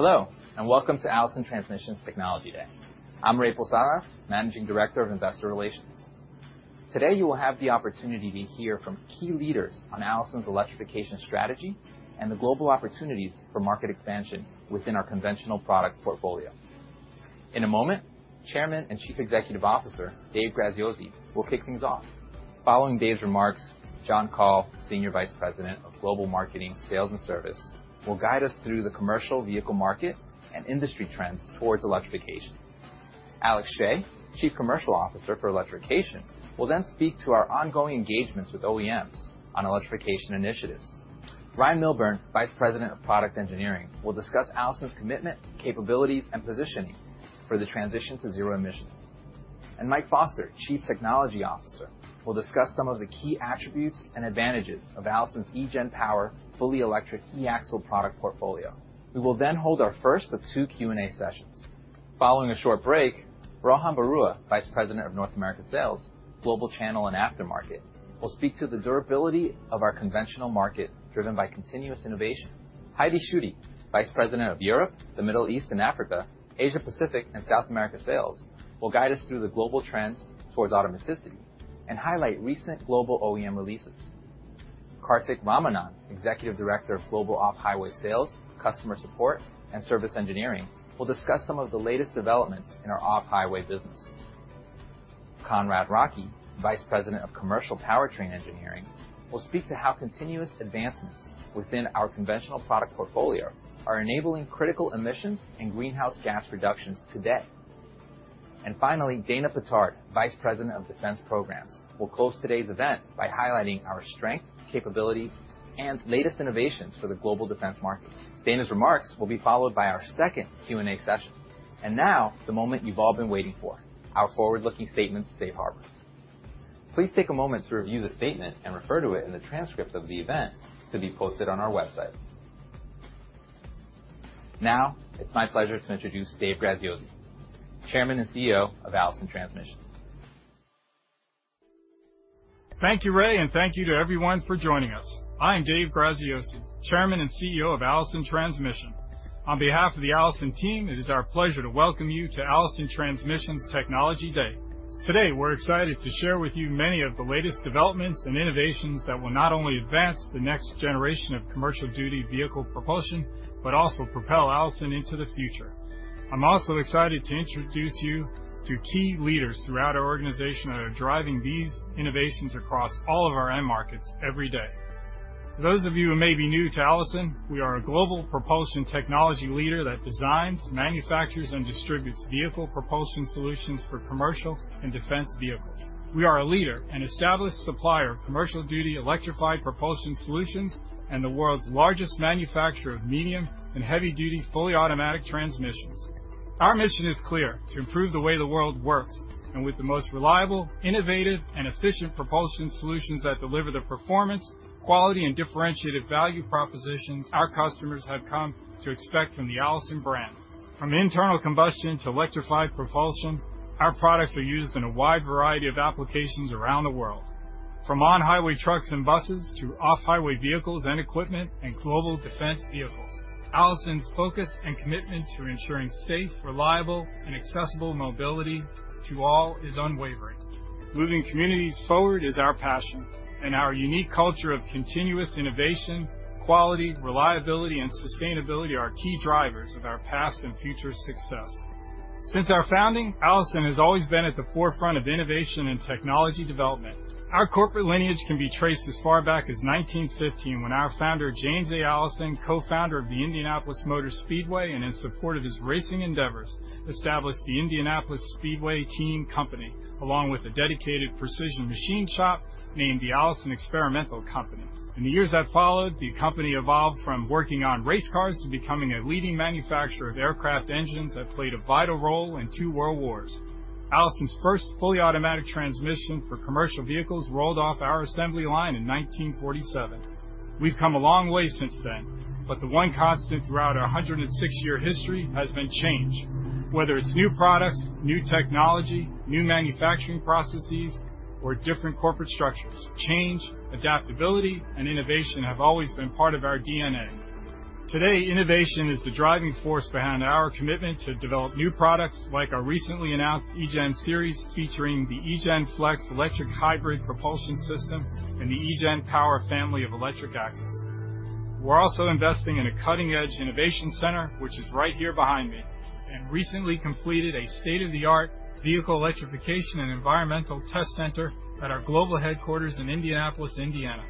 Hello, and welcome to Allison Transmission's Technology Day. I'm Ray Posadas, Managing Director of Investor Relations. Today, you will have the opportunity to hear from key leaders on Allison's electrification strategy and the global opportunities for market expansion within our conventional product portfolio. In a moment, Chairman and Chief Executive Officer, Dave Graziosi, will kick things off. Following Dave's remarks, John Coll, Senior Vice President of Global Marketing, Sales, and Service, will guide us through the commercial vehicle market and industry trends towards electrification. Alex Schey, Chief Commercial Officer for Electrification, will then speak to our ongoing engagements with OEMs on electrification initiatives. Ryan Milburn, Vice President of Product Engineering, will discuss Allison's commitment, capabilities, and positioning for the transition to zero emissions. Mike Foster, Chief Technology Officer, will discuss some of the key attributes and advantages of Allison's eGen Power fully electric e-axle product portfolio. We will then hold our first of two Q&A sessions. Following a short break, Rohan Barua, Vice President of North America Sales, Global Channel, and Aftermarket, will speak to the durability of our conventional market, driven by continuous innovation. Heidi Schutte, Vice President of Europe, the Middle East and Africa, Asia Pacific, and South America Sales, will guide us through the global trends towards automaticity and highlight recent global OEM releases. Kartik Ramanan, Executive Director of Global Off-Highway Sales, Customer Support, and Service Engineering, will discuss some of the latest developments in our off-highway business. Conrad Reinke, Vice President of Commercial Powertrain Engineering, will speak to how continuous advancements within our conventional product portfolio are enabling critical emissions and greenhouse gas reductions today. And finally, Dana Pittard, Vice President of Defense Programs, will close today's event by highlighting our strength, capabilities, and latest innovations for the global defense markets. Dana's remarks will be followed by our second Q&A session. Now, the moment you've all been waiting for, our forward-looking statements safe harbor. Please take a moment to review the statement and refer to it in the transcript of the event to be posted on our website. Now, it's my pleasure to introduce Dave Graziosi, Chairman and CEO of Allison Transmission. Thank you, Ray, and thank you to everyone for joining us. I am Dave Graziosi, Chairman and CEO of Allison Transmission. On behalf of the Allison team, it is our pleasure to welcome you to Allison Transmission's Technology Day. Today, we're excited to share with you many of the latest developments and innovations that will not only advance the next generation of commercial duty vehicle propulsion, but also propel Allison into the future. I'm also excited to introduce you to key leaders throughout our organization that are driving these innovations across all of our end markets every day. For those of you who may be new to Allison, we are a global propulsion technology leader that designs, manufactures, and distributes vehicle propulsion solutions for commercial and defense vehicles. We are a leader and established supplier of commercial duty electrified propulsion solutions, and the world's largest manufacturer of medium- and heavy-duty fully automatic transmissions. Our mission is clear: to improve the way the world works, and with the most reliable, innovative, and efficient propulsion solutions that deliver the performance, quality, and differentiated value propositions our customers have come to expect from the Allison brand. From internal combustion to electrified propulsion, our products are used in a wide variety of applications around the world, from on-highway trucks and buses to off-highway vehicles and equipment and global defense vehicles. Allison's focus and commitment to ensuring safe, reliable, and accessible mobility to all is unwavering. Moving communities forward is our passion, and our unique culture of continuous innovation, quality, reliability, and sustainability are key drivers of our past and future success. Since our founding, Allison has always been at the forefront of innovation and technology development. Our corporate lineage can be traced as far back as 1915, when our founder, James A. Allison, co-founder of the Indianapolis Motor Speedway, and in support of his racing endeavors, established the Indianapolis Speedway Team Company, along with a dedicated precision machine shop named the Allison Experimental Company. In the years that followed, the company evolved from working on race cars to becoming a leading manufacturer of aircraft engines that played a vital role in two world wars. Allison's first fully automatic transmission for commercial vehicles rolled off our assembly line in 1947. We've come a long way since then, but the one constant throughout our 106-year history has been change. Whether it's new products, new technology, new manufacturing processes, or different corporate structures, change, adaptability, and innovation have always been part of our DNA. Today, innovation is the driving force behind our commitment to develop new products, like our recently announced eGen Series, featuring the eGen Flex electric hybrid propulsion system and the eGen Power family of electric axles. We're also investing in a cutting-edge innovation center, which is right here behind me, and recently completed a state-of-the-art vehicle electrification and environmental test center at our global headquarters in Indianapolis, Indiana.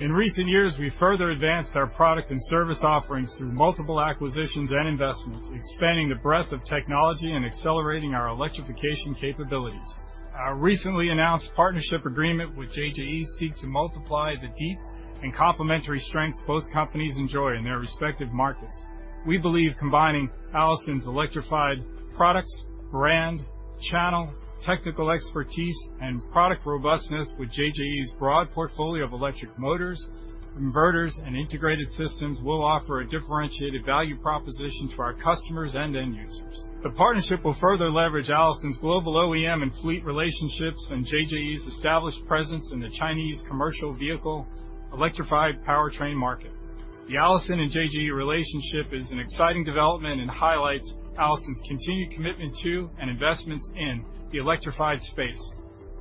In recent years, we further advanced our product and service offerings through multiple acquisitions and investments, expanding the breadth of technology and accelerating our electrification capabilities. Our recently announced partnership agreement with JJE seeks to multiply the deep and complementary strengths both companies enjoy in their respective markets. We believe combining Allison's electrified products, brand, channel, technical expertise, and product robustness with JJE's broad portfolio of electric motors, inverters, and integrated systems will offer a differentiated value proposition to our customers and end users. The partnership will further leverage Allison's global OEM and fleet relationships and JJE's established presence in the Chinese commercial vehicle electrified powertrain market.... The Allison and JJE relationship is an exciting development and highlights Allison's continued commitment to, and investments in, the electrified space,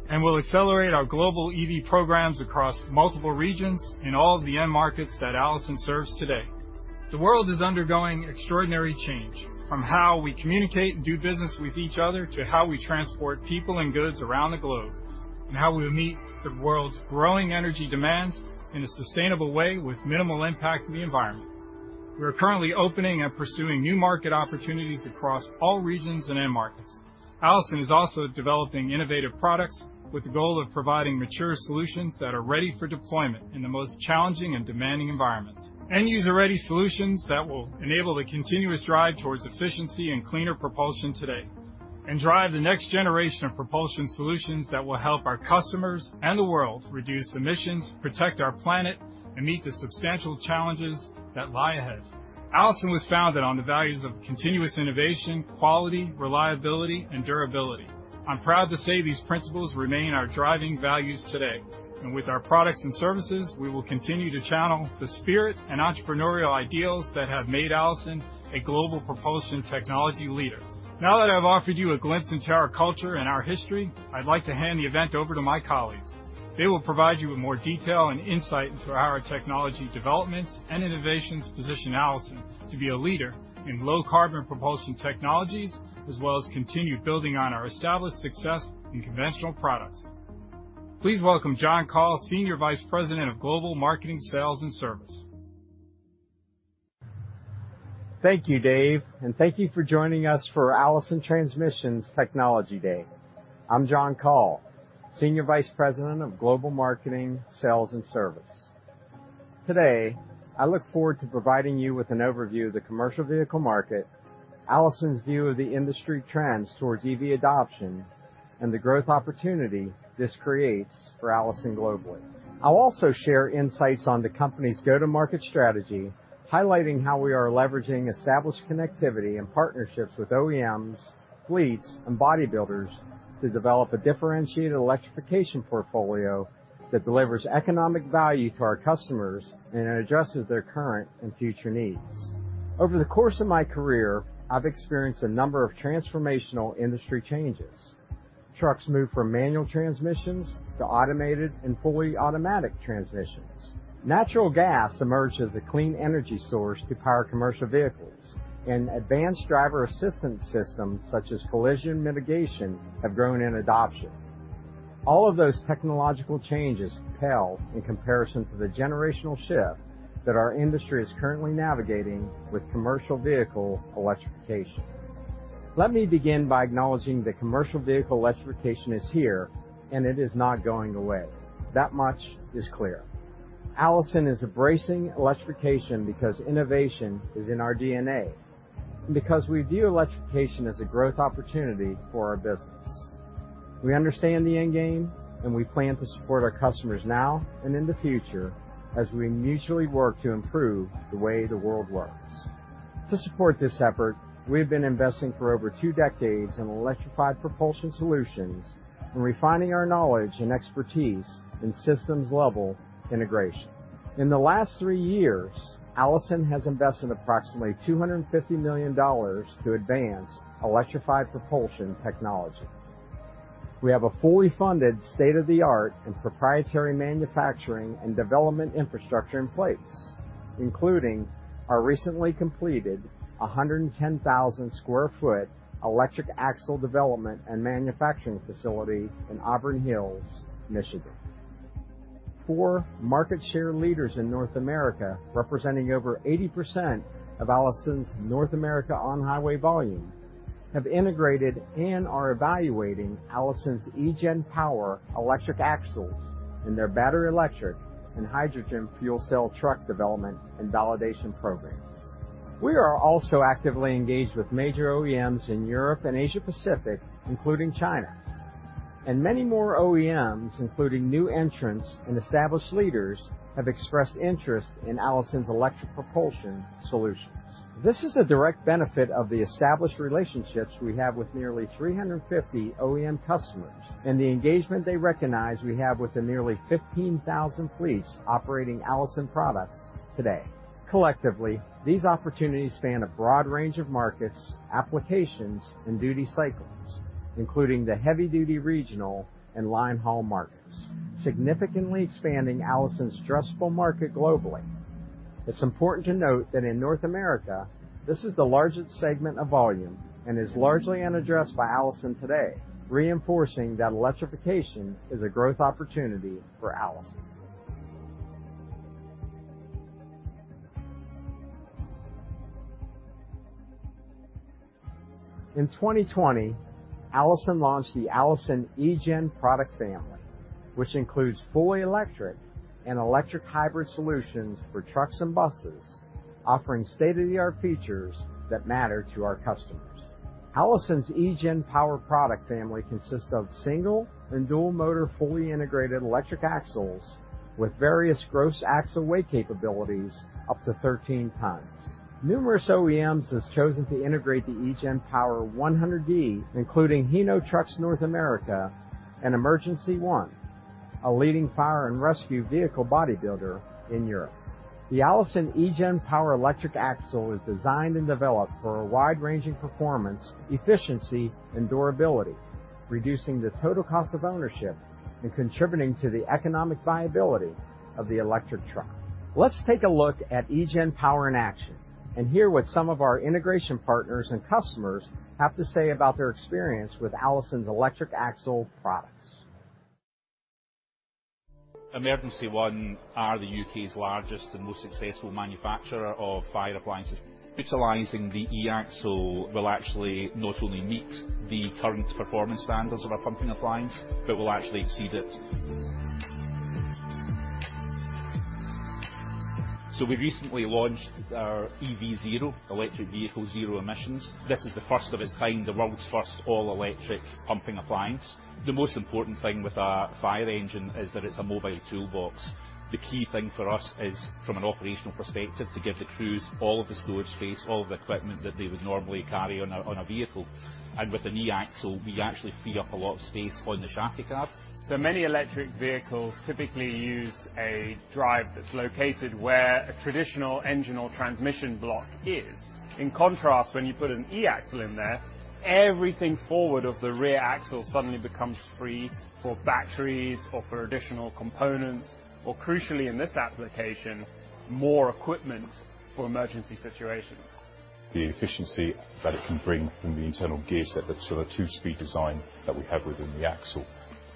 and will accelerate our global EV programs across multiple regions in all of the end markets that Allison serves today. The world is undergoing extraordinary change, from how we communicate and do business with each other, to how we transport people and goods around the globe, and how we will meet the world's growing energy demands in a sustainable way with minimal impact to the environment. We are currently opening and pursuing new market opportunities across all regions and end markets. Allison is also developing innovative products with the goal of providing mature solutions that are ready for deployment in the most challenging and demanding environments, and user-ready solutions that will enable the continuous drive towards efficiency and cleaner propulsion today, and drive the next generation of propulsion solutions that will help our customers and the world reduce emissions, protect our planet, and meet the substantial challenges that lie ahead. Allison was founded on the values of continuous innovation, quality, reliability, and durability. I'm proud to say these principles remain our driving values today, and with our products and services, we will continue to channel the spirit and entrepreneurial ideals that have made Allison a global propulsion technology leader. Now that I've offered you a glimpse into our culture and our history, I'd like to hand the event over to my colleagues. They will provide you with more detail and insight into how our technology developments and innovations position Allison to be a leader in low-carbon propulsion technologies, as well as continue building on our established success in conventional products. Please welcome John Coll, Senior Vice President of Global Marketing, Sales, and Service. Thank you, Dave, and thank you for joining us for Allison Transmission's Technology Day. I'm John Coll, Senior Vice President of Global Marketing, Sales, and Service. Today, I look forward to providing you with an overview of the commercial vehicle market, Allison's view of the industry trends towards EV adoption, and the growth opportunity this creates for Allison globally. I'll also share insights on the company's go-to-market strategy, highlighting how we are leveraging established connectivity and partnerships with OEMs, fleets, and body builders to develop a differentiated electrification portfolio that delivers economic value to our customers and addresses their current and future needs. Over the course of my career, I've experienced a number of transformational industry changes. Trucks moved from manual transmissions to automated and fully automatic transmissions. Natural gas emerged as a clean energy source to power commercial vehicles, and advanced driver assistance systems, such as collision mitigation, have grown in adoption. All of those technological changes pale in comparison to the generational shift that our industry is currently navigating with commercial vehicle electrification. Let me begin by acknowledging that commercial vehicle electrification is here, and it is not going away. That much is clear. Allison is embracing electrification because innovation is in our DNA, and because we view electrification as a growth opportunity for our business. We understand the end game, and we plan to support our customers now and in the future as we mutually work to improve the way the world works. To support this effort, we have been investing for over two decades in electrified propulsion solutions and refining our knowledge and expertise in systems-level integration. In the last three years, Allison has invested approximately $250 million to advance electrified propulsion technology. We have a fully funded, state-of-the-art, and proprietary manufacturing and development infrastructure in place, including our recently completed 110,000 sq ft electric axle development and manufacturing facility in Auburn Hills, Michigan. Four market share leaders in North America, representing over 80% of Allison's North America on-highway volume, have integrated and are evaluating Allison's eGen Power electric axles in their battery electric and hydrogen fuel cell truck development and validation programs. We are also actively engaged with major OEMs in Europe and Asia Pacific, including China, and many more OEMs, including new entrants and established leaders, have expressed interest in Allison's electric propulsion solutions. This is a direct benefit of the established relationships we have with nearly 350 OEM customers, and the engagement they recognize we have with the nearly 15,000 fleets operating Allison products today. Collectively, these opportunities span a broad range of markets, applications, and duty cycles, including the heavy-duty regional and linehaul markets, significantly expanding Allison's addressable market globally. It's important to note that in North America, this is the largest segment of volume and is largely unaddressed by Allison today, reinforcing that electrification is a growth opportunity for Allison. In 2020, Allison launched the Allison eGen product family, which includes fully electric and electric hybrid solutions for trucks and buses, offering state-of-the-art features that matter to our customers. Allison's eGen Power product family consists of single and dual motor, fully integrated electric axles with various gross axle weight capabilities, up to 13 tons. Numerous OEMs have chosen to integrate the eGen Power 100D, including Hino Trucks North America and Emergency One, a leading fire and rescue vehicle bodybuilder in Europe. The Allison eGen Power electric axle is designed and developed for a wide-ranging performance, efficiency, and durability, reducing the total cost of ownership and contributing to the economic viability of the electric truck. Let's take a look at eGen Power in action, and hear what some of our integration partners and customers have to say about their experience with Allison's electric axle products. Emergency One is the UK's largest and most successful manufacturer of fire appliances. Utilizing the e-axle will actually not only meet the current performance standards of our pumping appliance, but will actually exceed it. So we recently launched our EV0, electric vehicle, zero emissions. This is the first of its kind, the world's first all-electric pumping appliance. The most important thing with a fire engine is that it's a mobile toolbox. The key thing for us is, from an operational perspective, to give the crews all of the storage space, all of the equipment that they would normally carry on a, on a vehicle. And with an e-axle, we actually free up a lot of space on the chassis cab. So many electric vehicles typically use a drive that's located where a traditional engine or transmission block is. In contrast, when you put an e-axle in there, everything forward of the rear axle suddenly becomes free for batteries or for additional components, or crucially, in this application, more equipment for emergency situations. The efficiency that it can bring from the internal gearset, that sort of two-speed design that we have within the axle,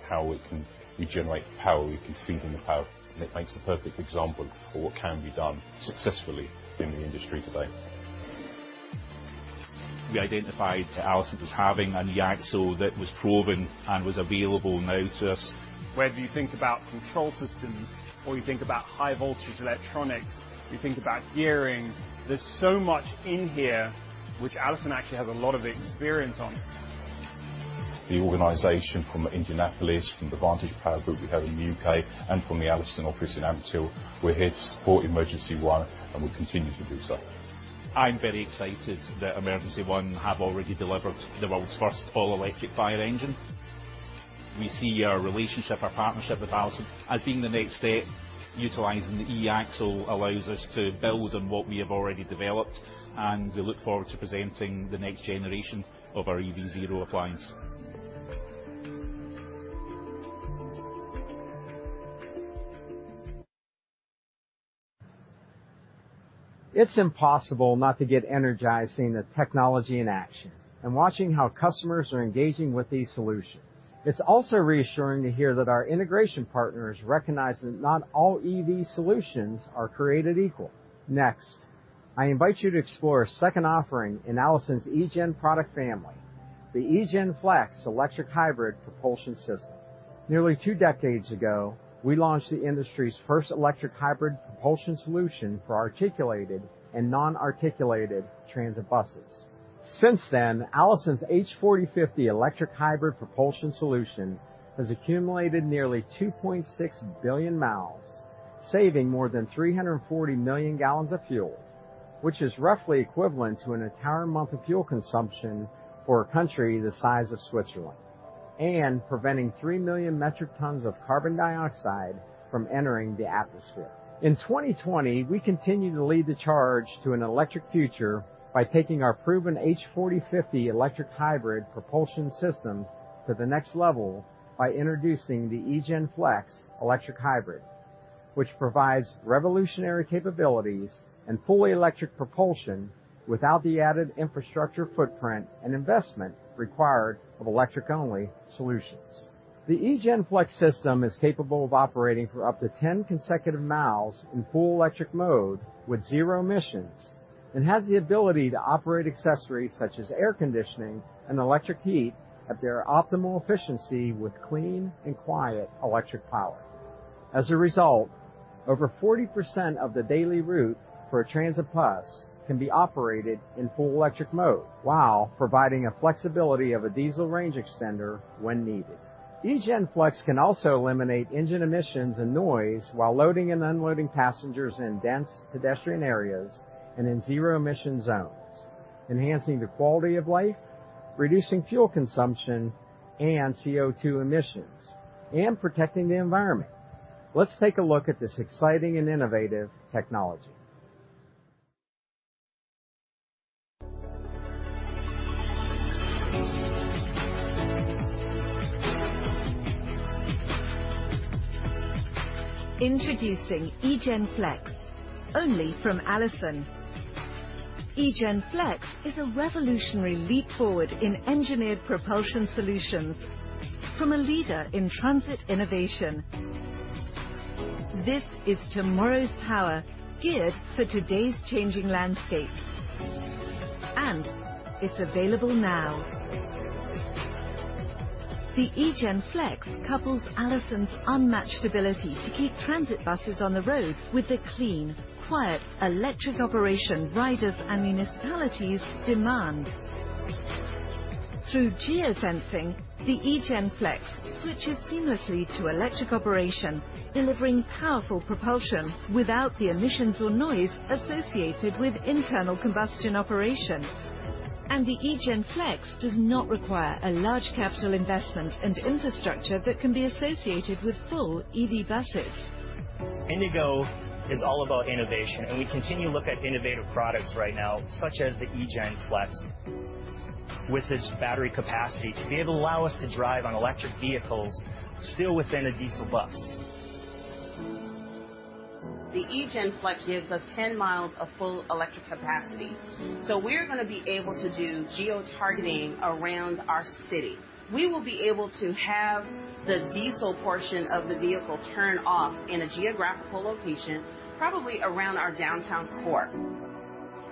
how it can regenerate power, we can feed in the power, and it makes a perfect example of what can be done successfully in the industry today. We identified Allison as having an e-axle that was proven and was available now to us. Whether you think about control systems, or you think about high-voltage electronics, you think about gearing, there's so much in here which Allison actually has a lot of experience on. The organization from Indianapolis, from the Vantage Power group we have in the UK, and from the Allison office in Ampthill, we're here to support Emergency One, and we'll continue to do so. I'm very excited that Emergency One have already delivered the world's first all-electric fire engine. We see our relationship, our partnership with Allison, as being the next step. Utilizing the e-axle allows us to build on what we have already developed, and we look forward to presenting the next generation of our EV0 appliance. It's impossible not to get energized seeing the technology in action and watching how customers are engaging with these solutions. It's also reassuring to hear that our integration partners recognize that not all EV solutions are created equal. Next, I invite you to explore a second offering in Allison's eGen product family, the eGen Flex electric hybrid propulsion system. Nearly two decades ago, we launched the industry's first electric hybrid propulsion solution for articulated and non-articulated transit buses. Since then, Allison's H 40/50 electric hybrid propulsion solution has accumulated nearly 2.6 billion miles, saving more than 340 million gallons of fuel, which is roughly equivalent to an entire month of fuel consumption for a country the size of Switzerland, and preventing 3 million metric tons of carbon dioxide from entering the atmosphere. In 2020, we continue to lead the charge to an electric future by taking our proven H 40/50 EP electric hybrid propulsion systems to the next level by introducing the eGen Flex electric hybrid, which provides revolutionary capabilities and fully electric propulsion without the added infrastructure, footprint, and investment required of electric-only solutions. The eGen Flex system is capable of operating for up to 10 consecutive miles in full electric mode with zero emissions and has the ability to operate accessories such as air conditioning and electric heat at their optimal efficiency with clean and quiet electric power. As a result, over 40% of the daily route for a transit bus can be operated in full electric mode, while providing a flexibility of a diesel range extender when needed. eGen Flex can also eliminate engine emissions and noise while loading and unloading passengers in dense pedestrian areas and in zero-emission zones, enhancing the quality of life, reducing fuel consumption and CO2 emissions, and protecting the environment. Let's take a look at this exciting and innovative technology. Introducing eGen Flex, only from Allison. eGen Flex is a revolutionary leap forward in engineered propulsion solutions from a leader in transit innovation. This is tomorrow's power, geared for today's changing landscape, and it's available now. The eGen Flex couples Allison's unmatched ability to keep transit buses on the road with the clean, quiet, electric operation riders and municipalities demand. Through geosensing, the eGen Flex switches seamlessly to electric operation, delivering powerful propulsion without the emissions or noise associated with internal combustion operation. The eGen Flex does not require a large capital investment and infrastructure that can be associated with full EV buses. IndyGo is all about innovation, and we continue to look at innovative products right now, such as the eGen Flex. With this battery capacity, to be able to allow us to drive on electric vehicles still within a diesel bus. The eGen Flex gives us 10 miles of full electric capacity. So we're going to be able to do geotargeting around our city. We will be able to have the diesel portion of the vehicle turn off in a geographical location, probably around our downtown core.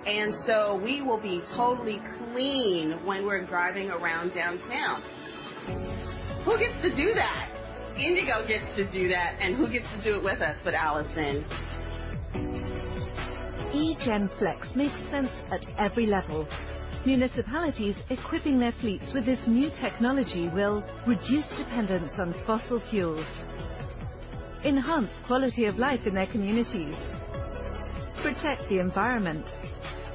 And so we will be totally clean when we're driving around downtown. Who gets to do that? IndyGo gets to do that, and who gets to do it with us, but Allison. eGen Flex makes sense at every level. Municipalities equipping their fleets with this new technology will reduce dependence on fossil fuels, enhance quality of life in their communities, protect the environment,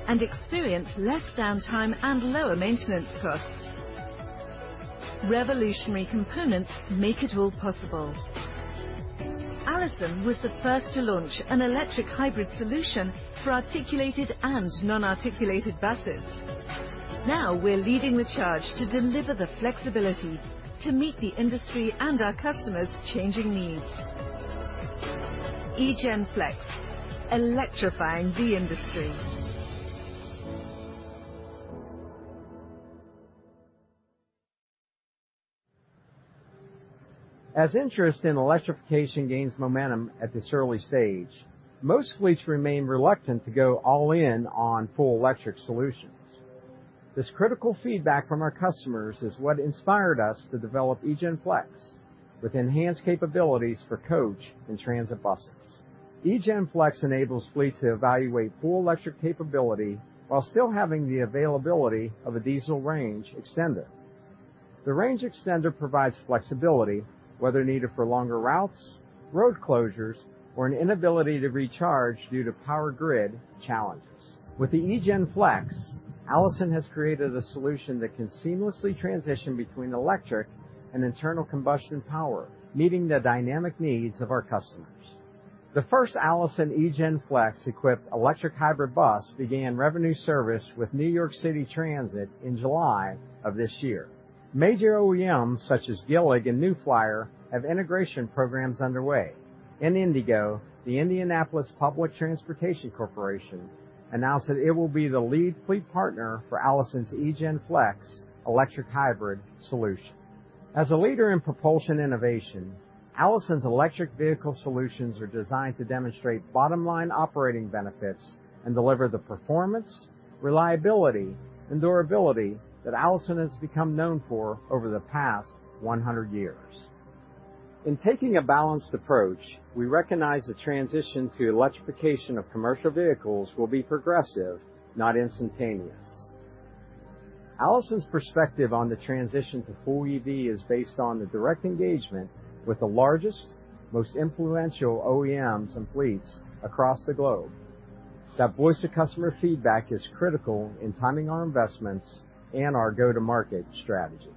and experience less downtime and lower maintenance costs. Revolutionary components make it all possible. Allison was the first to launch an electric hybrid solution for articulated and non-articulated buses. Now, we're leading the charge to deliver the flexibility to meet the industry and our customers' changing needs. eGen Flex, electrifying the industry. As interest in electrification gains momentum at this early stage, most fleets remain reluctant to go all in on full electric solutions. This critical feedback from our customers is what inspired us to develop eGen Flex, with enhanced capabilities for coach and transit buses. eGen Flex enables fleets to evaluate full electric capability while still having the availability of a diesel range extender. The range extender provides flexibility, whether needed for longer routes, road closures, or an inability to recharge due to power grid challenges. With the eGen Flex, Allison has created a solution that can seamlessly transition between electric and internal combustion power, meeting the dynamic needs of our customers. The first Allison eGen Flex-equipped electric hybrid bus began revenue service with New York City Transit in July of this year. Major OEMs, such as Gillig and New Flyer, have integration programs underway. IndyGo, the Indianapolis Public Transportation Corporation announced that it will be the lead fleet partner for Allison's eGen Flex electric hybrid solution. As a leader in propulsion innovation, Allison's electric vehicle solutions are designed to demonstrate bottom-line operating benefits and deliver the performance, reliability, and durability that Allison has become known for over the past 100 years. In taking a balanced approach, we recognize the transition to electrification of commercial vehicles will be progressive, not instantaneous. Allison's perspective on the transition to full EV is based on the direct engagement with the largest, most influential OEMs and fleets across the globe. That voice to customer feedback is critical in timing our investments and our go-to-market strategy.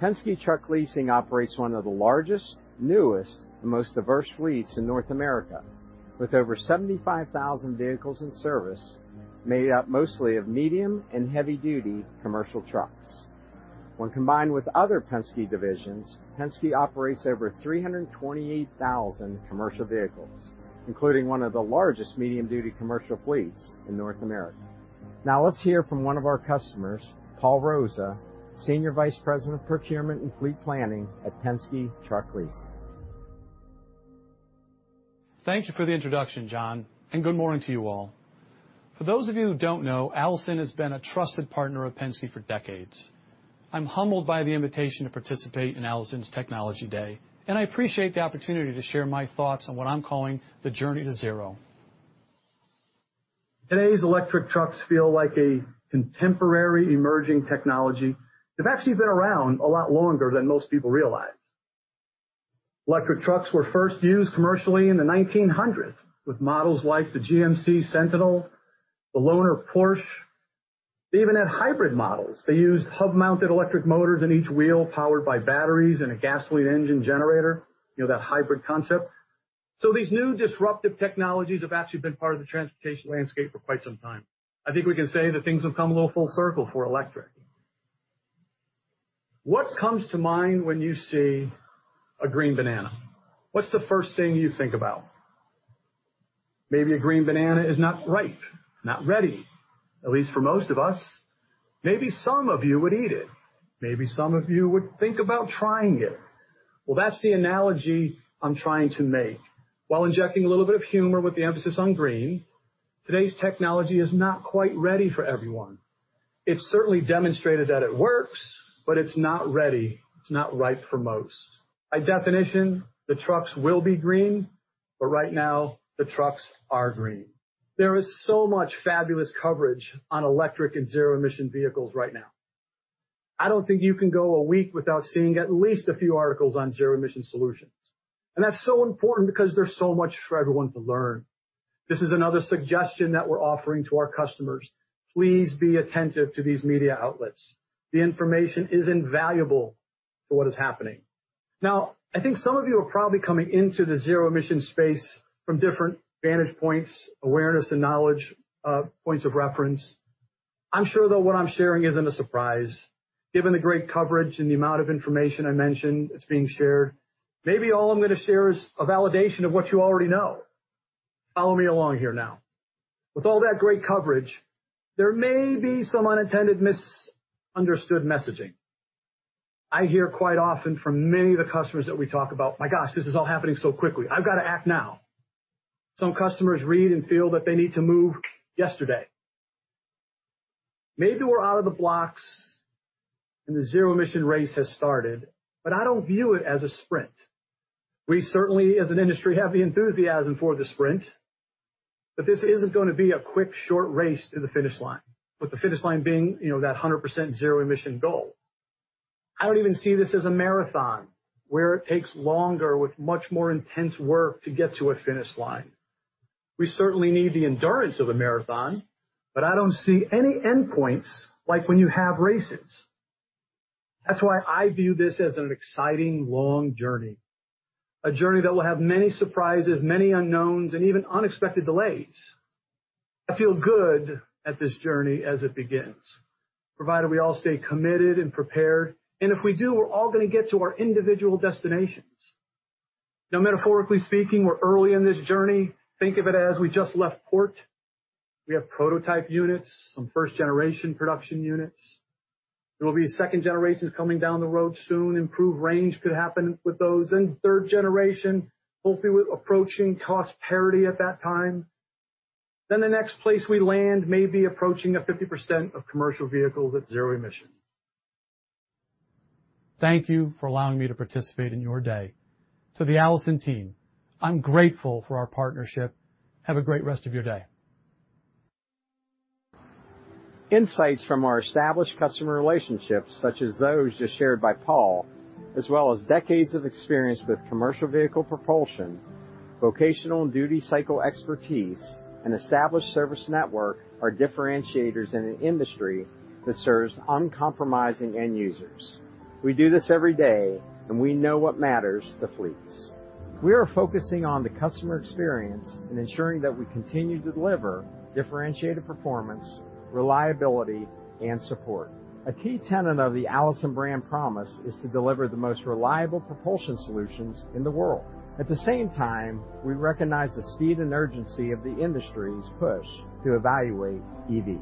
Penske Truck Leasing operates one of the largest, newest, and most diverse fleets in North America, with over 75,000 vehicles in service, made up mostly of medium and heavy-duty commercial trucks. When combined with other Penske divisions, Penske operates over 328,000 commercial vehicles, including one of the largest medium-duty commercial fleets in North America. Now, let's hear from one of our customers, Paul Rosa, Senior Vice President of Procurement and Fleet Planning at Penske Truck Leasing. Thank you for the introduction, John, and good morning to you all. For those of you who don't know, Allison has been a trusted partner of Penske for decades. I'm humbled by the invitation to participate in Allison's Technology Day, and I appreciate the opportunity to share my thoughts on what I'm calling the journey to zero. Today's electric trucks feel like a contemporary emerging technology. They've actually been around a lot longer than most people realize. Electric trucks were first used commercially in the 1900s, with models like the GVC, Sentinel, the Lohner-Porsche. They even had hybrid models. They used hub-mounted electric motors in each wheel, powered by batteries and a gasoline engine generator. You know, that hybrid concept. So these new disruptive technologies have actually been part of the transportation landscape for quite some time. I think we can say that things have come a little full circle for electric. What comes to mind when you see a green banana? What's the first thing you think about? Maybe a green banana is not ripe, not ready, at least for most of us. Maybe some of you would eat it. Maybe some of you would think about trying it. Well, that's the analogy I'm trying to make. While injecting a little bit of humor with the emphasis on green, today's technology is not quite ready for everyone. It's certainly demonstrated that it works, but it's not ready. It's not ripe for most. By definition, the trucks will be green, but right now the trucks are green. There is so much fabulous coverage on electric and zero-emission vehicles right now... I don't think you can go a week without seeing at least a few articles on zero emission solutions. That's so important because there's so much for everyone to learn. This is another suggestion that we're offering to our customers. Please be attentive to these media outlets. The information is invaluable to what is happening. Now, I think some of you are probably coming into the zero emission space from different vantage points, awareness and knowledge, points of reference. I'm sure, though, what I'm sharing isn't a surprise, given the great coverage and the amount of information I mentioned that's being shared. Maybe all I'm going to share is a validation of what you already know. Follow me along here now. With all that great coverage, there may be some unintended misunderstood messaging. I hear quite often from many of the customers that we talk about, "My gosh, this is all happening so quickly. I've got to act now!" Some customers read and feel that they need to move yesterday. Maybe we're out of the blocks, and the zero emission race has started, but I don't view it as a sprint. We certainly, as an industry, have the enthusiasm for the sprint, but this isn't going to be a quick, short race to the finish line, with the finish line being, you know, that 100% zero emission goal. I don't even see this as a marathon, where it takes longer with much more intense work to get to a finish line. We certainly need the endurance of a marathon, but I don't see any endpoints, like when you have races. That's why I view this as an exciting, long journey, a journey that will have many surprises, many unknowns, and even unexpected delays. I feel good at this journey as it begins, provided we all stay committed and prepared, and if we do, we're all going to get to our individual destinations. Now, metaphorically speaking, we're early in this journey. Think of it as we just left port. We have prototype units, some first-generation production units. There will be second generations coming down the road soon. Improved range could happen with those. And third generation, hopefully, with approaching cost parity at that time. Then, the next place we land may be approaching a 50% of commercial vehicles at zero emission. Thank you for allowing me to participate in your day. To the Allison team, I'm grateful for our partnership. Have a great rest of your day. Insights from our established customer relationships, such as those just shared by Paul, as well as decades of experience with commercial vehicle propulsion, vocational and duty cycle expertise, and established service network, are differentiators in an industry that serves uncompromising end users. We do this every day, and we know what matters to fleets. We are focusing on the customer experience and ensuring that we continue to deliver differentiated performance, reliability, and support. A key tenet of the Allison brand promise is to deliver the most reliable propulsion solutions in the world. At the same time, we recognize the speed and urgency of the industry's push to evaluate EV.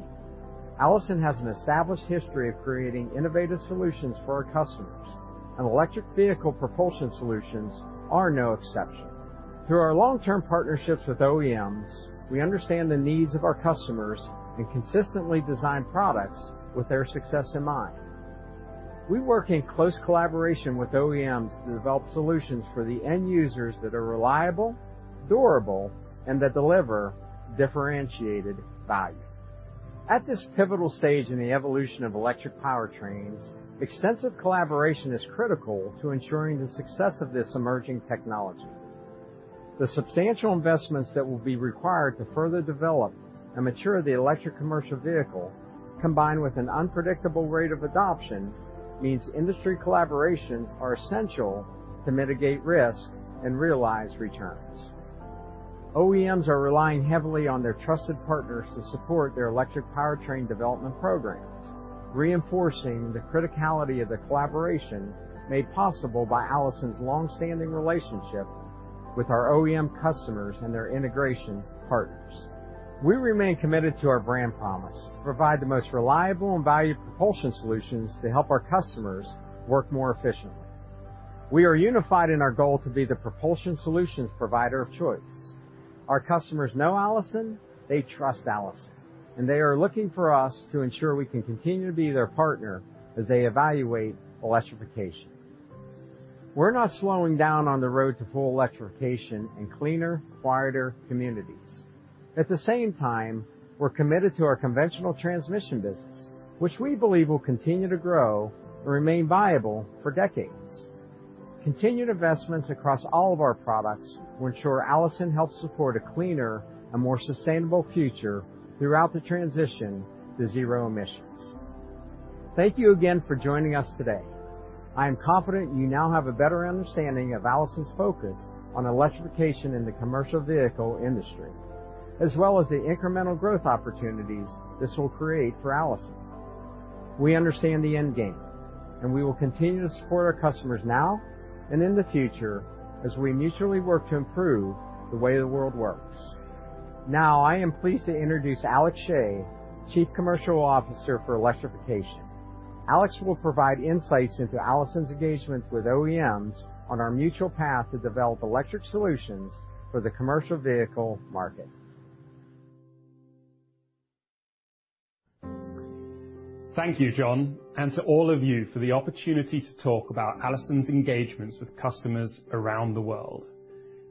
Allison has an established history of creating innovative solutions for our customers, and electric vehicle propulsion solutions are no exception. Through our long-term partnerships with OEMs, we understand the needs of our customers and consistently design products with their success in mind. We work in close collaboration with OEMs to develop solutions for the end users that are reliable, durable, and that deliver differentiated value. At this pivotal stage in the evolution of electric powertrains, extensive collaboration is critical to ensuring the success of this emerging technology. The substantial investments that will be required to further develop and mature the electric commercial vehicle, combined with an unpredictable rate of adoption, means industry collaborations are essential to mitigate risk and realize returns. OEMs are relying heavily on their trusted partners to support their electric powertrain development programs, reinforcing the criticality of the collaboration made possible by Allison's long-standing relationship with our OEM customers and their integration partners. We remain committed to our brand promise: provide the most reliable and valued propulsion solutions to help our customers work more efficiently. We are unified in our goal to be the propulsion solutions provider of choice. Our customers know Allison, they trust Allison, and they are looking for us to ensure we can continue to be their partner as they evaluate electrification. We're not slowing down on the road to full electrification and cleaner, quieter communities. At the same time, we're committed to our conventional transmission business, which we believe will continue to grow and remain viable for decades. Continued investments across all of our products will ensure Allison helps support a cleaner and more sustainable future throughout the transition to zero emissions. Thank you again for joining us today. I am confident you now have a better understanding of Allison's focus on electrification in the commercial vehicle industry, as well as the incremental growth opportunities this will create for Allison. We understand the end game, and we will continue to support our customers now and in the future as we mutually work to improve the way the world works. Now, I am pleased to introduce Alex Schey, Chief Commercial Officer for Electrification. Alex will provide insights into Allison's engagements with OEMs on our mutual path to develop electric solutions for the commercial vehicle market. Thank you, John, and to all of you for the opportunity to talk about Allison's engagements with customers around the world....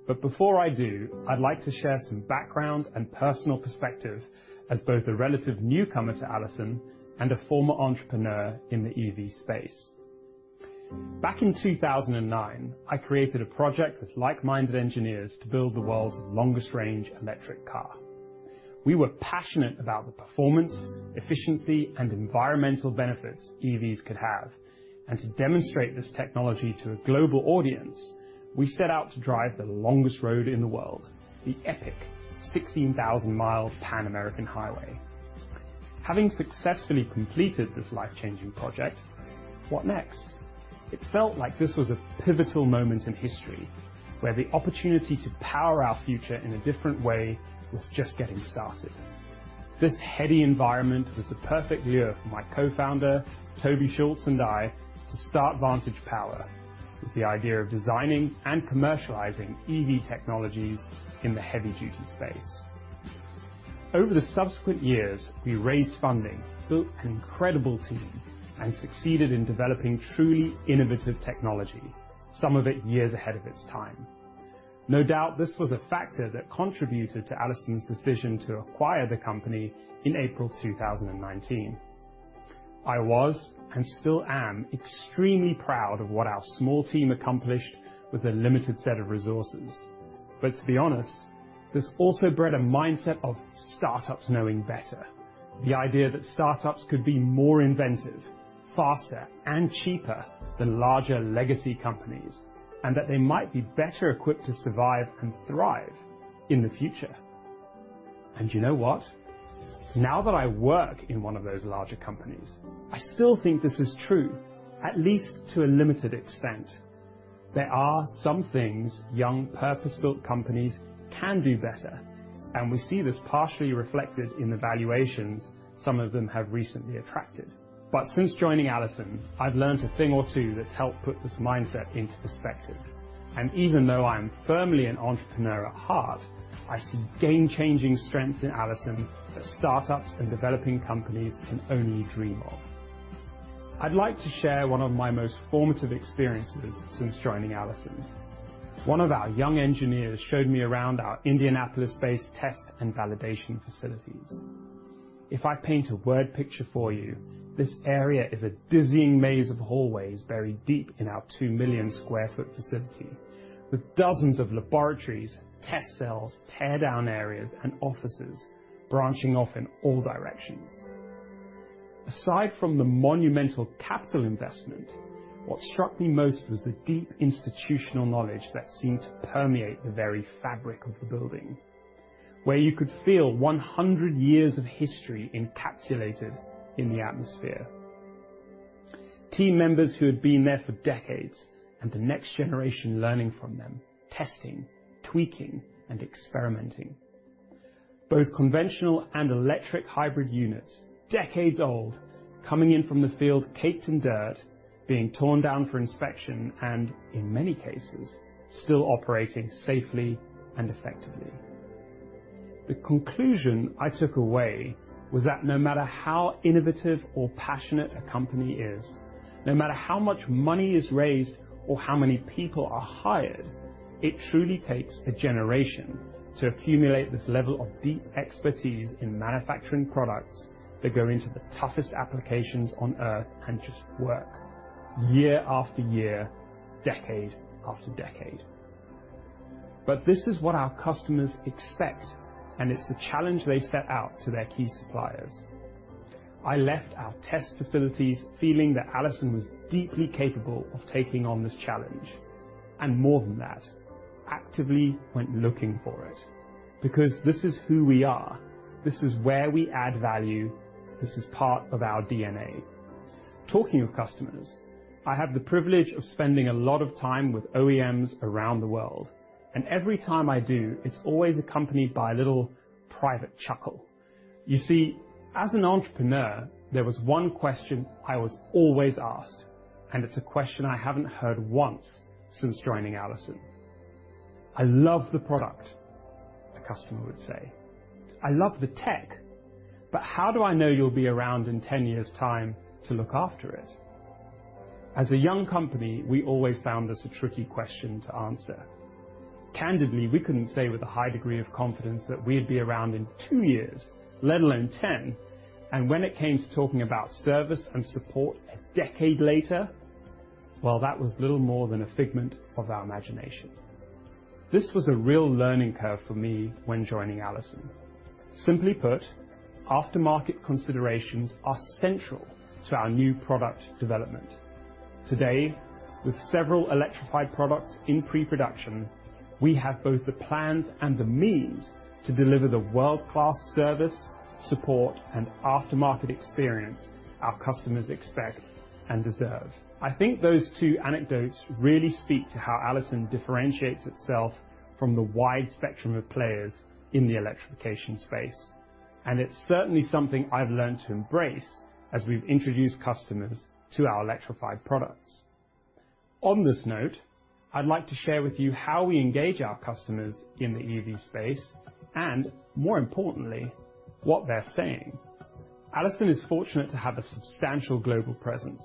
But before I do, I'd like to share some background and personal perspective as both a relative newcomer to Allison and a former entrepreneur in the EV space. Back in 2009, I created a project with like-minded engineers to build the world's longest range electric car. We were passionate about the performance, efficiency, and environmental benefits EVs could have, and to demonstrate this technology to a global audience, we set out to drive the longest road in the world, the epic 16,000-mile Pan-American Highway. Having successfully completed this life-changing project, what next? It felt like this was a pivotal moment in history, where the opportunity to power our future in a different way was just getting started. This heady environment was the perfect lure for my co-founder, Toby Schulz, and I, to start Vantage Power, with the idea of designing and commercializing EV technologies in the heavy duty space. Over the subsequent years, we raised funding, built an incredible team, and succeeded in developing truly innovative technology, some of it years ahead of its time. No doubt, this was a factor that contributed to Allison's decision to acquire the company in April 2019. I was, and still am, extremely proud of what our small team accomplished with a limited set of resources. But to be honest, this also bred a mindset of startups knowing better. The idea that startups could be more inventive, faster, and cheaper than larger legacy companies, and that they might be better equipped to survive and thrive in the future. And you know what? Now that I work in one of those larger companies, I still think this is true, at least to a limited extent. There are some things young, purpose-built companies can do better, and we see this partially reflected in the valuations some of them have recently attracted. But since joining Allison, I've learned a thing or two that's helped put this mindset into perspective. And even though I'm firmly an entrepreneur at heart, I see game-changing strengths in Allison that startups and developing companies can only dream of. I'd like to share one of my most formative experiences since joining Allison. One of our young engineers showed me around our Indianapolis-based test and validation facilities. If I paint a word picture for you, this area is a dizzying maze of hallways, buried deep in our 2 million sq ft facility, with dozens of laboratories, test cells, tear down areas, and offices branching off in all directions. Aside from the monumental capital investment, what struck me most was the deep institutional knowledge that seemed to permeate the very fabric of the building, where you could feel 100 years of history encapsulated in the atmosphere. Team members who had been there for decades, and the next generation learning from them, testing, tweaking, and experimenting. Both conventional and electric hybrid units, decades old, coming in from the field, caked in dirt, being torn down for inspection, and in many cases, still operating safely and effectively. The conclusion I took away was that no matter how innovative or passionate a company is, no matter how much money is raised or how many people are hired, it truly takes a generation to accumulate this level of deep expertise in manufacturing products that go into the toughest applications on Earth and just work year after year, decade after decade. But this is what our customers expect, and it's the challenge they set out to their key suppliers. I left our test facilities feeling that Allison was deeply capable of taking on this challenge, and more than that, actively went looking for it, because this is who we are. This is where we add value. This is part of our DNA. Talking of customers, I have the privilege of spending a lot of time with OEMs around the world, and every time I do, it's always accompanied by a little private chuckle. You see, as an entrepreneur, there was one question I was always asked, and it's a question I haven't heard once since joining Allison. "I love the product," a customer would say, "I love the tech, but how do I know you'll be around in ten years' time to look after it?" As a young company, we always found this a tricky question to answer. Candidly, we couldn't say with a high degree of confidence that we'd be around in two years, let alone ten. When it came to talking about service and support a decade later, well, that was little more than a figment of our imagination. This was a real learning curve for me when joining Allison. Simply put, aftermarket considerations are central to our new product development. Today, with several electrified products in pre-production, we have both the plans and the means to deliver the world-class service, support, and aftermarket experience our customers expect and deserve. I think those two anecdotes really speak to how Allison differentiates itself from the wide spectrum of players in the electrification space, and it's certainly something I've learned to embrace as we've introduced customers to our electrified products. On this note, I'd like to share with you how we engage our customers in the EV space, and more importantly, what they're saying. Allison is fortunate to have a substantial global presence.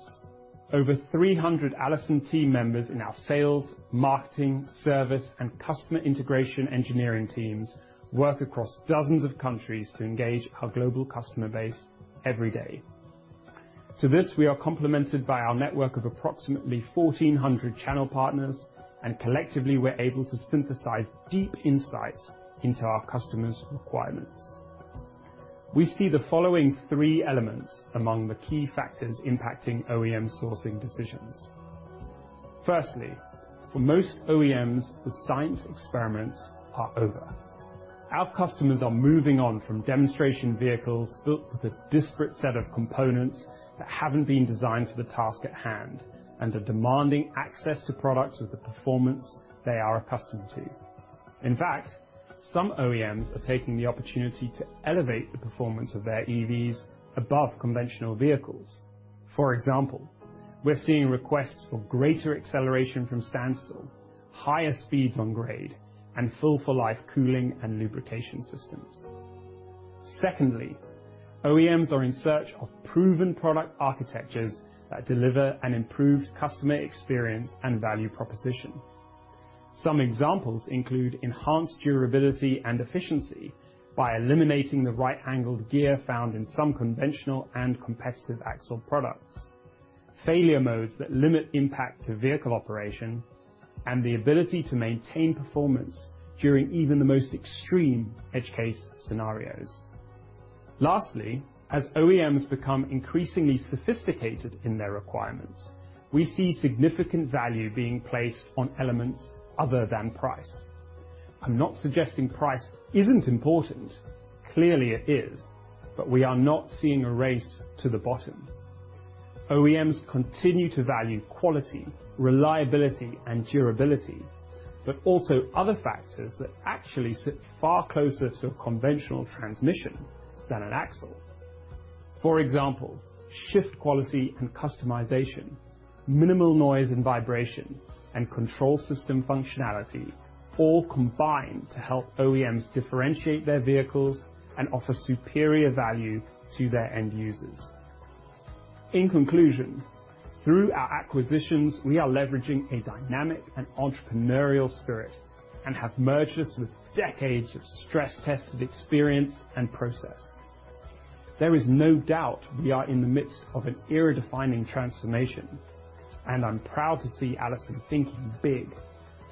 Over 300 Allison team members in our sales, marketing, service, and customer integration engineering teams work across dozens of countries to engage our global customer base every day. To this, we are complemented by our network of approximately 1,400 channel partners, and collectively, we're able to synthesize deep insights into our customers' requirements. We see the following 3 elements among the key factors impacting OEM sourcing decisions. Firstly, for most OEMs, the science experiments are over. Our customers are moving on from demonstration vehicles built with a disparate set of components that haven't been designed for the task at hand, and are demanding access to products with the performance they are accustomed to. In fact, some OEMs are taking the opportunity to elevate the performance of their EVs above conventional vehicles. For example, we're seeing requests for greater acceleration from standstill, higher speeds on grade, and fill-for-life cooling and lubrication systems. Secondly, OEMs are in search of proven product architectures that deliver an improved customer experience and value proposition. Some examples include enhanced durability and efficiency by eliminating the right-angled gear found in some conventional and competitive axle products, failure modes that limit impact to vehicle operation, and the ability to maintain performance during even the most extreme edge case scenarios. Lastly, as OEMs become increasingly sophisticated in their requirements, we see significant value being placed on elements other than price. I'm not suggesting price isn't important. Clearly, it is, but we are not seeing a race to the bottom. OEMs continue to value quality, reliability, and durability, but also other factors that actually sit far closer to a conventional transmission than an axle. For example, shift quality and customization, minimal noise and vibration, and control system functionality all combine to help OEMs differentiate their vehicles and offer superior value to their end users. In conclusion, through our acquisitions, we are leveraging a dynamic and entrepreneurial spirit and have merged us with decades of stress-tested experience and process. There is no doubt we are in the midst of an era-defining transformation, and I'm proud to see Allison thinking big,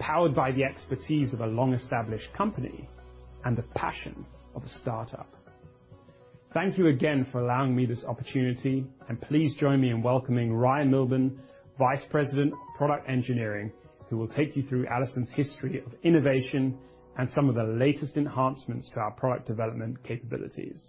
powered by the expertise of a long-established company and the passion of a startup. Thank you again for allowing me this opportunity, and please join me in welcoming Ryan Milburn, Vice President of Product Engineering, who will take you through Allison's history of innovation and some of the latest enhancements to our product development capabilities.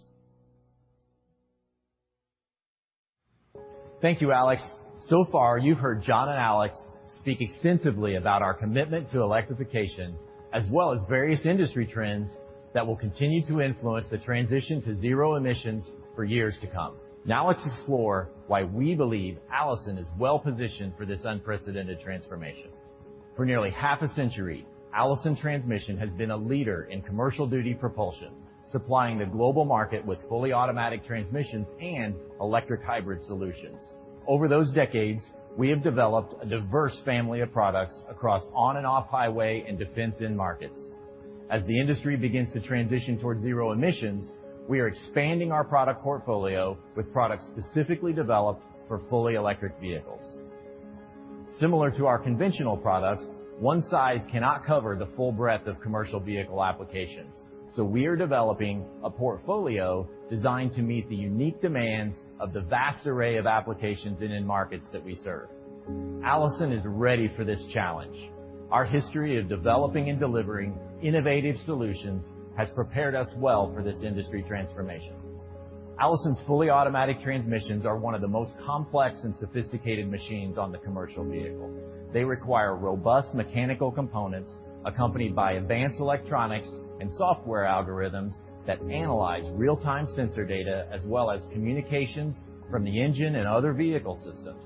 Thank you, Alex. So far, you've heard John and Alex speak extensively about our commitment to electrification, as well as various industry trends that will continue to influence the transition to zero emissions for years to come. Now, let's explore why we believe Allison is well-positioned for this unprecedented transformation. For nearly half a century, Allison Transmission has been a leader in commercial duty propulsion, supplying the global market with fully automatic transmissions and electric hybrid solutions. Over those decades, we have developed a diverse family of products across on and off highway and defense end markets. As the industry begins to transition towards zero emissions, we are expanding our product portfolio with products specifically developed for fully electric vehicles. Similar to our conventional products, one size cannot cover the full breadth of commercial vehicle applications, so we are developing a portfolio designed to meet the unique demands of the vast array of applications and end markets that we serve. Allison is ready for this challenge. Our history of developing and delivering innovative solutions has prepared us well for this industry transformation. Allison's fully automatic transmissions are one of the most complex and sophisticated machines on the commercial vehicle. They require robust mechanical components, accompanied by advanced electronics and software algorithms that analyze real-time sensor data, as well as communications from the engine and other vehicle systems.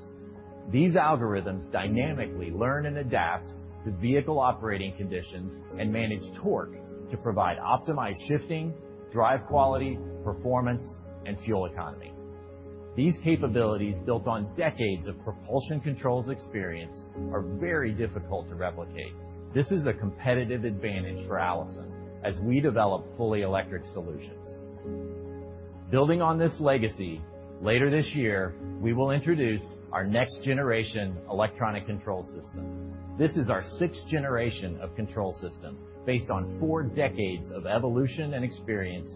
These algorithms dynamically learn and adapt to vehicle operating conditions and manage torque to provide optimized shifting, drive quality, performance, and fuel economy. These capabilities, built on decades of propulsion controls experience, are very difficult to replicate. This is a competitive advantage for Allison as we develop fully electric solutions. Building on this legacy, later this year, we will introduce our next generation electronic control system. This is our sixth generation of control system, based on four decades of evolution and experience,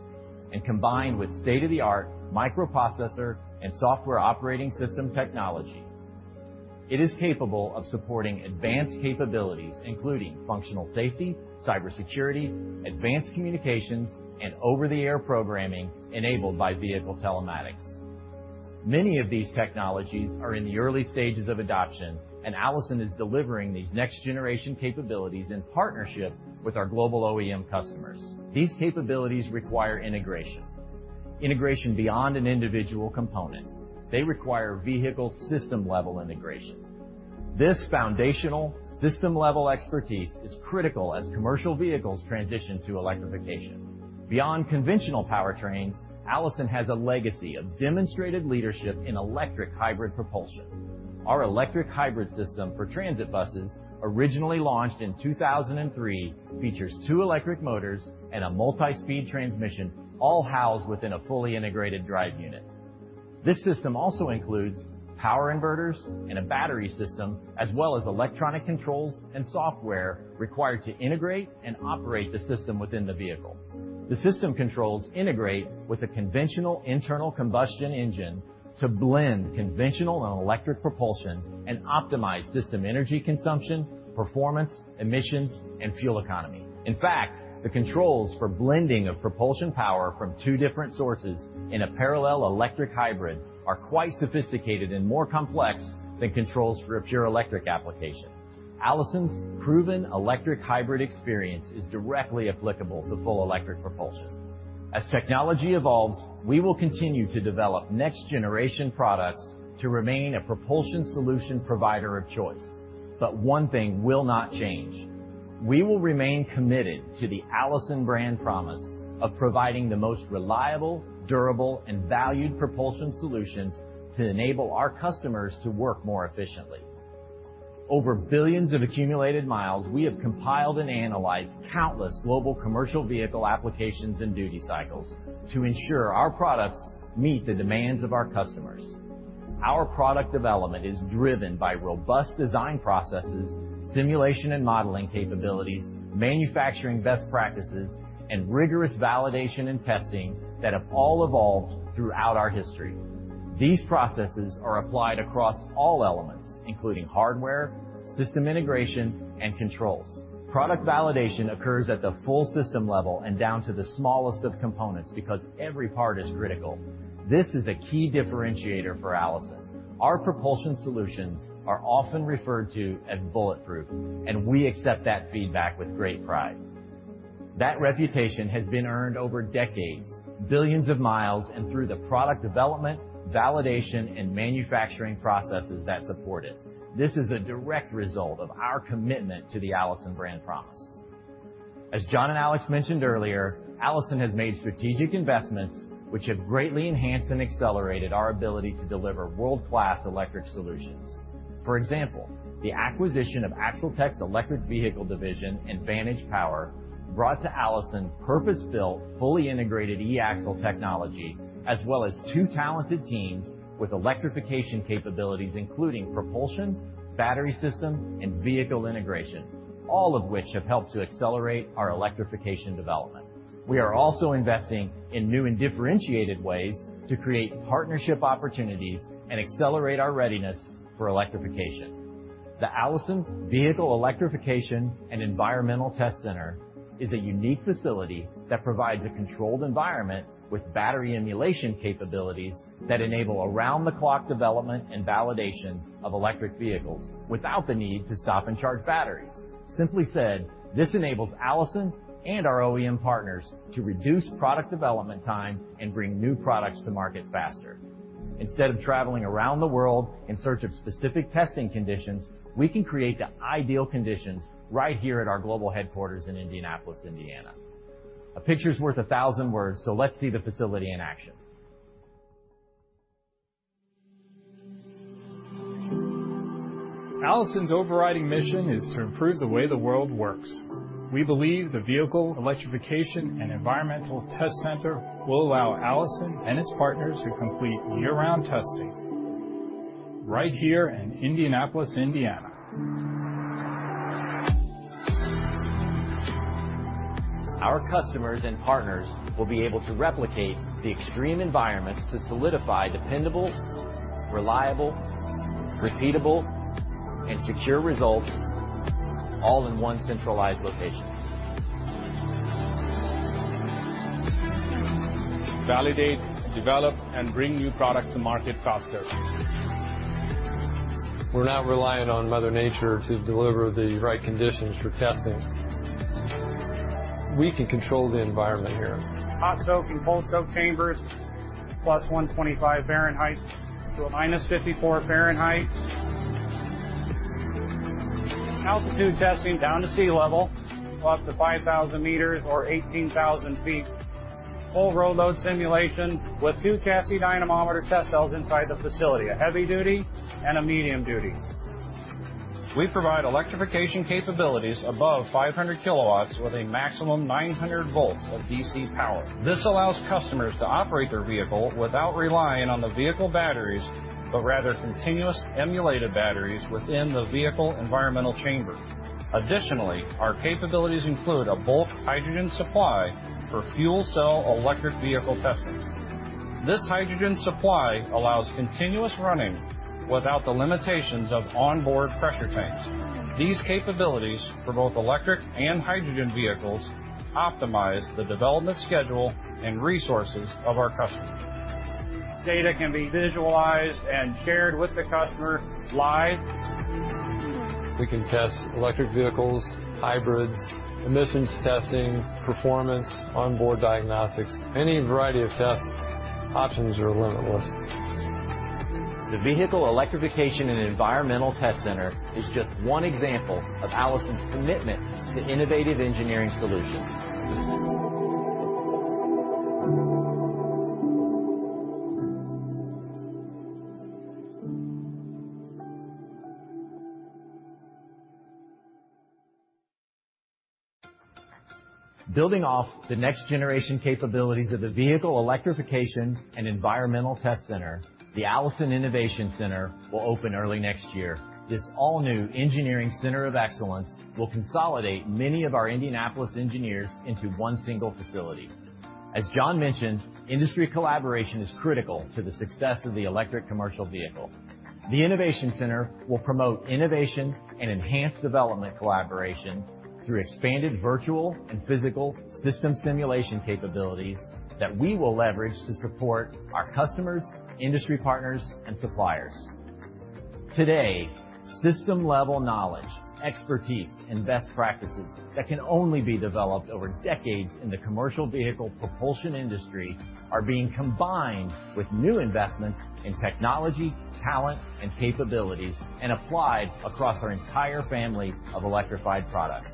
and combined with state-of-the-art microprocessor and software operating system technology. It is capable of supporting advanced capabilities, including functional safety, cybersecurity, advanced communications, and over-the-air programming enabled by vehicle telematics. Many of these technologies are in the early stages of adoption, and Allison is delivering these next-generation capabilities in partnership with our global OEM customers. These capabilities require integration, integration beyond an individual component. They require vehicle system-level integration... This foundational system-level expertise is critical as commercial vehicles transition to electrification. Beyond conventional powertrains, Allison has a legacy of demonstrated leadership in electric hybrid propulsion. Our electric hybrid system for transit buses, originally launched in 2003, features two electric motors and a multi-speed transmission, all housed within a fully integrated drive unit. This system also includes power inverters and a battery system, as well as electronic controls and software required to integrate and operate the system within the vehicle. The system controls integrate with a conventional internal combustion engine to blend conventional and electric propulsion and optimize system energy consumption, performance, emissions, and fuel economy. In fact, the controls for blending of propulsion power from two different sources in a parallel electric hybrid are quite sophisticated and more complex than controls for a pure electric application. Allison's proven electric hybrid experience is directly applicable to full electric propulsion. As technology evolves, we will continue to develop next-generation products to remain a propulsion solution provider of choice. But one thing will not change: we will remain committed to the Allison brand promise of providing the most reliable, durable, and valued propulsion solutions to enable our customers to work more efficiently. Over billions of accumulated miles, we have compiled and analyzed countless global commercial vehicle applications and duty cycles to ensure our products meet the demands of our customers. Our product development is driven by robust design processes, simulation and modeling capabilities, manufacturing best practices, and rigorous validation and testing that have all evolved throughout our history. These processes are applied across all elements, including hardware, system integration, and controls. Product validation occurs at the full system level and down to the smallest of components because every part is critical. This is a key differentiator for Allison. Our propulsion solutions are often referred to as bulletproof, and we accept that feedback with great pride. That reputation has been earned over decades, billions of miles, and through the product development, validation, and manufacturing processes that support it. This is a direct result of our commitment to the Allison brand promise. As John and Alex mentioned earlier, Allison has made strategic investments, which have greatly enhanced and accelerated our ability to deliver world-class electric solutions. For example, the acquisition of AxleTech's electric vehicle division and Vantage Power brought to Allison purpose-built, fully integrated e-axle technology, as well as two talented teams with electrification capabilities, including propulsion, battery system, and vehicle integration, all of which have helped to accelerate our electrification development. We are also investing in new and differentiated ways to create partnership opportunities and accelerate our readiness for electrification. The Allison Vehicle Electrification and Environmental Test Center is a unique facility that provides a controlled environment with battery emulation capabilities that enable around-the-clock development and validation of electric vehicles without the need to stop and charge batteries. Simply said, this enables Allison and our OEM partners to reduce product development time and bring new products to market faster. Instead of traveling around the world in search of specific testing conditions, we can create the ideal conditions right here at our global headquarters in Indianapolis, Indiana. A picture is worth a thousand words, so let's see the facility in action. Allison's overriding mission is to improve the way the world works. We believe the Vehicle Electrification and Environmental Test Center will allow Allison and its partners to complete year-round testing right here in Indianapolis, Indiana. Our customers and partners will be able to replicate the extreme environments to solidify dependable, reliable, repeatable, and secure results, all in one centralized location. Validate, develop, and bring new products to market faster. We're not reliant on Mother Nature to deliver the right conditions for testing. We can control the environment here. Hot soak and cold soak chambers, plus 125 degrees Fahrenheit to -54 degrees Fahrenheit. Altitude testing down to sea level, up to 5,000 meters or 18,000 feet. Full road load simulation with 2 chassis dynamometer test cells inside the facility, a heavy duty and a medium duty. We provide electrification capabilities above 5500 kilowatts with a maximum 900 volts of DC power. This allows customers to operate their vehicle without relying on the vehicle batteries, but rather continuous emulated batteries within the vehicle environmental chamber. Additionally, our capabilities include a bulk hydrogen supply for fuel cell electric vehicle testing. This hydrogen supply allows continuous running without the limitations of onboard pressure tanks. These capabilities for both electric and hydrogen vehicles optimize the development schedule and resources of our customers. Data can be visualized and shared with the customer live.... We can test electric vehicles, hybrids, emissions testing, performance, onboard diagnostics, any variety of tests. Options are limitless. The Vehicle Electrification and Environmental Test Center is just one example of Allison's commitment to innovative engineering solutions. Building off the next-generation capabilities of the Vehicle Electrification and Environmental Test Center, the Allison Innovation Center will open early next year. This all-new engineering center of excellence will consolidate many of our Indianapolis engineers into one single facility. As John mentioned, industry collaboration is critical to the success of the electric commercial vehicle. The Innovation Center will promote innovation and enhance development collaboration through expanded virtual and physical system simulation capabilities that we will leverage to support our customers, industry partners, and suppliers. Today, system-level knowledge, expertise, and best practices that can only be developed over decades in the commercial vehicle propulsion industry, are being combined with new investments in technology, talent, and capabilities, and applied across our entire family of electrified products.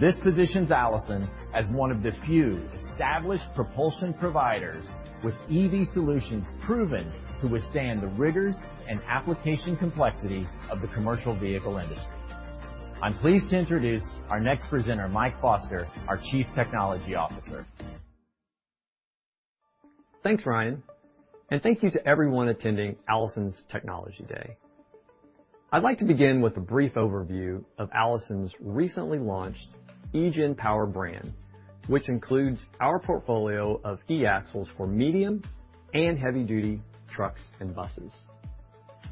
This positions Allison as one of the few established propulsion providers with EV solutions proven to withstand the rigors and application complexity of the commercial vehicle industry. I'm pleased to introduce our next presenter, Mike Foster, our Chief Technology Officer. Thanks, Ryan, and thank you to everyone attending Allison's Technology Day. I'd like to begin with a brief overview of Allison's recently launched eGen Power brand, which includes our portfolio of e-axles for medium- and heavy-duty trucks and buses.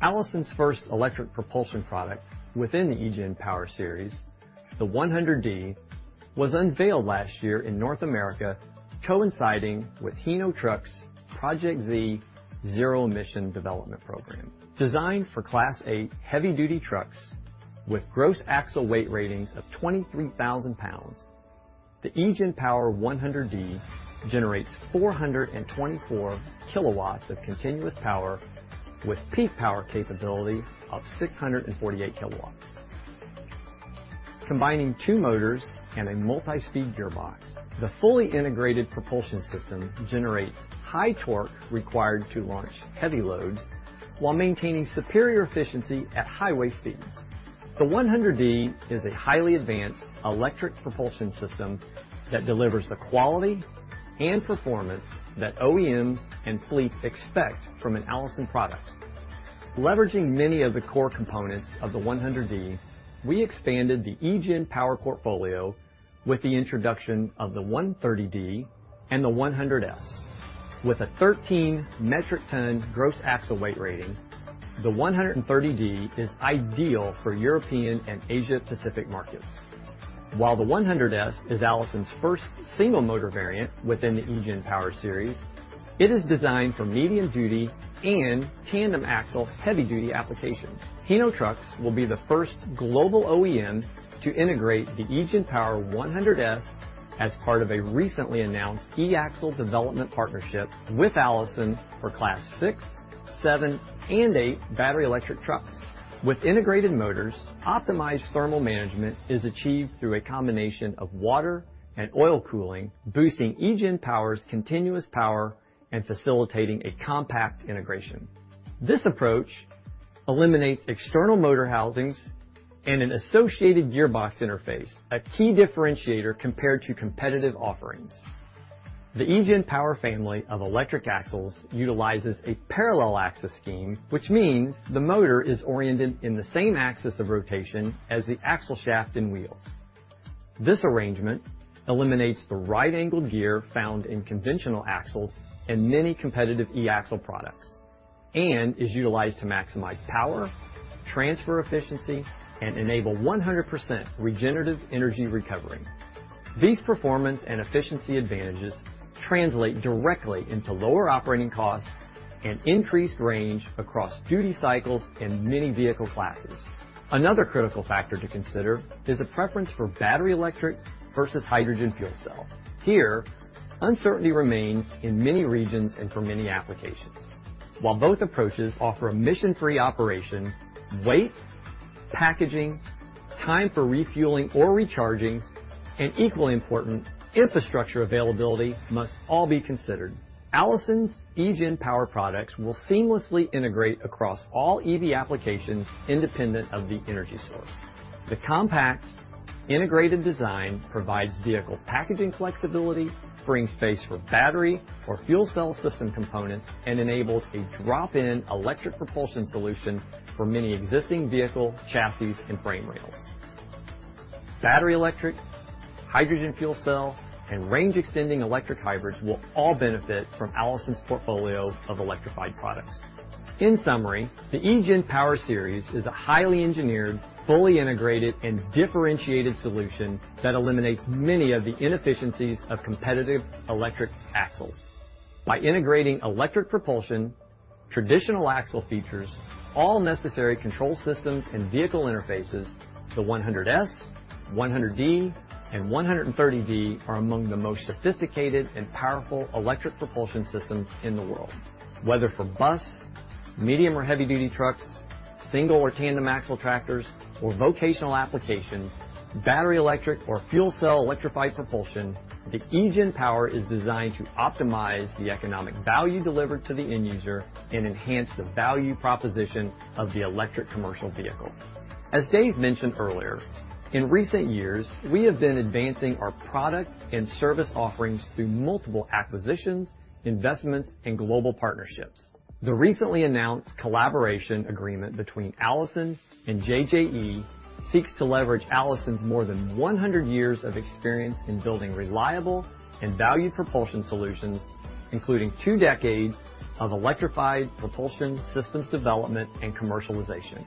Allison's first electric propulsion product within the eGen Power Series, the 100D, was unveiled last year in North America, coinciding with Hino Trucks' Project Z zero emission development program. Designed for Class 8 heavy-duty trucks with gross axle weight ratings of 23,000 lbs, the eGen Power 100D generates 424 kW of continuous power, with peak power capability of 648 kW. Combining two motors and a multi-speed gearbox, the fully integrated propulsion system generates high torque required to launch heavy loads while maintaining superior efficiency at highway speeds. The 100D is a highly advanced electric propulsion system that delivers the quality and performance that OEMs and fleets expect from an Allison product. Leveraging many of the core components of the 100D, we expanded the eGen Power portfolio with the introduction of the 130D and the 100S. With a 13 metric ton gross axle weight rating, the 130D is ideal for European and Asia-Pacific markets. While the 100S is Allison's first single motor variant within the eGen Power Series, it is designed for medium-duty and tandem axle heavy-duty applications. Hino Trucks will be the first global OEM to integrate the eGen Power 100S as part of a recently announced e-axle development partnership with Allison for Class 6, 7, and 8 battery electric trucks. With integrated motors, optimized thermal management is achieved through a combination of water and oil cooling, boosting eGen Power's continuous power and facilitating a compact integration. This approach eliminates external motor housings and an associated gearbox interface, a key differentiator compared to competitive offerings. The eGen Power family of electric axles utilizes a parallel axis scheme, which means the motor is oriented in the same axis of rotation as the axle shaft and wheels. This arrangement eliminates the right-angled gear found in conventional axles and many competitive e-axle products, and is utilized to maximize power, transfer efficiency, and enable 100% regenerative energy recovery. These performance and efficiency advantages translate directly into lower operating costs and increased range across duty cycles in many vehicle classes. Another critical factor to consider is a preference for battery electric versus hydrogen fuel cell. Here, uncertainty remains in many regions and for many applications. While both approaches offer emission-free operation, weight, packaging, time for refueling or recharging, and equally important, infrastructure availability must all be considered. Allison's eGen Power products will seamlessly integrate across all EV applications independent of the energy source. The compact integrated design provides vehicle packaging flexibility, freeing space for battery or fuel cell system components, and enables a drop-in electric propulsion solution for many existing vehicle chassis and frame rails. Battery electric, hydrogen fuel cell, and range-extending electric hybrids will all benefit from Allison's portfolio of electrified products. In summary, the eGen Power Series is a highly engineered, fully integrated, and differentiated solution that eliminates many of the inefficiencies of competitive electric axles. By integrating electric propulsion-... traditional axle features, all necessary control systems and vehicle interfaces, the 100S, 100D, and 130D are among the most sophisticated and powerful electric propulsion systems in the world. Whether for bus, medium- or heavy-duty trucks, single- or tandem-axle tractors or vocational applications, battery-electric or fuel-cell electrified propulsion, the eGen Power is designed to optimize the economic value delivered to the end user and enhance the value proposition of the electric commercial vehicle. As Dave mentioned earlier, in recent years, we have been advancing our product and service offerings through multiple acquisitions, investments, and global partnerships. The recently announced collaboration agreement between Allison and JJE seeks to leverage Allison's more than 100 years of experience in building reliable and valued propulsion solutions, including two decades of electrified propulsion systems development and commercialization.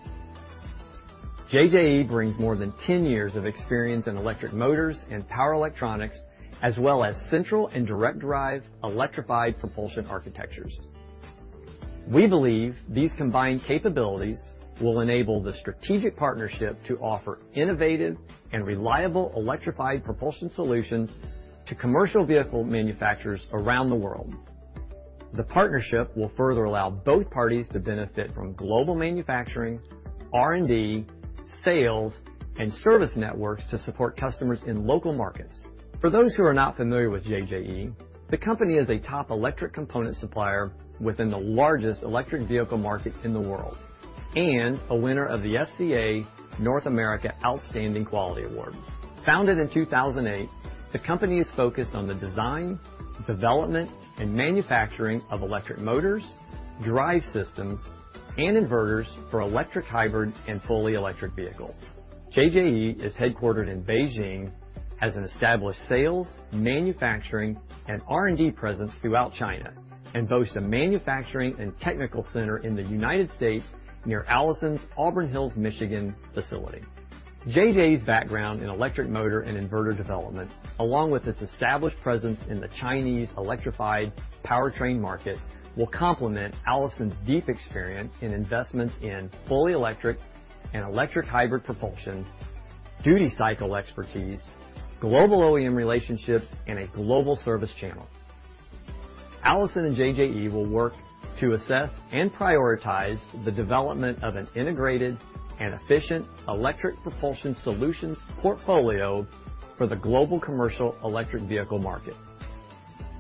JJE brings more than 10 years of experience in electric motors and power electronics, as well as central and direct drive electrified propulsion architectures. We believe these combined capabilities will enable the strategic partnership to offer innovative and reliable electrified propulsion solutions to commercial vehicle manufacturers around the world. The partnership will further allow both parties to benefit from global manufacturing, R&D, sales, and service networks to support customers in local markets. For those who are not familiar with JJE, the company is a top electric component supplier within the largest electric vehicle market in the world, and a winner of the FCA North America Outstanding Quality Award. Founded in 2008, the company is focused on the design, development, and manufacturing of electric motors, drive systems, and inverters for electric hybrids and fully electric vehicles. JJE is headquartered in Beijing, has an established sales, manufacturing, and R&D presence throughout China, and boasts a manufacturing and technical center in the United States near Allison's Auburn Hills, Michigan, facility. JJE's background in electric motor and inverter development, along with its established presence in the Chinese electrified powertrain market, will complement Allison's deep experience in investments in fully electric and electric hybrid propulsion, duty cycle expertise, global OEM relationships, and a global service channel. Allison and JJE will work to assess and prioritize the development of an integrated and efficient electric propulsion solutions portfolio for the global commercial electric vehicle market.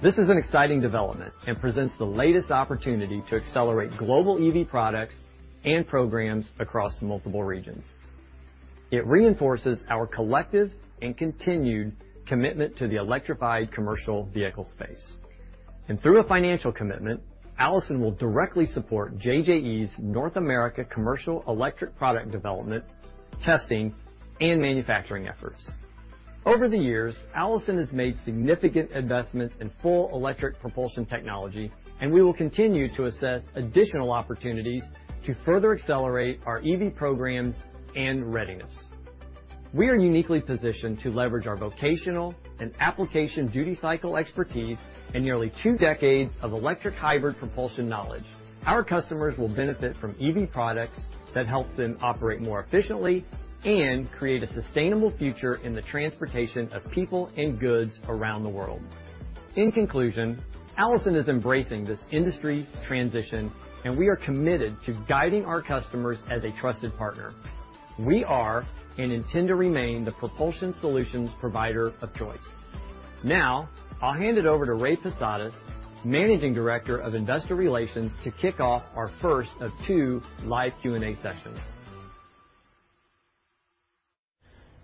This is an exciting development and presents the latest opportunity to accelerate global EV products and programs across multiple regions. It reinforces our collective and continued commitment to the electrified commercial vehicle space. Through a financial commitment, Allison will directly support JJE's North America Commercial electric product development, testing, and manufacturing efforts. Over the years, Allison has made significant investments in full electric propulsion technology, and we will continue to assess additional opportunities to further accelerate our EV programs and readiness. We are uniquely positioned to leverage our vocational and application duty cycle expertise and nearly two decades of electric hybrid propulsion knowledge. Our customers will benefit from EV products that help them operate more efficiently and create a sustainable future in the transportation of people and goods around the world. In conclusion, Allison is embracing this industry transition, and we are committed to guiding our customers as a trusted partner. We are, and intend to remain the propulsion solutions provider of choice. Now, I'll hand it over to Ray Posadas, Managing Director of Investor Relations, to kick off our first of two live Q&A sessions.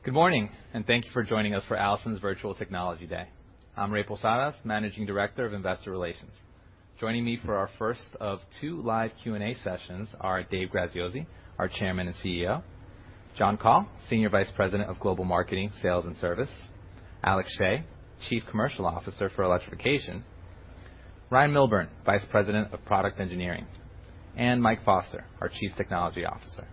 Good morning, and thank you for joining us for Allison's Virtual Technology Day. I'm Ray Posadas, Managing Director of Investor Relations. Joining me for our first of two live Q&A sessions are Dave Graziosi, our Chairman and CEO, John Coll, Senior Vice President of Global Marketing, Sales and Service, Alex Schey, Chief Commercial Officer for Electrification, Ryan Milburn, Vice President of Product Engineering, and Mike Foster, our Chief Technology Officer.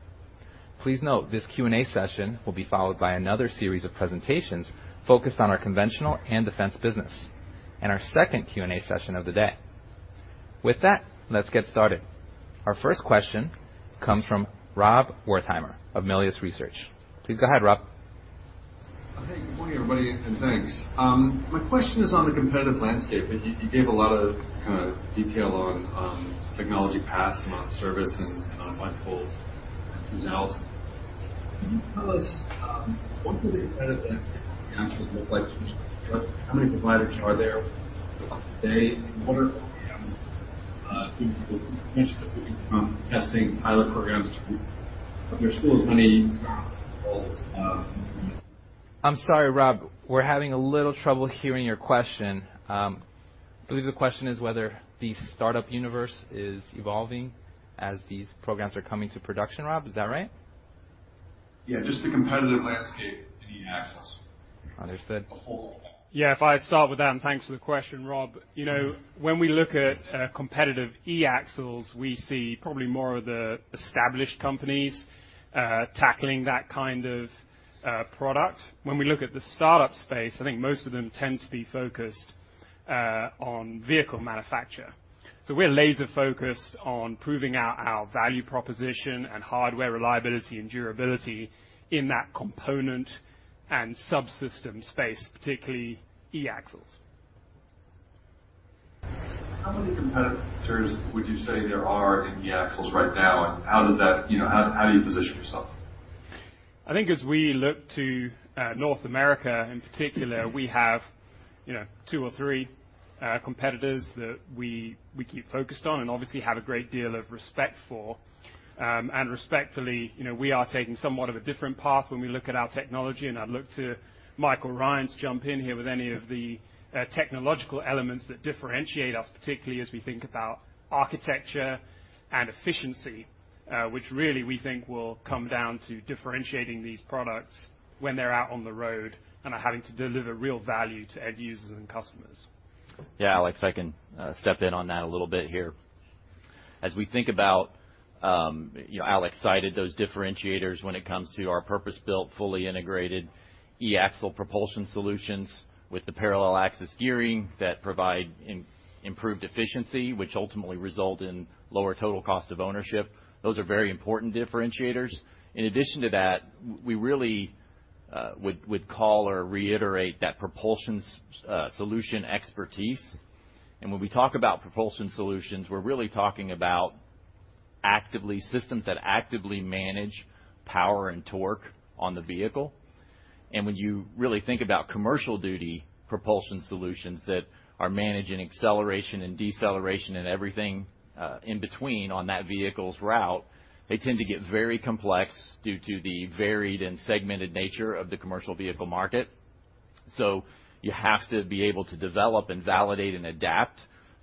Please note, this Q&A session will be followed by another Series of presentations focused on our conventional and defense business in our second Q&A session of the day. With that, let's get started. Our first question comes from Rob Wertheimer of Melius Research. Please go ahead, Rob. Hey, good morning, everybody, and thanks. My question is on the competitive landscape. You gave a lot of kind of detail on technology paths and on service and on light poles and else. Can you tell us what do the competitive landscape look like? How many providers are there today, and what are testing pilot programs? There's still many. I'm sorry, Rob, we're having a little trouble hearing your question. I believe the question is whether the startup universe is evolving as these programs are coming to production, Rob, is that right? Yeah, just the competitive landscape in the axles. Understood. The whole- Yeah, if I start with that, and thanks for the question, Rob. You know, when we look at competitive e-axles, we see probably more of the established companies tackling that kind of product. When we look at the startup space, I think most of them tend to be focused on vehicle manufacture. So we're laser focused on proving out our value proposition and hardware reliability and durability in that component and subsystem space, particularly e-axles. How many competitors would you say there are in e-axles right now? And how does that, you know, how do you position yourself? I think as we look to North America in particular, we have, you know, two or three competitors that we keep focused on and obviously have a great deal of respect for. And respectfully, you know, we are taking somewhat of a different path when we look at our technology, and I'd look to Mike or Ryan to jump in here with any of the technological elements that differentiate us, particularly as we think about architecture and efficiency, which really we think will come down to differentiating these products when they're out on the road and are having to deliver real value to end users and customers. Yeah, Alex, I can step in on that a little bit here. As we think about, you know, Alex cited those differentiators when it comes to our purpose-built, fully integrated e-axle propulsion solutions with the parallel axis gearing that provide improved efficiency, which ultimately result in lower total cost of ownership. Those are very important differentiators. In addition to that, we really would call or reiterate that propulsion solution expertise. And when we talk about propulsion solutions, we're really talking about systems that actively manage power and torque on the vehicle. And when you really think about commercial duty propulsion solutions that are managing acceleration and deceleration and everything in between on that vehicle's route, they tend to get very complex due to the varied and segmented nature of the commercial vehicle market. So you have to be able to develop and validate and adapt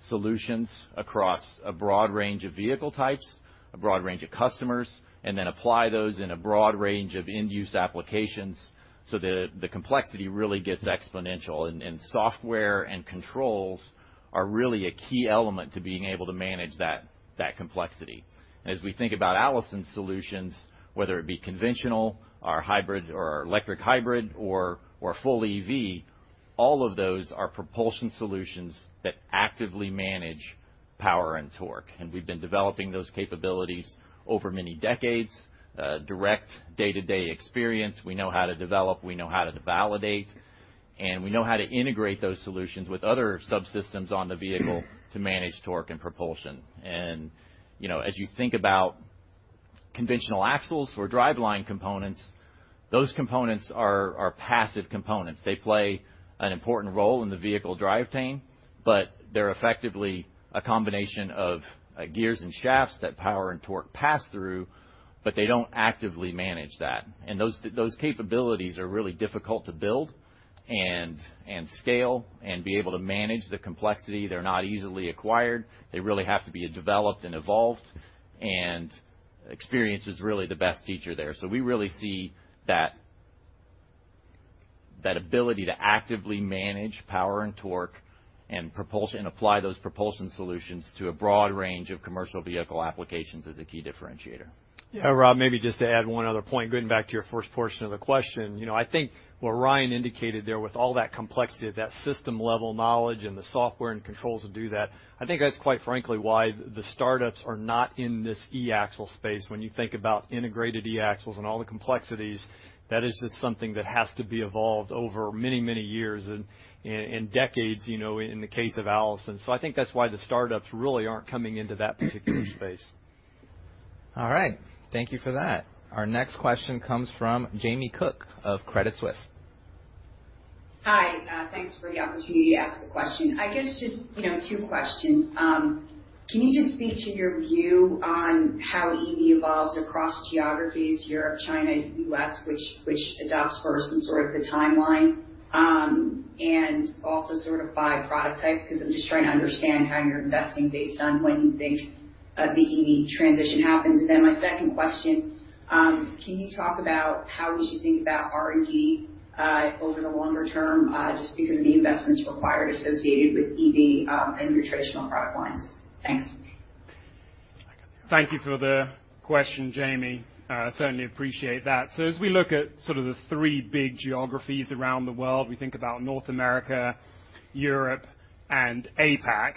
solutions across a broad range of vehicle types, a broad range of customers, and then apply those in a broad range of end-use applications so the complexity really gets exponential, and software and controls are really a key element to being able to manage that complexity. As we think about Allison solutions, whether it be conventional or hybrid or electric hybrid or full EV, all of those are propulsion solutions that actively manage power and torque, and we've been developing those capabilities over many decades, direct day-to-day experience. We know how to develop, we know how to validate, and we know how to integrate those solutions with other subsystems on the vehicle to manage torque and propulsion. You know, as you think about conventional axles or driveline components, those components are passive components. They play an important role in the vehicle drivetrain, but they're effectively a combination of gears and shafts that power and torque pass through, but they don't actively manage that. And those capabilities are really difficult to build and scale and be able to manage the complexity. They're not easily acquired. They really have to be developed and evolved, and experience is really the best teacher there. So we really see that ability to actively manage power and torque and propulsion, and apply those propulsion solutions to a broad range of commercial vehicle applications as a key differentiator. Yeah, Rob, maybe just to add one other point, getting back to your first portion of the question. You know, I think what Ryan indicated there, with all that complexity, of that system-level knowledge and the software and controls to do that, I think that's quite frankly why the startups are not in this e-axle space. When you think about integrated e-axles and all the complexities, that is just something that has to be evolved over many, many years and decades, you know, in the case of Allison. So I think that's why the startups really aren't coming into that particular space. All right. Thank you for that. Our next question comes from Jamie Cook of Credit Suisse. Hi, thanks for the opportunity to ask the question. I guess just, you know, two questions. Can you just speak to your view on how EV evolves across geographies, Europe, China, U.S., which, which adopts first and sort of the timeline, and also sort of by product type? Because I'm just trying to understand how you're investing based on when you think the EV transition happens. And then my second question, can you talk about how we should think about R&D over the longer term, just because of the investments required associated with EV, and your traditional product lines? Thanks. Thank you for the question, Jamie. Certainly appreciate that. So as we look at sort of the three big geographies around the world, we think about North America, Europe, and APAC.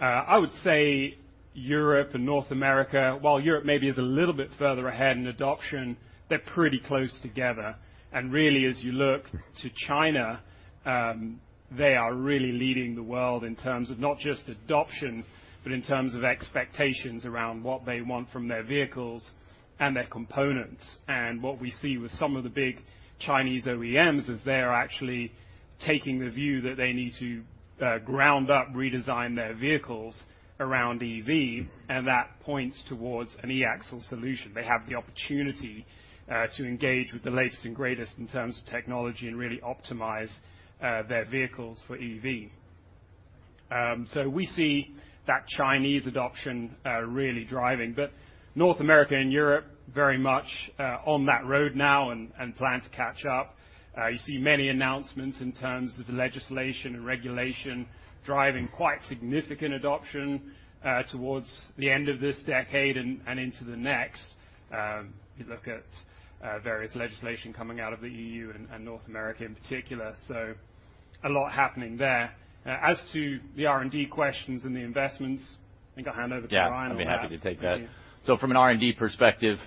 I would say Europe and North America, while Europe maybe is a little bit further ahead in adoption, they're pretty close together. And really, as you look to China, they are really leading the world in terms of not just adoption, but in terms of expectations around what they want from their vehicles and their components. And what we see with some of the big Chinese OEMs is they are actually taking the view that they need to ground up, redesign their vehicles around EV, and that points towards an e-axle solution. They have the opportunity to engage with the latest and greatest in terms of technology and really optimize their vehicles for EV. So we see that Chinese adoption really driving, but North America and Europe very much on that road now and plan to catch up. You see many announcements in terms of the legislation and regulation driving quite significant adoption towards the end of this decade and into the next. You look at various legislation coming out of the EU and North America in particular, so a lot happening there. As to the R&D questions and the investments-... I think I'll hand over to Brian on that. Yeah, I'd be happy to take that. Thank you. So from an R&D perspective,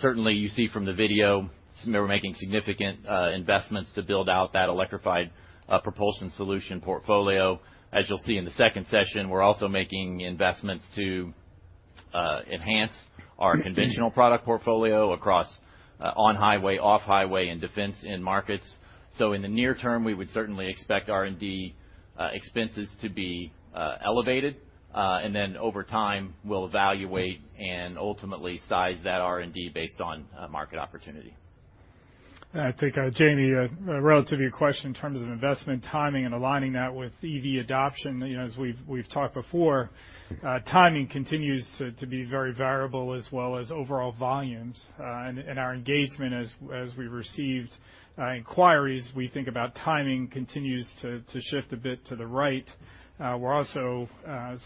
certainly, you see from the video, we're making significant investments to build out that electrified propulsion solution portfolio. As you'll see in the second session, we're also making investments to enhance our conventional product portfolio across on-highway, off-highway, and defense end markets. So in the near term, we would certainly expect R&D expenses to be elevated, and then over time, we'll evaluate and ultimately size that R&D based on market opportunity. I think, Jamie, relative to your question in terms of investment timing and aligning that with EV adoption, you know, as we've talked before, timing continues to be very variable as well as overall volumes. And our engagement as we received inquiries, we think about timing continues to shift a bit to the right. We're also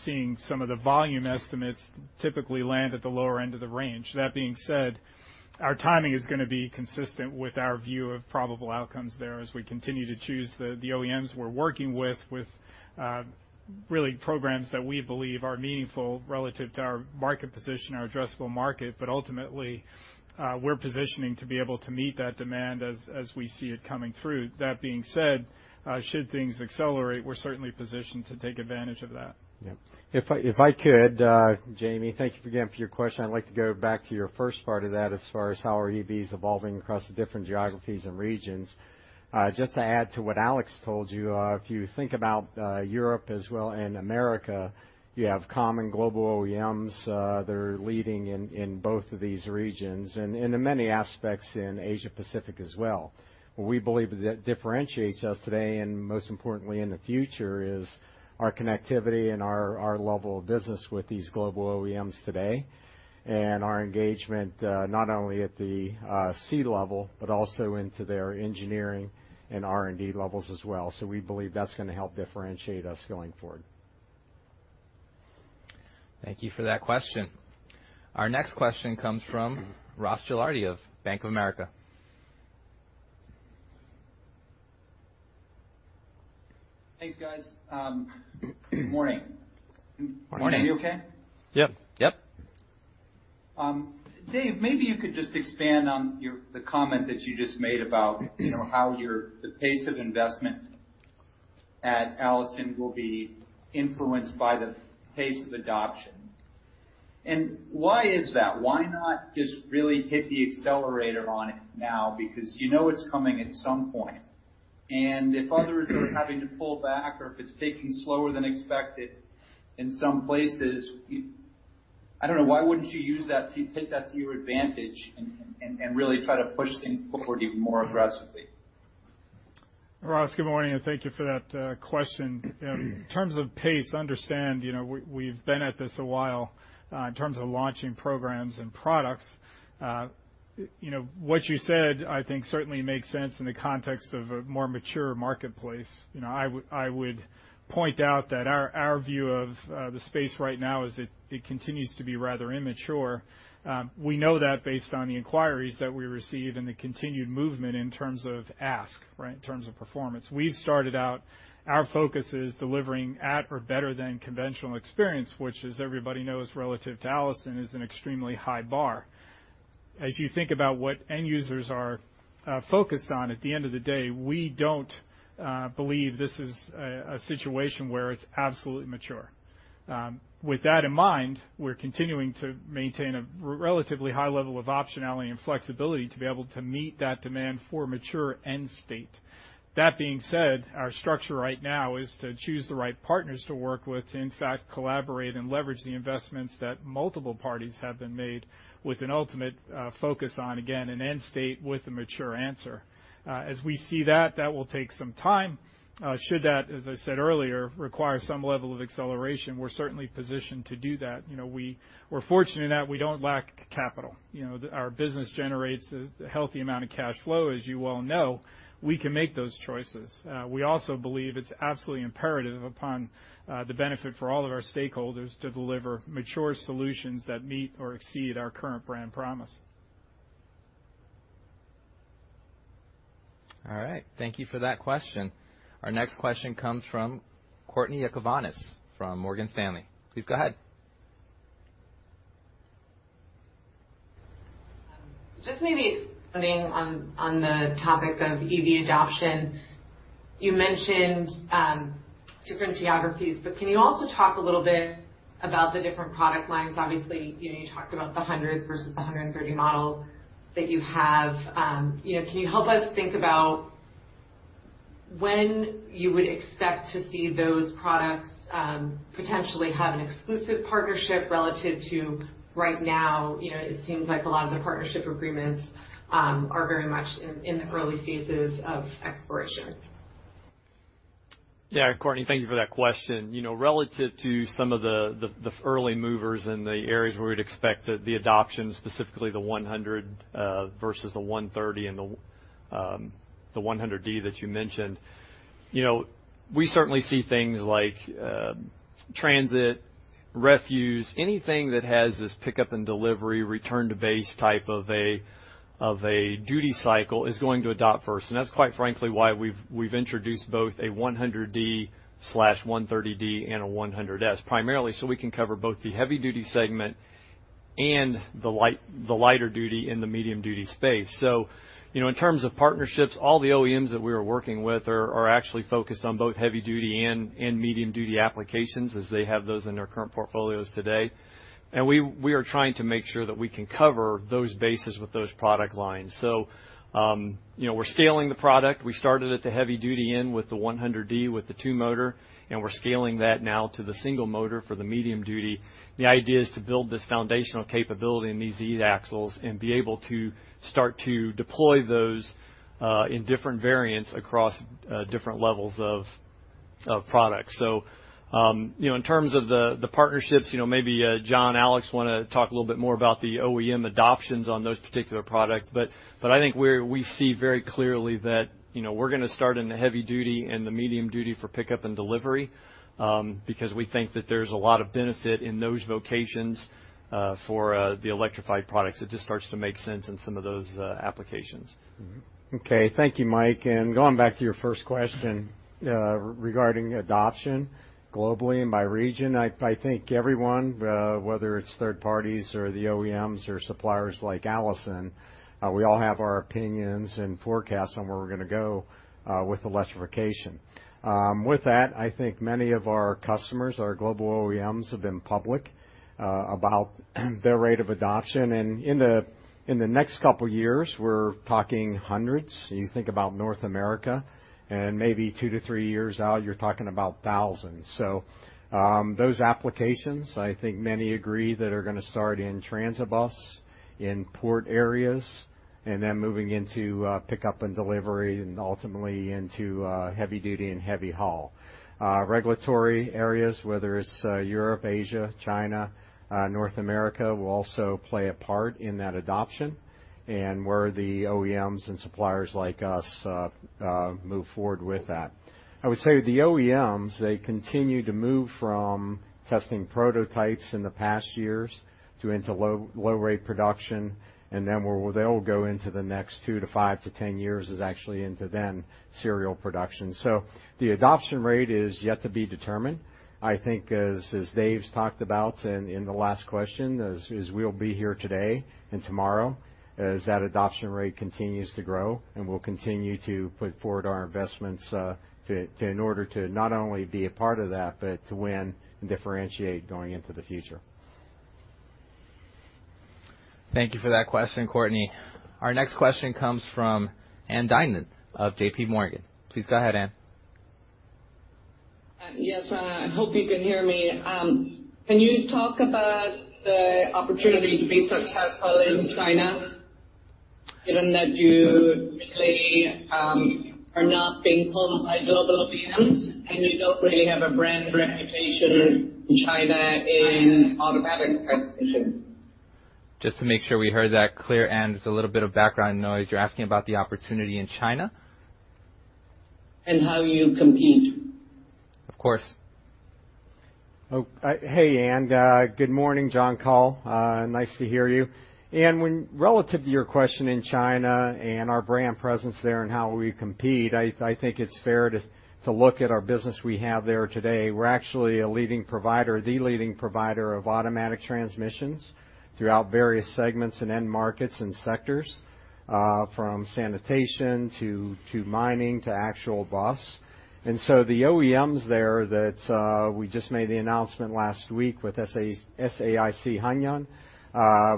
seeing some of the volume estimates typically land at the lower end of the range. That being said, our timing is gonna be consistent with our view of probable outcomes there as we continue to choose the OEMs we're working with, with really programs that we believe are meaningful relative to our market position, our addressable market. But ultimately, we're positioning to be able to meet that demand as we see it coming through. That being said, should things accelerate, we're certainly positioned to take advantage of that. Yeah. If I, if I could, Jamie, thank you again for your question. I'd like to go back to your first part of that as far as how are EVs evolving across the different geographies and regions. Just to add to what Alex told you, if you think about, Europe as well and America, you have common global OEMs, that are leading in both of these regions, and in many aspects in Asia Pacific as well. What we believe that differentiates us today, and most importantly in the future, is our connectivity and our level of business with these global OEMs today, and our engagement, not only at the C level, but also into their engineering and R&D levels as well. So we believe that's gonna help differentiate us going forward. Thank you for that question. Our next question comes from Ross Gilardi of Bank of America. Thanks, guys. Good morning. Morning. Can you hear me okay? Yep, yep. Dave, maybe you could just expand on the comment that you just made about, you know, how the pace of investment at Allison will be influenced by the pace of adoption. And why is that? Why not just really hit the accelerator on it now? Because you know it's coming at some point. And if others are having to pull back or if it's taking slower than expected in some places, you... I don't know, why wouldn't you use that to take that to your advantage and really try to push things forward even more aggressively? Ross, good morning, and thank you for that question. In terms of pace, understand, you know, we, we've been at this a while, in terms of launching programs and products. You know, what you said, I think, certainly makes sense in the context of a more mature marketplace. You know, I would, I would point out that our, our view of, the space right now is it, it continues to be rather immature. We know that based on the inquiries that we receive and the continued movement in terms of ask, right, in terms of performance. We've started out, our focus is delivering at or better than conventional experience, which, as everybody knows, relative to Allison, is an extremely high bar. As you think about what end users are focused on, at the end of the day, we don't believe this is a situation where it's absolutely mature. With that in mind, we're continuing to maintain a relatively high level of optionality and flexibility to be able to meet that demand for mature end state. That being said, our structure right now is to choose the right partners to work with, to in fact, collaborate and leverage the investments that multiple parties have been made with an ultimate focus on, again, an end state with a mature answer. As we see that, that will take some time. Should that, as I said earlier, require some level of acceleration, we're certainly positioned to do that. You know, we're fortunate in that we don't lack capital. You know, our business generates a healthy amount of cash flow, as you well know. We can make those choices. We also believe it's absolutely imperative upon the benefit for all of our stakeholders to deliver mature solutions that meet or exceed our current brand promise. All right. Thank you for that question. Our next question comes from Courtney Yakavonis from Morgan Stanley. Please go ahead. Just maybe expanding on the topic of EV adoption. You mentioned different geographies, but can you also talk a little bit about the different product lines? Obviously, you know, you talked about the hundreds versus the hundred and thirty model that you have. You know, can you help us think about when you would expect to see those products potentially have an exclusive partnership relative to right now? You know, it seems like a lot of the partnership agreements are very much in the early phases of exploration. Yeah, Courtney, thank you for that question. You know, relative to some of the early movers in the areas where we'd expect the adoption, specifically the 100 versus the 130 and the 100D that you mentioned, you know, we certainly see things like transit, refuse, anything that has this pickup and delivery, return to base type of a duty cycle is going to adopt first, and that's quite frankly why we've introduced both a 100D/130D and a 100S, primarily so we can cover both the heavy-duty segment and the light, the lighter duty and the medium duty space. So, you know, in terms of partnerships, all the OEMs that we are working with are actually focused on both heavy-duty and medium-duty applications, as they have those in their current portfolios today. We are trying to make sure that we can cover those bases with those product lines. So, you know, we're scaling the product. We started at the heavy-duty end with the 100D, with the two-motor, and we're scaling that now to the single-motor for the medium-duty. The idea is to build this foundational capability in these e-axles and be able to start to deploy those in different variants across different levels of products. So, you know, in terms of the partnerships, you know, maybe John, Alex, want to talk a little bit more about the OEM adoptions on those particular products, but I think we see very clearly that, you know, we're going to start in the heavy duty and the medium duty for pickup and delivery, because we think that there's a lot of benefit in those vocations, for the electrified products. It just starts to make sense in some of those applications. Mm-hmm. Okay, thank you, Mike. And going back to your first question, regarding adoption globally and by region, I think everyone, whether it's third parties or the OEMs or suppliers like Allison, we all have our opinions and forecasts on where we're going to go, with electrification. With that, I think many of our customers, our global OEMs, have been public about their rate of adoption. And in the next couple of years, we're talking hundreds. You think about North America, and maybe 2-3 years out, you're talking about thousands. So, those applications, I think many agree that are going to start in transit bus, in port areas, and then moving into pickup and delivery, and ultimately into heavy duty and heavy haul. Regulatory areas, whether it's Europe, Asia, China, North America, will also play a part in that adoption, and where the OEMs and suppliers like us move forward with that. I would say, the OEMs, they continue to move from testing prototypes in the past years to enter low-rate production, and then where they'll go into the next 2 to 5 to 10 years is actually into then serial production. So the adoption rate is yet to be determined. I think as Dave's talked about in the last question, as we'll be here today and tomorrow, as that adoption rate continues to grow, and we'll continue to put forward our investments in order to not only be a part of that, but to win and differentiate going into the future. Thank you for that question, Courtney. Our next question comes from Ann Duignan of JP Morgan. Please go ahead, Ann. Yes, I hope you can hear me. Can you talk about the opportunity to be successful in China, given that you really are not being pulled by global OEMs, and you don't really have a brand reputation in China in automatic transmission? Just to make sure we heard that clear, Ann, there's a little bit of background noise. You're asking about the opportunity in China? How you compete. Of course. Hey, Ann, good morning, John Coll. Nice to hear you. Ann, relative to your question in China and our brand presence there and how we compete, I think it's fair to look at our business we have there today. We're actually a leading provider, the leading provider of automatic transmissions throughout various segments and end markets and sectors, from sanitation to mining to actual bus. And so the OEMs there that we just made the announcement last week with SAIC Hongyan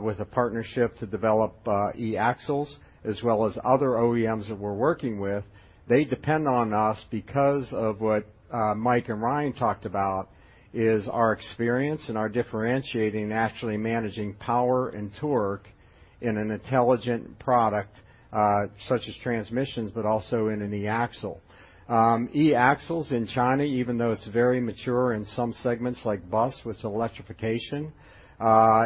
with a partnership to develop e-axles, as well as other OEMs that we're working with. They depend on us because of what Mike and Ryan talked about, is our experience and our differentiating and actually managing power and torque in an intelligent product, such as transmissions, but also in an e-axle. e-axles in China, even though it's very mature in some segments, like bus, with electrification,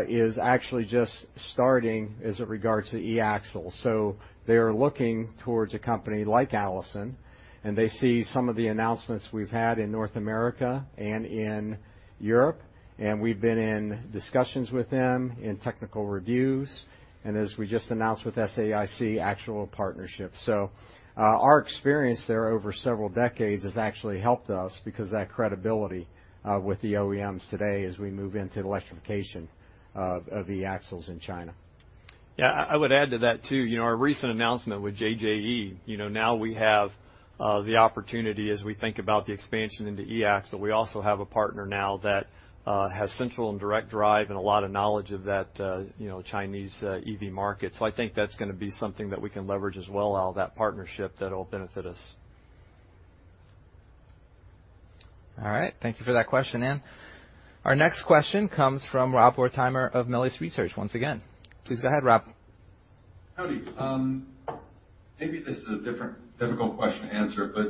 is actually just starting as it regards to e-axles. So they're looking towards a company like Allison, and they see some of the announcements we've had in North America and in Europe, and we've been in discussions with them, in technical reviews, and as we just announced with SAIC, actual partnerships. So, our experience there over several decades has actually helped us, because of that credibility, with the OEMs today as we move into the electrification of, of e-axles in China. Yeah, I would add to that, too. You know, our recent announcement with JJE, you know, now we have the opportunity as we think about the expansion into e-axle. We also have a partner now that has central and direct drive and a lot of knowledge of that, you know, Chinese EV market. So I think that's going to be something that we can leverage as well out of that partnership that will benefit us. All right. Thank you for that question, Anne. Our next question comes from Rob Wertheimer of Melius Research once again. Please go ahead, Rob. Howdy. Maybe this is a different, difficult question to answer, but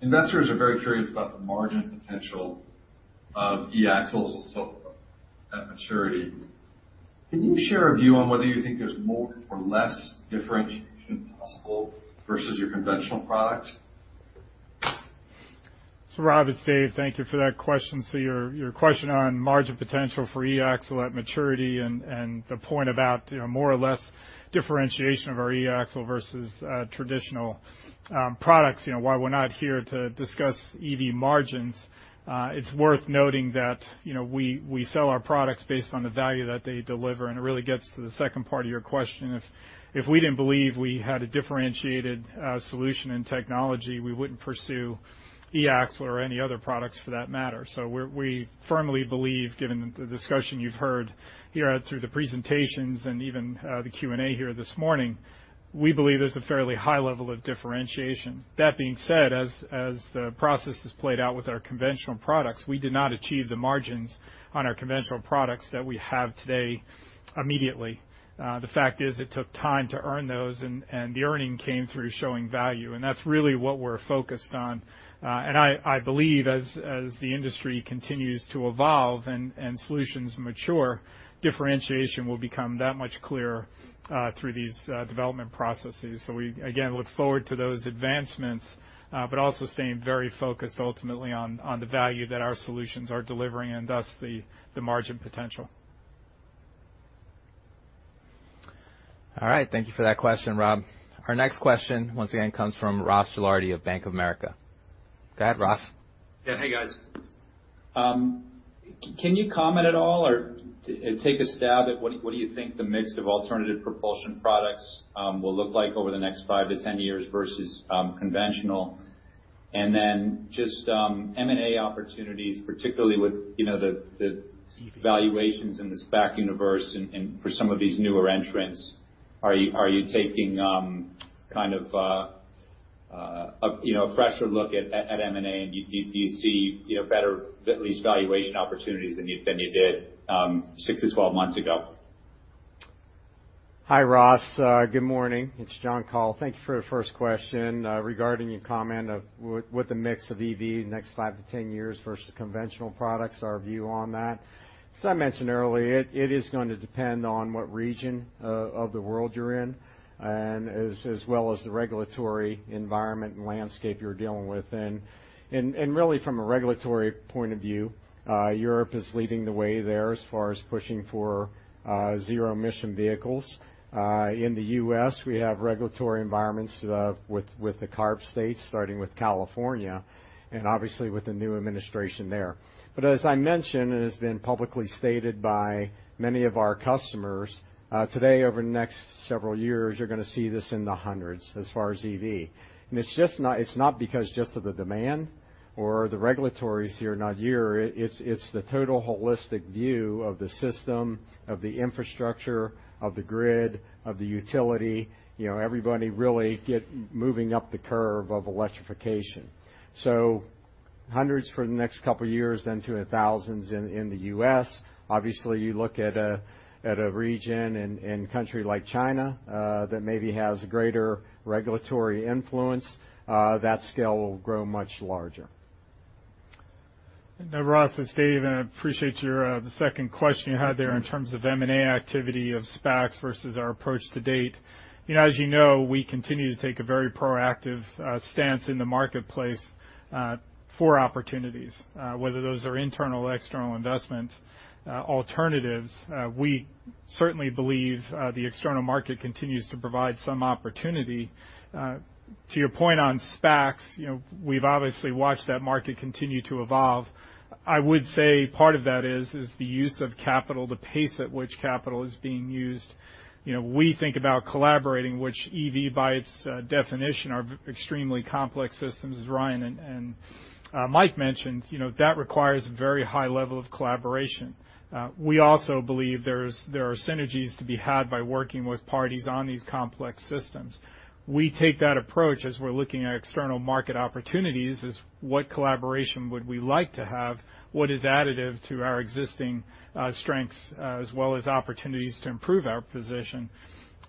investors are very curious about the margin potential of e-axles and so that maturity. Can you share a view on whether you think there's more or less differentiation possible versus your conventional product? ... So Rob, it's Dave, thank you for that question. So your question on margin potential for e-axle at maturity and the point about, you know, more or less differentiation of our e-axle versus traditional products. You know, while we're not here to discuss EV margins, it's worth noting that, you know, we sell our products based on the value that they deliver, and it really gets to the second part of your question. If we didn't believe we had a differentiated solution in technology, we wouldn't pursue e-axle or any other products for that matter. So we firmly believe, given the discussion you've heard here through the presentations and even the Q&A here this morning, we believe there's a fairly high level of differentiation. That being said, as the process has played out with our conventional products, we did not achieve the margins on our conventional products that we have today immediately. The fact is, it took time to earn those and the earning came through showing value, and that's really what we're focused on. And I believe as the industry continues to evolve and solutions mature, differentiation will become that much clearer through these development processes. So we, again, look forward to those advancements, but also staying very focused ultimately on the value that our solutions are delivering and thus, the margin potential. All right. Thank you for that question, Rob. Our next question, once again, comes from Ross Gilardi of Bank of America. Go ahead, Ross. Yeah. Hey, guys. Can you comment at all or take a stab at what do you think the mix of alternative propulsion products will look like over the next 5-10 years versus conventional? And then just M&A opportunities, particularly with, you know, the valuations in the SPAC universe and for some of these newer entrants. Are you taking kind of, you know, a fresher look at M&A, and do you see, you know, better, at least valuation opportunities than you did 6-12 months ago? Hi, Ross. Good morning. It's John Coll. Thank you for your first question regarding your comment of what the mix of EV in the next 5 to 10 years versus conventional products, our view on that. As I mentioned earlier, it is going to depend on what region of the world you're in, and as well as the regulatory environment and landscape you're dealing with. Really, from a regulatory point of view, Europe is leading the way there as far as pushing for zero-emission vehicles. In the U.S., we have regulatory environments with the CARB states, starting with California, and obviously, with the new administration there. But as I mentioned, and has been publicly stated by many of our customers, today, over the next several years, you're gonna see this in the hundreds as far as EV. And it's just not—it's not because just of the demand or the regulatory is here, not year. It's, it's the total holistic view of the system, of the infrastructure, of the grid, of the utility, you know, everybody really get moving up the curve of electrification. So hundreds for the next couple of years, then to the thousands in, in the US. Obviously, you look at a, at a region and, and country like China, that maybe has greater regulatory influence, that scale will grow much larger. And Ross, it's Dave, and I appreciate your, the second question you had there in terms of M&A activity of SPACs versus our approach to date. You know, as you know, we continue to take a very proactive, stance in the marketplace, for opportunities, whether those are internal or external investment, alternatives. We certainly believe, the external market continues to provide some opportunity. To your point on SPACs, you know, we've obviously watched that market continue to evolve. I would say part of that is, the use of capital, the pace at which capital is being used. You know, we think about collaborating, which EV, by its, definition, are extremely complex systems, as Ryan and, Mike mentioned. You know, that requires a very high level of collaboration. We also believe there are synergies to be had by working with parties on these complex systems. We take that approach as we're looking at external market opportunities, is what collaboration would we like to have? What is additive to our existing strengths, as well as opportunities to improve our position?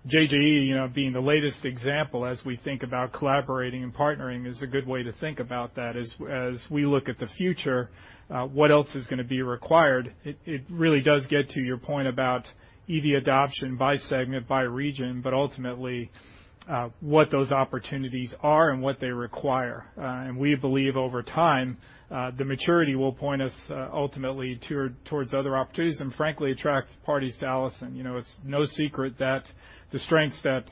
JJE, you know, being the latest example, as we think about collaborating and partnering, is a good way to think about that. As we look at the future, what else is gonna be required, it really does get to your point about EV adoption by segment, by region, but ultimately, what those opportunities are and what they require. And we believe over time, the maturity will point us, ultimately towards other opportunities and frankly, attract parties to Allison. You know, it's no secret that the strengths that,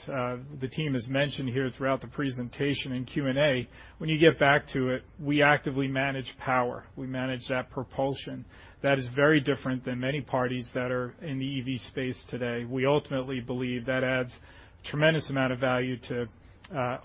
the team has mentioned here throughout the presentation and Q&A, when you get back to it, we actively manage power. We manage that propulsion. That is very different than many parties that are in the EV space today. We ultimately believe that adds tremendous amount of value to,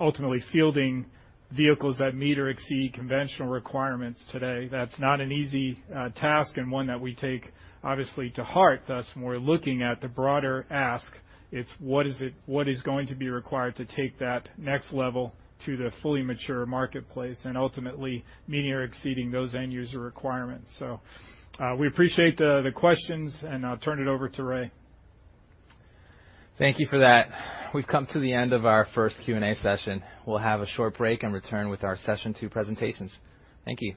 ultimately fielding vehicles that meet or exceed conventional requirements today. That's not an easy, task and one that we take, obviously, to heart. Thus, when we're looking at the broader ask, it's what is it- what is going to be required to take that next level to the fully mature marketplace and ultimately meeting or exceeding those end user requirements? So, we appreciate the, the questions, and I'll turn it over to Ray. Thank you for that. We've come to the end of our first Q&A session. We'll have a short break and return with our session two presentations. Thank you.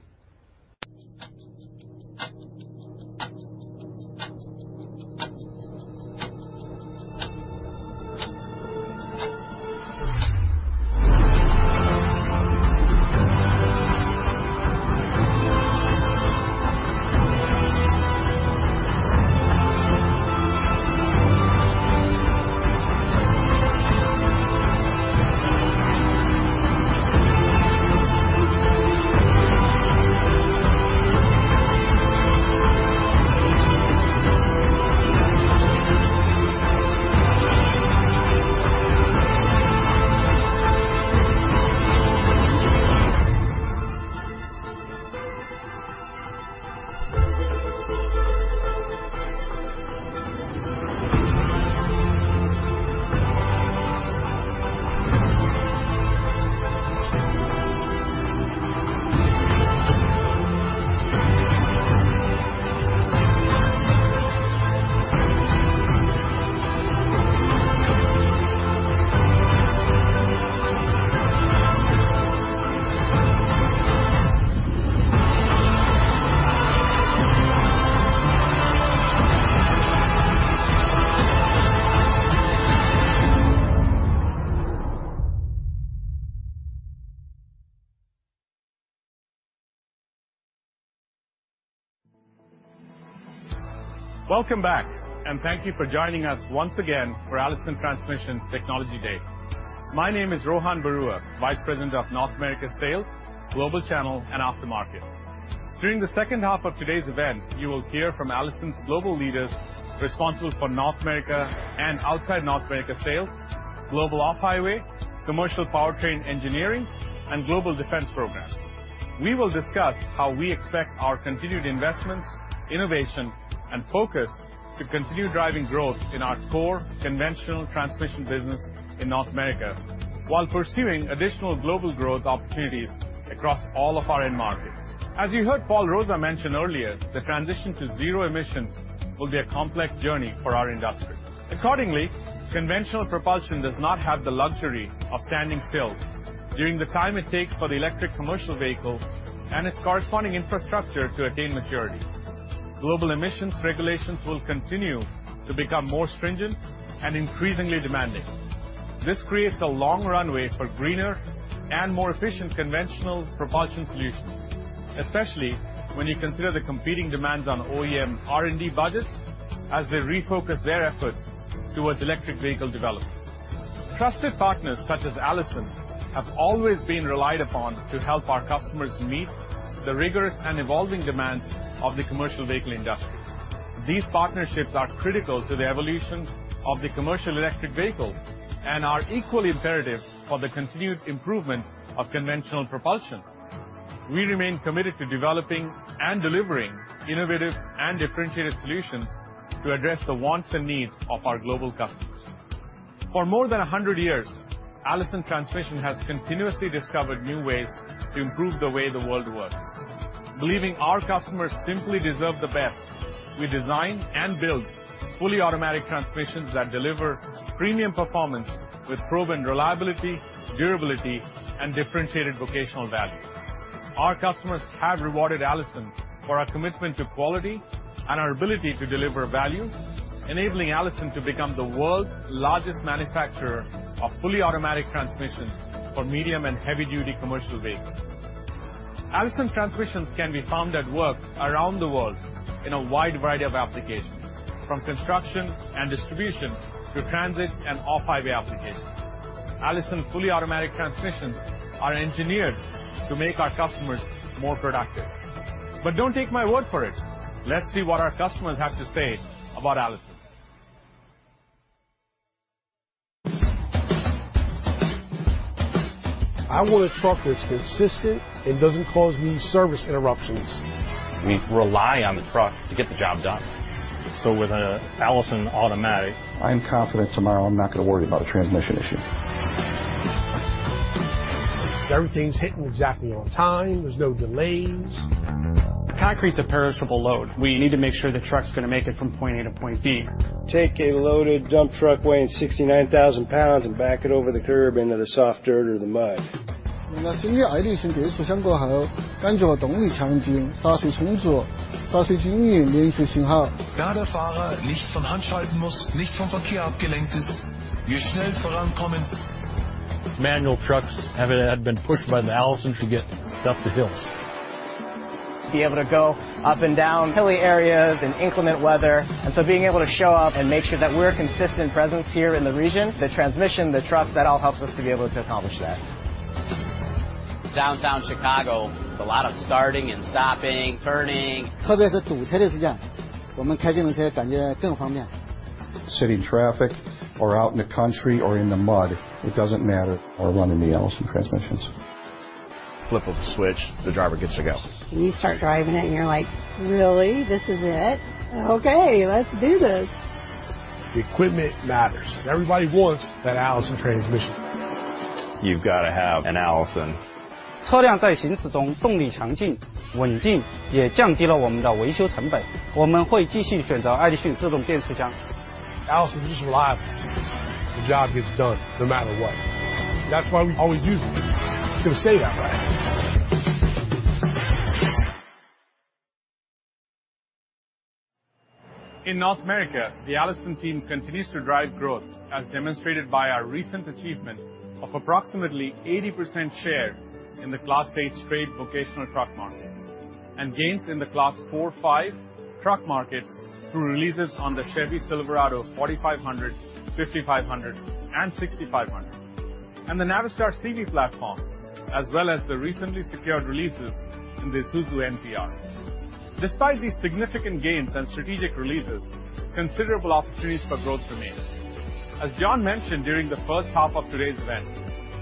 Welcome back, and thank you for joining us once again for Allison Transmission's Technology Day. My name is Rohan Baruah, Vice President of North America Sales, Global Channel, and Aftermarket. During the second half of today's event, you will hear from Allison's global leaders responsible for North America and outside North America sales, global off-highway, commercial powertrain engineering, and global defense programs. We will discuss how we expect our continued investments, innovation, and focus to continue driving growth in our core conventional transmission business in North America while pursuing additional global growth opportunities across all of our end markets. As you heard Paul Rosa mention earlier, the transition to zero emissions will be a complex journey for our industry. Accordingly, conventional propulsion does not have the luxury of standing still during the time it takes for the electric commercial vehicle and its corresponding infrastructure to attain maturity. Global emissions regulations will continue to become more stringent and increasingly demanding. This creates a long runway for greener and more efficient conventional propulsion solutions, especially when you consider the competing demands on OEM R&D budgets as they refocus their efforts towards electric vehicle development. Trusted partners, such as Allison, have always been relied upon to help our customers meet the rigorous and evolving demands of the commercial vehicle industry. These partnerships are critical to the evolution of the commercial electric vehicle and are equally imperative for the continued improvement of conventional propulsion. We remain committed to developing and delivering innovative and differentiated solutions to address the wants and needs of our global customers. For more than 100 years, Allison Transmission has continuously discovered new ways to improve the way the world works. Believing our customers simply deserve the best, we design and build fully automatic transmissions that deliver premium performance with proven reliability, durability, and differentiated vocational value. Our customers have rewarded Allison for our commitment to quality and our ability to deliver value, enabling Allison to become the world's largest manufacturer of fully automatic transmissions for medium- and heavy-duty commercial vehicles. Allison transmissions can be found at work around the world in a wide variety of applications, from construction and distribution to transit and off-highway applications. Allison fully automatic transmissions are engineered to make our customers more productive. But don't take my word for it. Let's see what our customers have to say about Allison. I want a truck that's consistent and doesn't cause me service interruptions. We rely on the truck to get the job done. So with an Allison automatic-... I am confident tomorrow I'm not going to worry about a transmission issue. Everything's hitting exactly on time. There's no delays. Concrete's a perishable load. We need to make sure the truck's going to make it from point A to point B. Take a loaded dump truck weighing 69,000 pounds and back it over the curb into the soft dirt or the mud. Since switching to the Allison Transmission, I feel that the power is stronger, the braking is smooth, and the braking is uniform with no signs of failure. Because the driver does not have to shift gears manually and is not distracted from the traffic, we can move forward quickly. Manual trucks have been pushed by the Allison to get up the hills. Be able to go up and down hilly areas and inclement weather, and so being able to show up and make sure that we're a consistent presence here in the region, the transmission, the trucks, that all helps us to be able to accomplish that. Downtown Chicago, a lot of starting and stopping, turning. Especially when there is traffic congestion, we feel more convenient with this car. City traffic or out in the country or in the mud, it doesn't matter. We're running the Allison transmissions. Flip of the switch, the driver gets to go. You start driving it, and you're like, "Really? This is it? Okay, let's do this! The equipment matters. Everybody wants that Allison transmission. You've got to have an Allison. The vehicle is powerful and stable while driving, which also reduces our maintenance costs. We will continue to choose Allison automatic transmissions. Allison is just reliable. The job gets done no matter what. That's why we always use it. It's going to stay that way. ...In North America, the Allison team continues to drive growth, as demonstrated by our recent achievement of approximately 80% share in the Class 8 straight vocational truck market, and gains in the Class 4, 5 truck market through releases on the Chevy Silverado 4500, 500, and 6500, and the Navistar CV platform, as well as the recently secured releases in the Isuzu NPR. Despite these significant gains and strategic releases, considerable opportunities for growth remain. As John mentioned during the first half of today's event,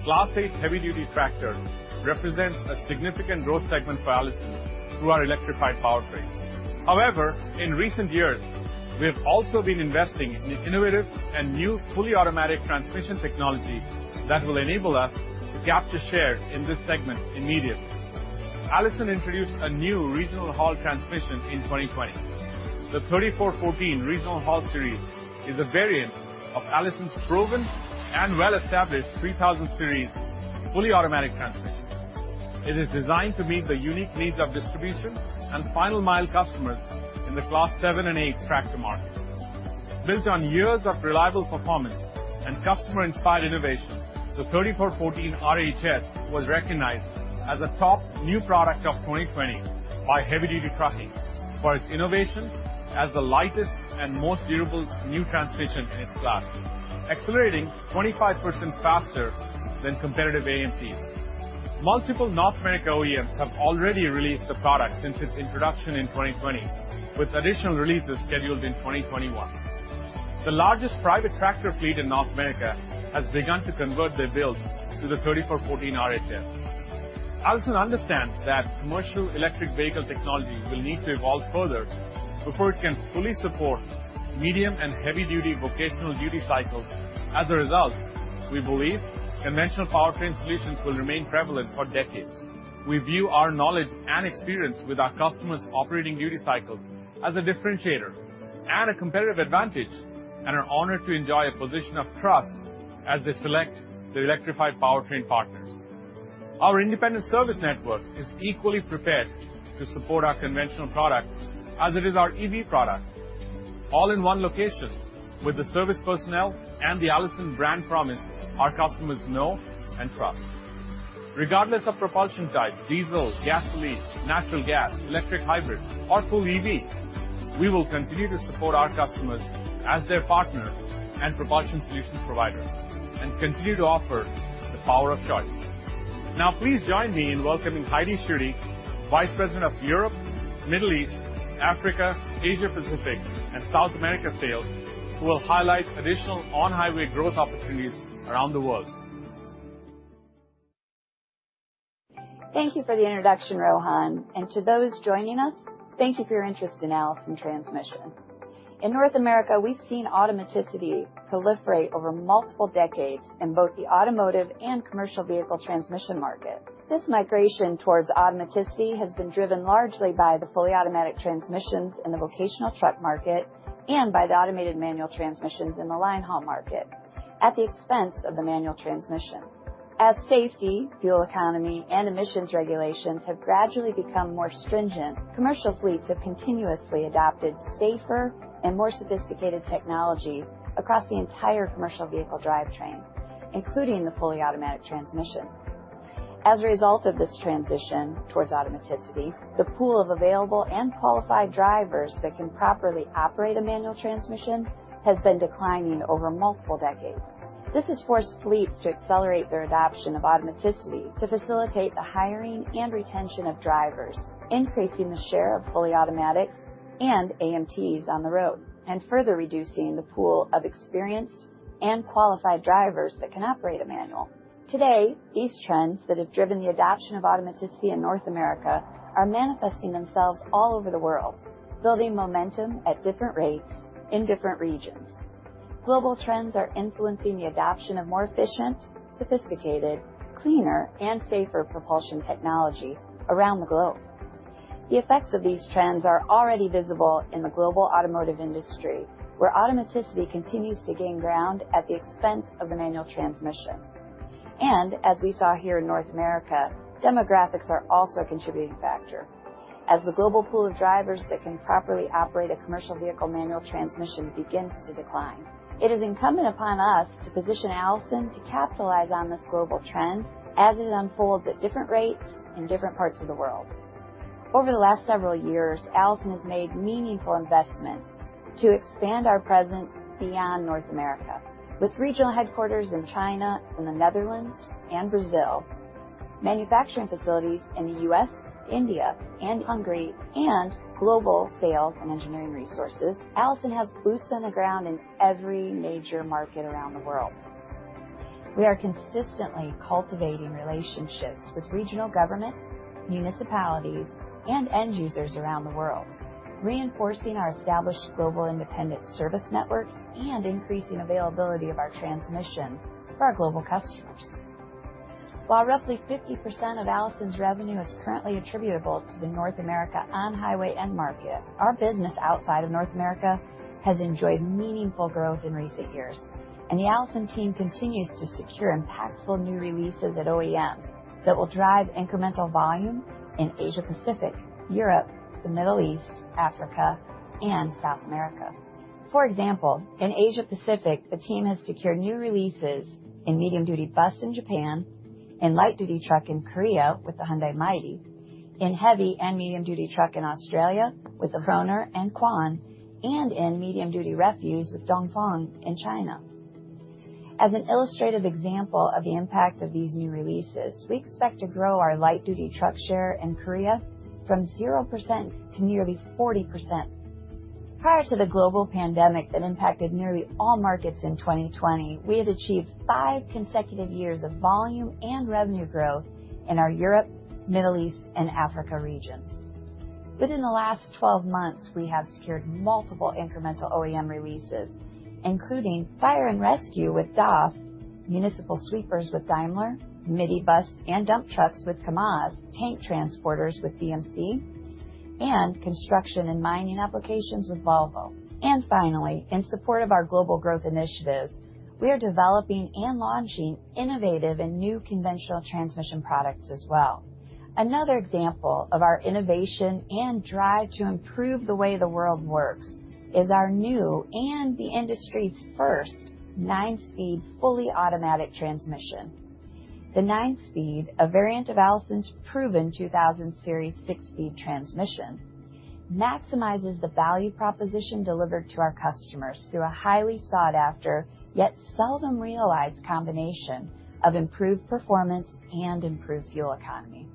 Class 8 heavy-duty tractor represents a significant growth segment for Allison through our electrified powertrains. However, in recent years, we have also been investing in innovative and new fully automatic transmission technology that will enable us to capture shares in this segment immediately. Allison introduced a new regional haul transmission in 2020. The 3414 Regional Haul Series is a variant of Allison's proven and well-established 3000 Series fully automatic transmission. It is designed to meet the unique needs of distribution and final mile customers in the Class 7 and 8 tractor market. Built on years of reliable performance and customer-inspired innovation, the 3414 RHS was recognized as a top new product of 2020 by Heavy Duty Trucking for its innovation as the lightest and most durable new transmission in its class, accelerating 25% faster than competitive AMTs. Multiple North American OEMs have already released the product since its introduction in 2020, with additional releases scheduled in 2021. The largest private tractor fleet in North America has begun to convert their builds to the 3414 RHS. Allison understands that commercial electric vehicle technology will need to evolve further before it can fully support medium and heavy-duty vocational duty cycles. As a result, we believe conventional powertrain solutions will remain prevalent for decades. We view our knowledge and experience with our customers' operating duty cycles as a differentiator and a competitive advantage, and are honored to enjoy a position of trust as they select their electrified powertrain partners. Our independent service network is equally prepared to support our conventional products as it is our EV products, all in one location with the service personnel and the Allison brand promise our customers know and trust. Regardless of propulsion type, diesel, gasoline, natural gas, electric, hybrid, or full EV, we will continue to support our customers as their partner and propulsion solution provider, and continue to offer the power of choice. Now, please join me in welcoming Heidi Schutte, Vice President of Europe, Middle East, Africa, Asia Pacific, and South America Sales, who will highlight additional on-highway growth opportunities around the world. Thank you for the introduction, Rohan, and to those joining us, thank you for your interest in Allison Transmission. In North America, we've seen automaticity proliferate over multiple decades in both the automotive and commercial vehicle transmission market. This migration towards automaticity has been driven largely by the fully automatic transmissions in the vocational truck market and by the automated manual transmissions in the linehaul market at the expense of the manual transmission. As safety, fuel economy, and emissions regulations have gradually become more stringent, commercial fleets have continuously adopted safer and more sophisticated technology across the entire commercial vehicle drivetrain, including the fully automatic transmission. As a result of this transition towards automaticity, the pool of available and qualified drivers that can properly operate a manual transmission has been declining over multiple decades. This has forced fleets to accelerate their adoption of automaticity to facilitate the hiring and retention of drivers, increasing the share of fully automatics and AMTs on the road, and further reducing the pool of experienced and qualified drivers that can operate a manual. Today, these trends that have driven the adoption of automaticity in North America are manifesting themselves all over the world, building momentum at different rates in different regions. Global trends are influencing the adoption of more efficient, sophisticated, cleaner, and safer propulsion technology around the globe. The effects of these trends are already visible in the global automotive industry, where automaticity continues to gain ground at the expense of the manual transmission. As we saw here in North America, demographics are also a contributing factor. As the global pool of drivers that can properly operate a commercial vehicle manual transmission begins to decline, it is incumbent upon us to position Allison to capitalize on this global trend as it unfolds at different rates in different parts of the world. Over the last several years, Allison has made meaningful investments to expand our presence beyond North America. With regional headquarters in China, in the Netherlands, and Brazil, manufacturing facilities in the U.S., India, and Hungary, and global sales and engineering resources, Allison has boots on the ground in every major market around the world. We are consistently cultivating relationships with regional governments, municipalities, and end users around the world, reinforcing our established global independent service network and increasing availability of our transmissions for our global customers. While roughly 50% of Allison's revenue is currently attributable to the North America on-highway end market, our business outside of North America has enjoyed meaningful growth in recent years, and the Allison team continues to secure impactful new releases at OEMs that will drive incremental volume in Asia Pacific, Europe, the Middle East, Africa, and South America. For example, in Asia Pacific, the team has secured new releases in medium-duty bus in Japan, and light-duty truck in Korea with the Hyundai Mighty, in heavy and medium-duty truck in Australia with the Croner and Quon, and in medium-duty refuse with Dongfeng in China. As an illustrative example of the impact of these new releases, we expect to grow our light-duty truck share in Korea from 0% to nearly 40%. Prior to the global pandemic that impacted nearly all markets in 2020, we had achieved 5 consecutive years of volume and revenue growth in our Europe, Middle East, and Africa region. Within the last 12 months, we have secured multiple incremental OEM releases, including fire and rescue with DAF, municipal sweepers with Daimler, midi bus and dump trucks with Kamaz, tank transporters with BMC, and construction and mining applications with Volvo. Finally, in support of our global growth initiatives, we are developing and launching innovative and new conventional transmission products as well. Another example of our innovation and drive to improve the way the world works is our new and the industry's first 9-speed, fully automatic transmission. The nine-speed, a variant of Allison's proven 2000 Series six-speed transmission, maximizes the value proposition delivered to our customers through a highly sought after, yet seldom realized combination of improved performance and improved fuel economy.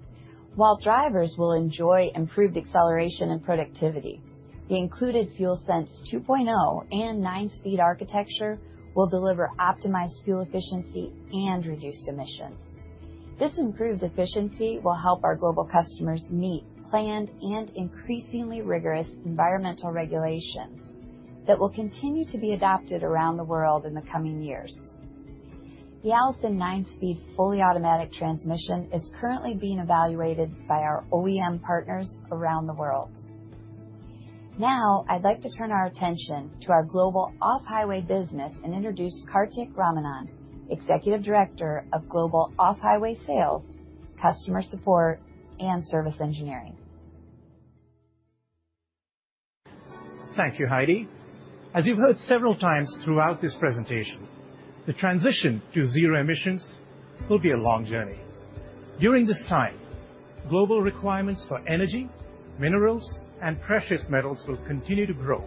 While drivers will enjoy improved acceleration and productivity, the included FuelSense 2.0 and nine-speed architecture will deliver optimized fuel efficiency and reduced emissions. This improved efficiency will help our global customers meet planned and increasingly rigorous environmental regulations that will continue to be adopted around the world in the coming years. The Allison nine-speed fully automatic transmission is currently being evaluated by our OEM partners around the world. Now, I'd like to turn our attention to our global off-highway business and introduce Kartik Ramanan, Executive Director of Global Off-Highway Sales, Customer Support, and Service Engineering. Thank you, Heidi. As you've heard several times throughout this presentation, the transition to zero emissions will be a long journey. During this time, global requirements for energy, minerals, and precious metals will continue to grow,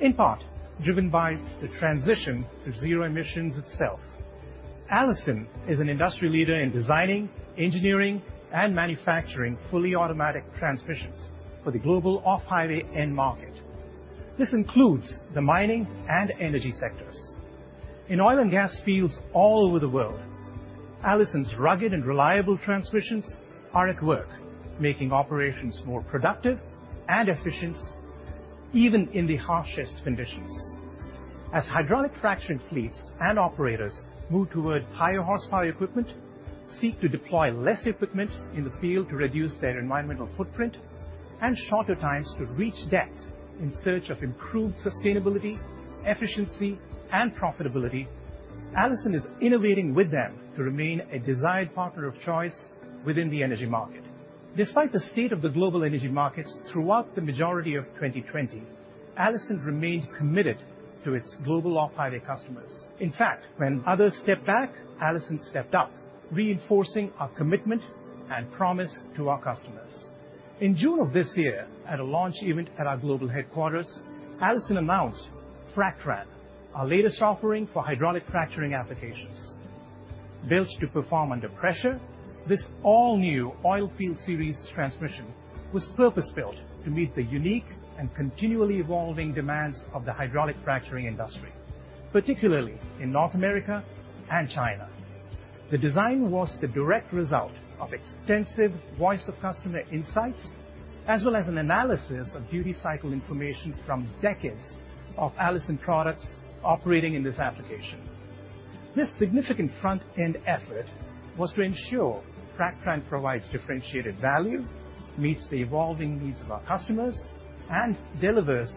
in part, driven by the transition to zero emissions itself. Allison is an industry leader in designing, engineering, and manufacturing fully automatic transmissions for the global off-highway end market. This includes the mining and energy sectors. In oil and gas fields all over the world, Allison's rugged and reliable transmissions are at work, making operations more productive and efficient, even in the harshest conditions. As hydraulic fracturing fleets and operators move toward higher horsepower equipment, seek to deploy less equipment in the field to reduce their environmental footprint, and shorter times to reach depth in search of improved sustainability, efficiency, and profitability, Allison is innovating with them to remain a desired partner of choice within the energy market. Despite the state of the global energy markets throughout the majority of 2020, Allison remained committed to its global off-highway customers. In fact, when others stepped back, Allison stepped up, reinforcing our commitment and promise to our customers. In June of this year, at a launch event at our global headquarters, Allison announced FracTran, our latest offering for hydraulic fracturing applications. Built to perform under pressure, this all-new oil field Series transmission was purpose-built to meet the unique and continually evolving demands of the hydraulic fracturing industry, particularly in North America and China. The design was the direct result of extensive voice of customer insights, as well as an analysis of duty cycle information from decades of Allison products operating in this application. This significant front-end effort was to ensure FracTran provides differentiated value, meets the evolving needs of our customers, and delivers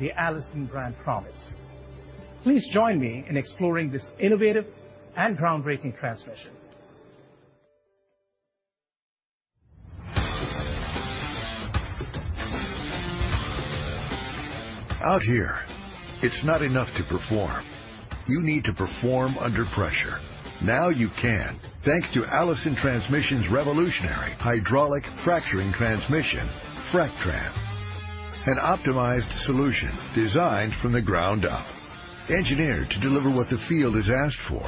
the Allison brand promise. Please join me in exploring this innovative and groundbreaking transmission. Out here, it's not enough to perform. You need to perform under pressure. Now you can, thanks to Allison Transmission's revolutionary hydraulic fracturing transmission, FracTran, an optimized solution designed from the ground up, engineered to deliver what the field has asked for,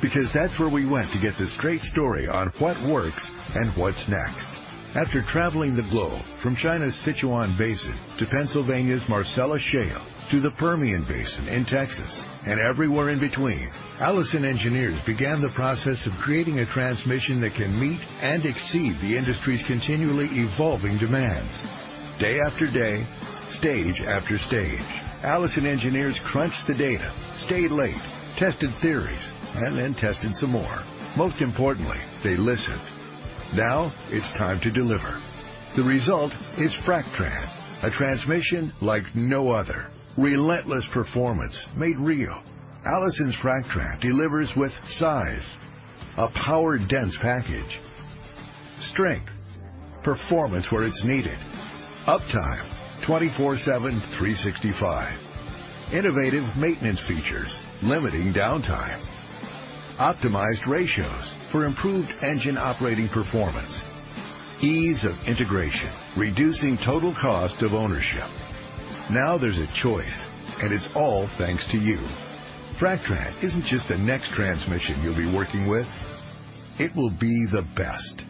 because that's where we went to get the straight story on what works and what's next. After traveling the globe from China's Sichuan Basin to Pennsylvania's Marcellus Shale to the Permian Basin in Texas and everywhere in between, Allison engineers began the process of creating a transmission that can meet and exceed the industry's continually evolving demands. Day after day, stage after stage, Allison engineers crunched the data, stayed late, tested theories, and then tested some more. Most importantly, they listened. Now it's time to deliver. The result is FracTran, a transmission like no other. Relentless performance made real. Allison's FracTran delivers with size, a power-dense package.... Strength, performance where it's needed. Uptime, 24/7, 365. Innovative maintenance features, limiting downtime. Optimized ratios for improved engine operating performance. Ease of integration, reducing total cost of ownership. Now there's a choice, and it's all thanks to you. FracTran isn't just the next transmission you'll be working with, it will be the best.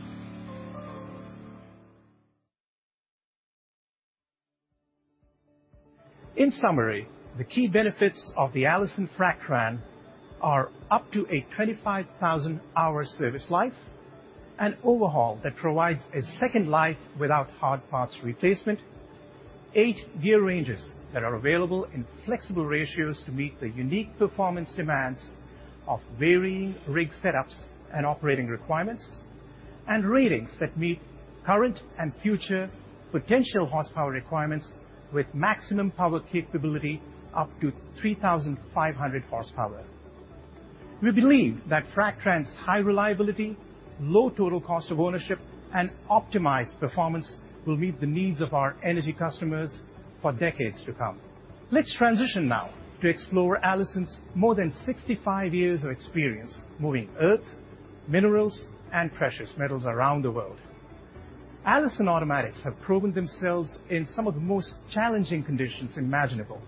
In summary, the key benefits of the Allison FracTran are up to a 25,000-hour service life, an overhaul that provides a second life without hard parts replacement, 8 gear ranges that are available in flexible ratios to meet the unique performance demands of varying rig setups and operating requirements, and ratings that meet current and future potential horsepower requirements with maximum power capability up to 3,500 horsepower. We believe that FracTran's high reliability, low total cost of ownership, and optimized performance will meet the needs of our energy customers for decades to come. Let's transition now to explore Allison's more than 65 years of experience moving earth, minerals, and precious metals around the world. Allison Automatics have proven themselves in some of the most challenging conditions imaginable,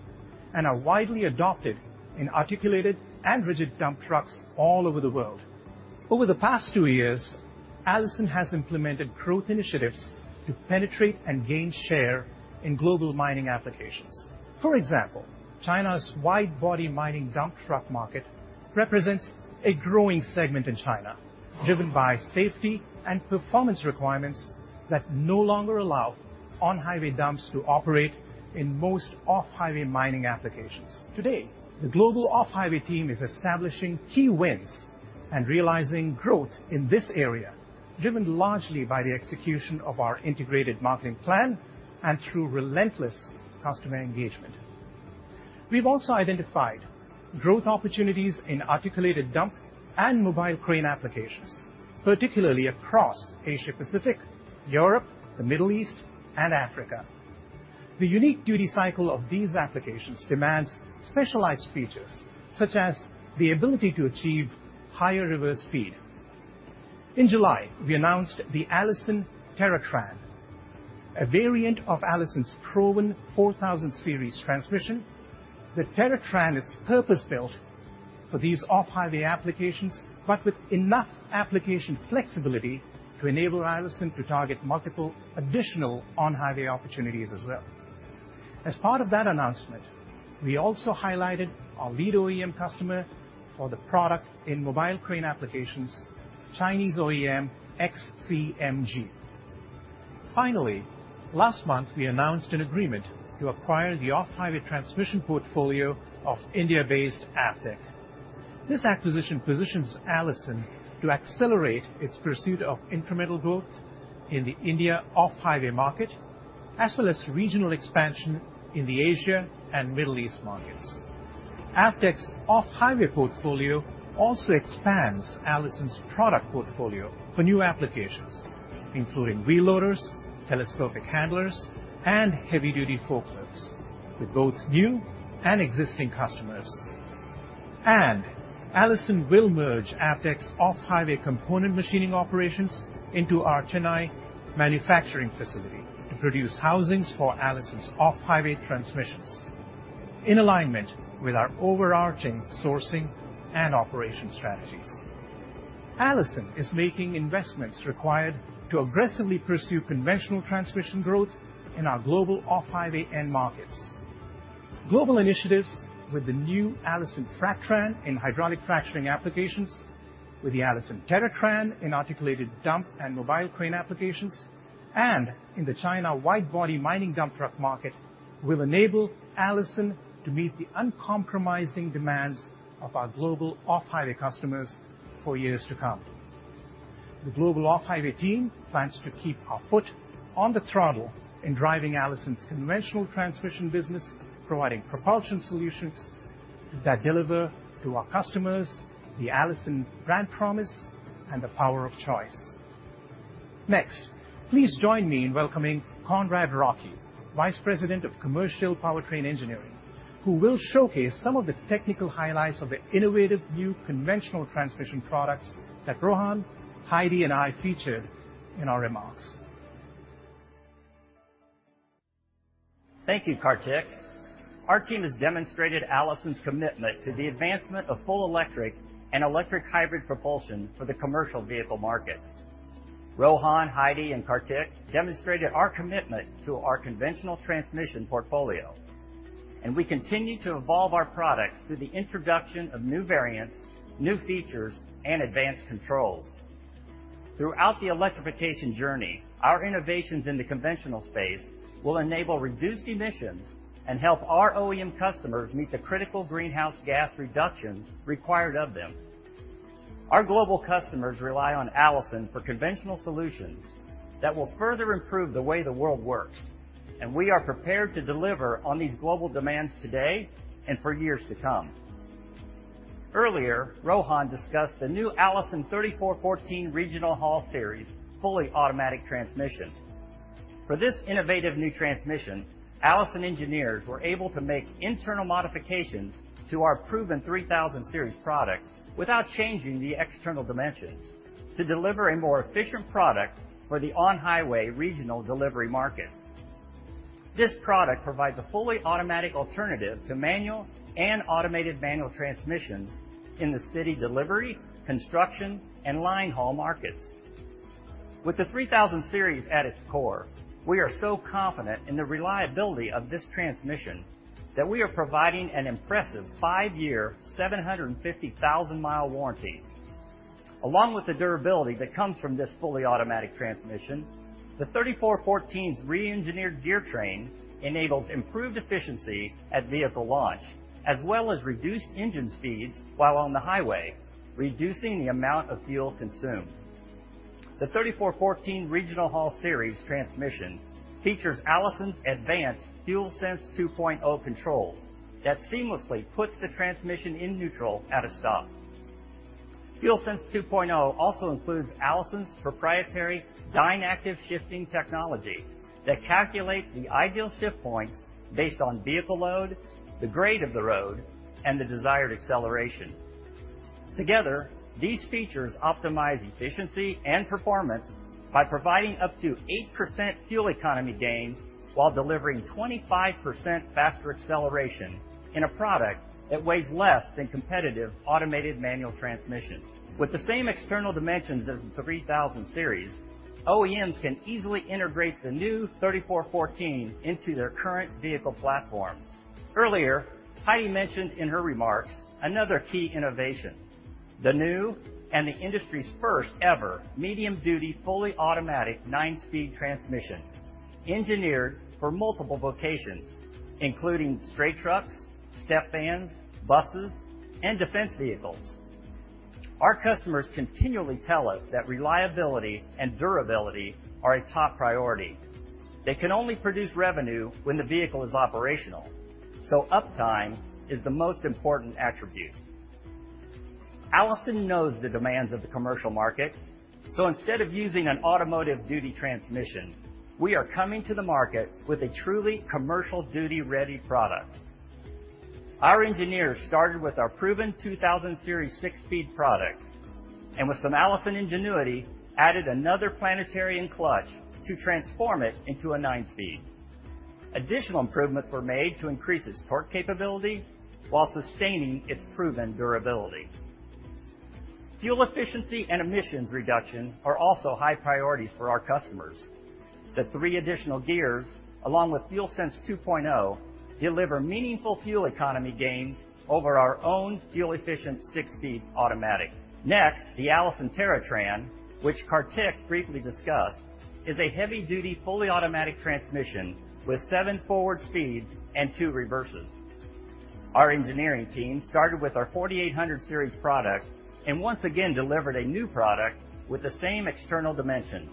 and are widely adopted in articulated and rigid dump trucks all over the world. Over the past two years, Allison has implemented growth initiatives to penetrate and gain share in global mining applications. For example, China's wide-body mining dump truck market represents a growing segment in China, driven by safety and performance requirements that no longer allow on-highway dumps to operate in most off-highway mining applications. Today, the global off-highway team is establishing key wins and realizing growth in this area, driven largely by the execution of our integrated marketing plan and through relentless customer engagement. We've also identified growth opportunities in articulated dump and mobile crane applications, particularly across Asia-Pacific, Europe, the Middle East, and Africa. The unique duty cycle of these applications demands specialized features, such as the ability to achieve higher reverse speed. In July, we announced the Allison TerraTran, a variant of Allison's proven 4000 Series transmission. The TerraTran is purpose-built for these off-highway applications, but with enough application flexibility to enable Allison to target multiple additional on-highway opportunities as well. As part of that announcement, we also highlighted our lead OEM customer for the product in mobile crane applications, Chinese OEM, XCMG. Finally, last month, we announced an agreement to acquire the off-highway transmission portfolio of India-based AVTEC. This acquisition positions Allison to accelerate its pursuit of incremental growth in the India off-highway market, as well as regional expansion in the Asia and Middle East markets. AVTEC's off-highway portfolio also expands Allison's product portfolio for new applications, including wheel loaders, telescopic handlers, and heavy-duty forklifts, with both new and existing customers. Allison will merge AVTEC's off-highway component machining operations into our Chennai manufacturing facility to produce housings for Allison's off-highway transmissions, in alignment with our overarching sourcing and operation strategies. Allison is making investments required to aggressively pursue conventional transmission growth in our global off-highway end markets. Global initiatives with the new Allison FracTran in hydraulic fracturing applications, with the Allison TerraTran in articulated dump and mobile crane applications, and in the China wide-body mining dump truck market, will enable Allison to meet the uncompromising demands of our global off-highway customers for years to come. The global off-highway team plans to keep our foot on the throttle in driving Allison's conventional transmission business, providing propulsion solutions that deliver to our customers the Allison brand promise and the power of choice. Next, please join me in welcoming Conrad Reinke, Vice President of Commercial Powertrain Engineering, who will showcase some of the technical highlights of the innovative new conventional transmission products that Rohan, Heidi, and I featured in our remarks. Thank you, Kartik. Our team has demonstrated Allison's commitment to the advancement of full electric and electric hybrid propulsion for the commercial vehicle market. Rohan, Heidi, and Kartik demonstrated our commitment to our conventional transmission portfolio, and we continue to evolve our products through the introduction of new variants, new features, and advanced controls. Throughout the electrification journey, our innovations in the conventional space will enable reduced emissions and help our OEM customers meet the critical greenhouse gas reductions required of them. Our global customers rely on Allison for conventional solutions that will further improve the way the world works, and we are prepared to deliver on these global demands today and for years to come.... Earlier, Rohan discussed the new Allison 3414 Regional Haul Series, fully automatic transmission. For this innovative new transmission, Allison engineers were able to make internal modifications to our proven 3,000 Series product without changing the external dimensions, to deliver a more efficient product for the on-highway regional delivery market. This product provides a fully automatic alternative to manual and automated manual transmissions in the city delivery, construction, and line haul markets. With the 3,000 Series at its core, we are so confident in the reliability of this transmission, that we are providing an impressive five-year, 750,000 mile warranty. Along with the durability that comes from this fully automatic transmission, the 3414's re-engineered gear train enables improved efficiency at vehicle launch, as well as reduced engine speeds while on the highway, reducing the amount of fuel consumed. The 3414 Regional Haul Series transmission features Allison's advanced FuelSense 2.0 controls, that seamlessly puts the transmission in neutral at a stop. FuelSense 2.0 also includes Allison's proprietary DynActive Shifting technology, that calculates the ideal shift points based on vehicle load, the grade of the road, and the desired acceleration. Together, these features optimize efficiency and performance by providing up to 8% fuel economy gains, while delivering 25% faster acceleration in a product that weighs less than competitive automated manual transmissions. With the same external dimensions as the 3000 Series, OEMs can easily integrate the new 3414 into their current vehicle platforms. Earlier, Heidi mentioned in her remarks another key innovation, the new, and the industry's first ever, medium-duty, fully automatic, 9-speed transmission, engineered for multiple vocations, including straight trucks, step vans, buses, and defense vehicles. Our customers continually tell us that reliability and durability are a top priority. They can only produce revenue when the vehicle is operational, so uptime is the most important attribute. Allison knows the demands of the commercial market, so instead of using an automotive-duty transmission, we are coming to the market with a truly commercial duty-ready product. Our engineers started with our proven 2000 Series six-speed product, and with some Allison ingenuity, added another planetary and clutch to transform it into a nine-speed. Additional improvements were made to increase its torque capability while sustaining its proven durability. Fuel efficiency and emissions reduction are also high priorities for our customers. The three additional gears, along with FuelSense 2.0, deliver meaningful fuel economy gains over our own fuel-efficient six-speed automatic. Next, the Allison TerraTran, which Kartik briefly discussed, is a heavy-duty, fully automatic transmission with seven forward speeds and two reverses. Our engineering team started with our 4800 Series product, and once again delivered a new product with the same external dimensions,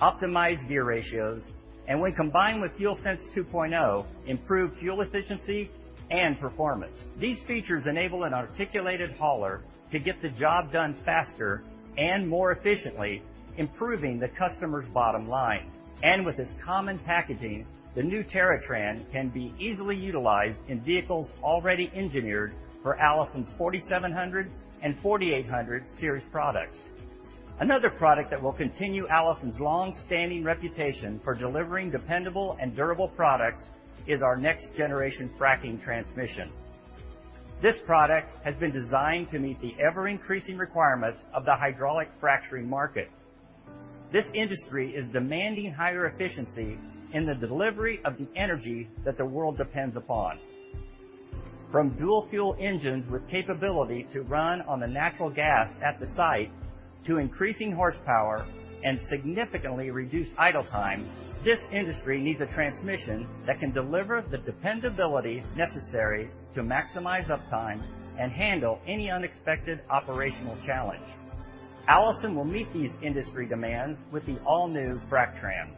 optimized gear ratios, and when combined with FuelSense 2.0, improved fuel efficiency and performance. These features enable an articulated hauler to get the job done faster and more efficiently, improving the customer's bottom line. And with this common packaging, the new TerraTran can be easily utilized in vehicles already engineered for Allison's 4700 and 4800 Series products. Another product that will continue Allison's long-standing reputation for delivering dependable and durable products is our next generation FracTran. This product has been designed to meet the ever-increasing requirements of the hydraulic fracturing market. This industry is demanding higher efficiency in the delivery of the energy that the world depends upon. From dual-fuel engines with capability to run on the natural gas at the site, to increasing horsepower and significantly reduced idle time, this industry needs a transmission that can deliver the dependability necessary to maximize uptime and handle any unexpected operational challenge. Allison will meet these industry demands with the all-new FracTran.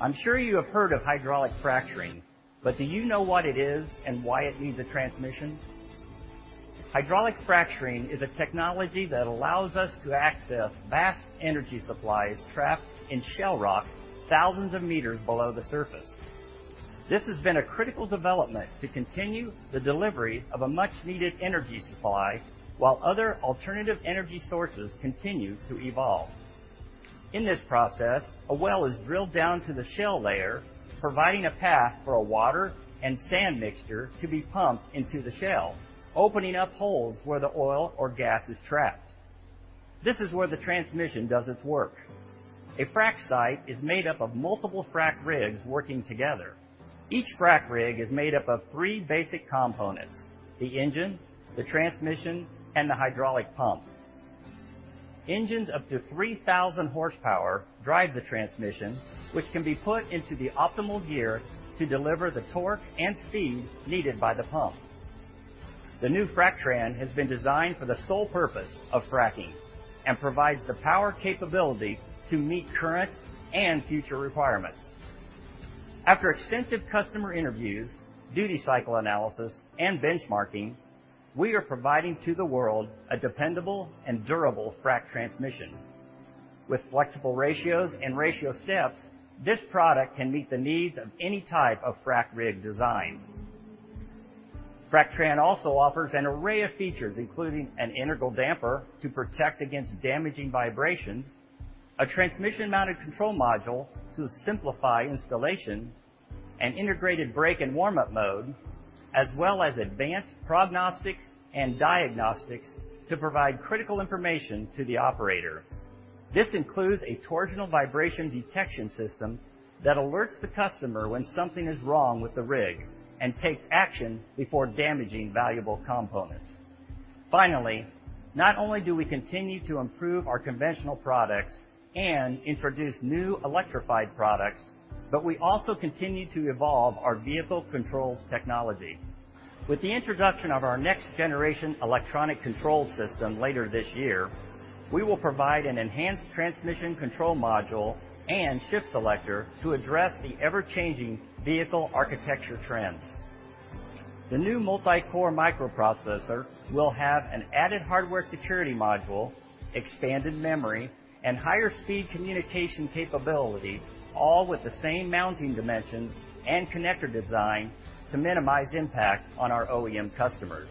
I'm sure you have heard of hydraulic fracturing, but do you know what it is and why it needs a transmission? Hydraulic fracturing is a technology that allows us to access vast energy supplies trapped in shale rock, thousands of meters below the surface. This has been a critical development to continue the delivery of a much-needed energy supply, while other alternative energy sources continue to evolve. In this process, a well is drilled down to the shale layer, providing a path for a water and sand mixture to be pumped into the shale, opening up holes where the oil or gas is trapped. This is where the transmission does its work. A frack site is made up of multiple frack rigs working together. Each frack rig is made up of three basic components: the engine, the transmission, and the hydraulic pump. Engines up to 3,000 horsepower drive the transmission, which can be put into the optimal gear to deliver the torque and speed needed by the pump. The new FracTran has been designed for the sole purpose of fracking, and provides the power capability to meet current and future requirements. After extensive customer interviews, duty cycle analysis, and benchmarking, we are providing to the world a dependable and durable frac transmission. With flexible ratios and ratio steps, this product can meet the needs of any type of frac rig design. FracTran also offers an array of features, including an integral damper to protect against damaging vibrations, a transmission-mounted control module to simplify installation, an integrated brake and warm-up mode, as well as advanced prognostics and diagnostics to provide critical information to the operator. This includes a torsional vibration detection system that alerts the customer when something is wrong with the rig and takes action before damaging valuable components. Finally, not only do we continue to improve our conventional products and introduce new electrified products, but we also continue to evolve our vehicle controls technology. With the introduction of our next-generation electronic control system later this year, we will provide an enhanced transmission control module and shift selector to address the ever-changing vehicle architecture trends. The new multi-core microprocessor will have an added hardware security module, expanded memory, and higher speed communication capability, all with the same mounting dimensions and connector design to minimize impact on our OEM customers.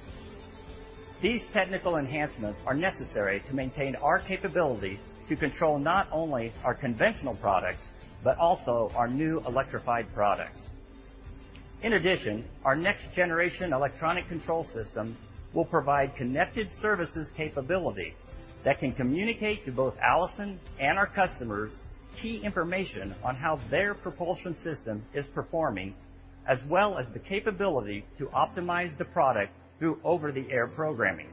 These technical enhancements are necessary to maintain our capability to control not only our conventional products, but also our new electrified products. In addition, our next-generation electronic control system will provide connected services capability that can communicate to both Allison and our customers key information on how their propulsion system is performing, as well as the capability to optimize the product through over-the-air programming.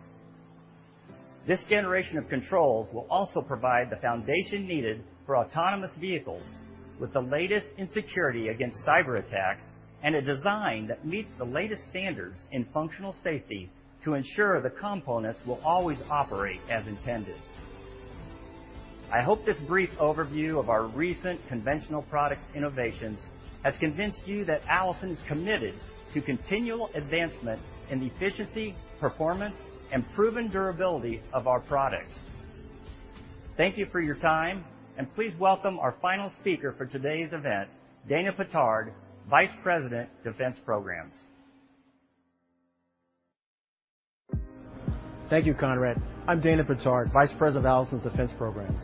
This generation of controls will also provide the foundation needed for autonomous vehicles, with the latest in security against cyber attacks and a design that meets the latest standards in functional safety to ensure the components will always operate as intended. I hope this brief overview of our recent conventional product innovations has convinced you that Allison is committed to continual advancement in the efficiency, performance, and proven durability of our products. Thank you for your time, and please welcome our final speaker for today's event, Dana Pittard, Vice President, Defense Programs. Thank you, Conrad. I'm Dana Pittard, Vice President of Allison's Defense Programs.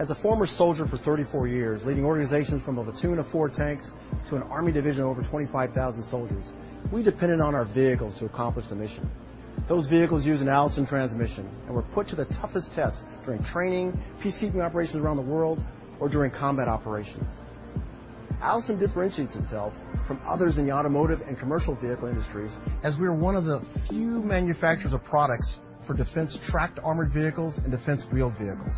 As a former soldier for 34 years, leading organizations from a platoon of 4 tanks to an Army division of over 25,000 soldiers, we depended on our vehicles to accomplish the mission. Those vehicles used an Allison transmission and were put to the toughest test during training, peacekeeping operations around the world, or during combat operations. Allison differentiates itself from others in the automotive and commercial vehicle industries, as we are one of the few manufacturers of products for defense tracked armored vehicles and defense wheeled vehicles.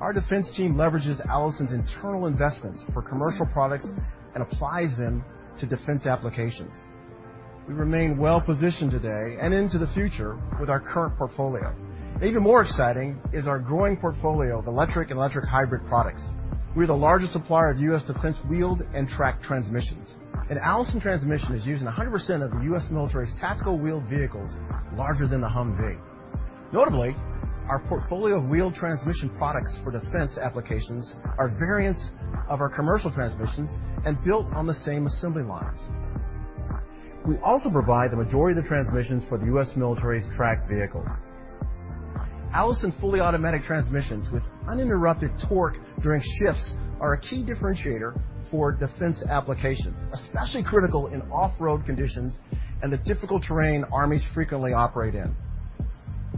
Our defense team leverages Allison's internal investments for commercial products and applies them to defense applications. We remain well-positioned today and into the future with our current portfolio. Even more exciting is our growing portfolio of electric and electric hybrid products. We're the largest supplier of U.S. defense wheeled and tracked transmissions, and Allison Transmission is used in 100% of the U.S. military's tactical wheeled vehicles larger than the Humvee. Notably, our portfolio of wheeled transmission products for defense applications are variants of our commercial transmissions and built on the same assembly lines. We also provide the majority of the transmissions for the U.S. military's tracked vehicles. Allison fully automatic transmissions, with uninterrupted torque during shifts, are a key differentiator for defense applications, especially critical in off-road conditions and the difficult terrain armies frequently operate in.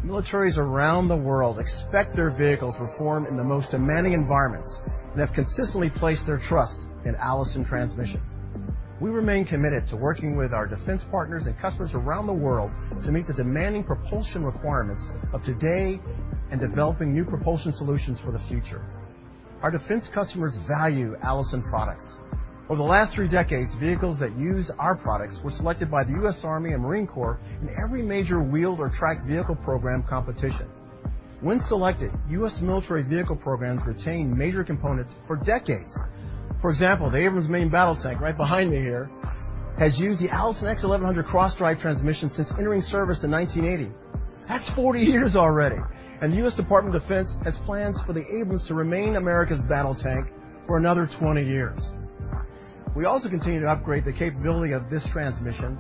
Militaries around the world expect their vehicles to perform in the most demanding environments and have consistently placed their trust in Allison Transmission. We remain committed to working with our defense partners and customers around the world to meet the demanding propulsion requirements of today and developing new propulsion solutions for the future. Our defense customers value Allison products. Over the last three decades, vehicles that use our products were selected by the U.S. Army and Marine Corps in every major wheeled or tracked vehicle program competition. When selected, US military vehicle programs retain major components for decades. For example, the Abrams main battle tank, right behind me here, has used the Allison X1100 cross-drive transmission since entering service in 1980. That's 40 years already, and the US Department of Defense has plans for the Abrams to remain America's battle tank for another 20 years. We also continue to upgrade the capability of this transmission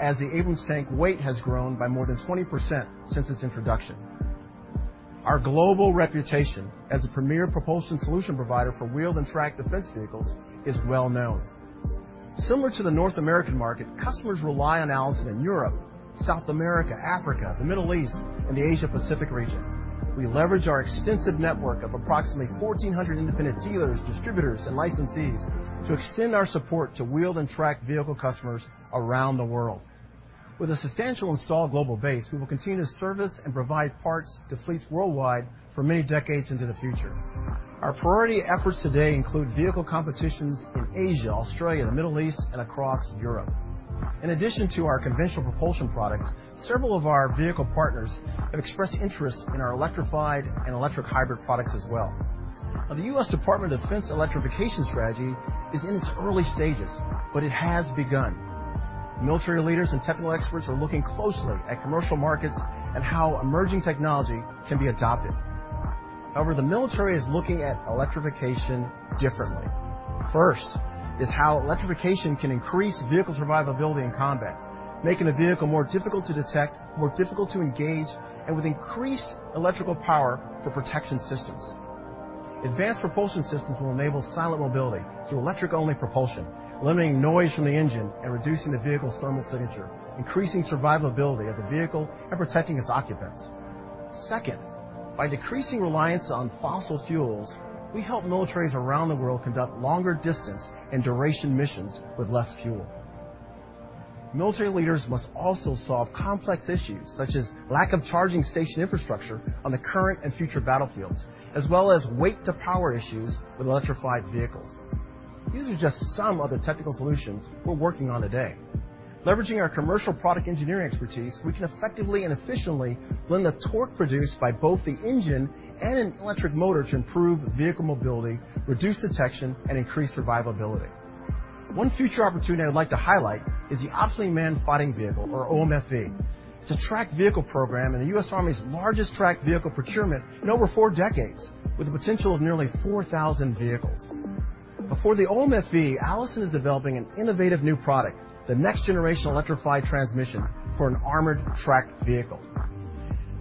as the Abrams tank weight has grown by more than 20% since its introduction. Our global reputation as a premier propulsion solution provider for wheeled and tracked defense vehicles is well known. Similar to the North American market, customers rely on Allison in Europe, South America, Africa, the Middle East, and the Asia Pacific region. We leverage our extensive network of approximately 1,400 independent dealers, distributors, and licensees to extend our support to wheeled and tracked vehicle customers around the world. With a substantial installed global base, we will continue to service and provide parts to fleets worldwide for many decades into the future. Our priority efforts today include vehicle competitions in Asia, Australia, the Middle East, and across Europe. In addition to our conventional propulsion products, several of our vehicle partners have expressed interest in our electrified and electric hybrid products as well. Now, the U.S. Department of Defense electrification strategy is in its early stages, but it has begun. Military leaders and technical experts are looking closely at commercial markets and how emerging technology can be adopted. However, the military is looking at electrification differently. First, is how electrification can increase vehicle survivability in combat, making the vehicle more difficult to detect, more difficult to engage, and with increased electrical power for protection systems. Advanced propulsion systems will enable silent mobility through electric-only propulsion, eliminating noise from the engine and reducing the vehicle's thermal signature, increasing survivability of the vehicle and protecting its occupants. Second, by decreasing reliance on fossil fuels, we help militaries around the world conduct longer distance and duration missions with less fuel. Military leaders must also solve complex issues, such as lack of charging station infrastructure on the current and future battlefields, as well as weight-to-power issues with electrified vehicles. These are just some of the technical solutions we're working on today. Leveraging our commercial product engineering expertise, we can effectively and efficiently blend the torque produced by both the engine and an electric motor to improve vehicle mobility, reduce detection, and increase survivability. One future opportunity I'd like to highlight is the Optionally Manned Fighting Vehicle, or OMFV. It's a tracked vehicle program and the US Army's largest tracked vehicle procurement in over four decades, with a potential of nearly 4,000 vehicles. But for the OMFV, Allison is developing an innovative new product, the next-generation electrified transmission, for an armored tracked vehicle.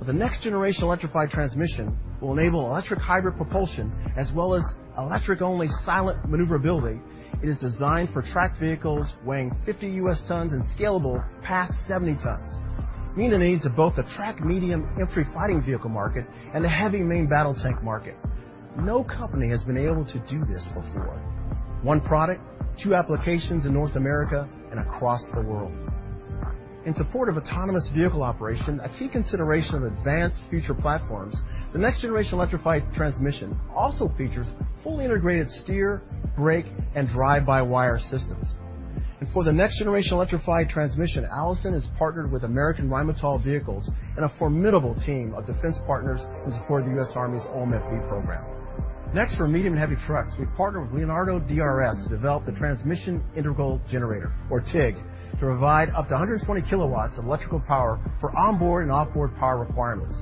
The next-generation electrified transmission will enable electric hybrid propulsion, as well as electric-only silent maneuverability. It is designed for tracked vehicles weighing 50 US tons and scalable past 70 tons, meeting the needs of both the tracked medium infantry fighting vehicle market and the heavy main battle tank market. No company has been able to do this before. One product, two applications in North America and across the world. In support of autonomous vehicle operation, a key consideration of advanced future platforms, the next-generation electrified transmission also features fully integrated steer, brake, and drive-by-wire systems. And for the next-generation electrified transmission, Allison has partnered with American Rheinmetall Vehicles and a formidable team of defense partners who support the U.S. Army's OMFV program. Next, for medium and heavy trucks, we partnered with Leonardo DRS to develop the Transmission Integral Generator, or TIG, to provide up to 120 kilowatts of electrical power for onboard and off-board power requirements.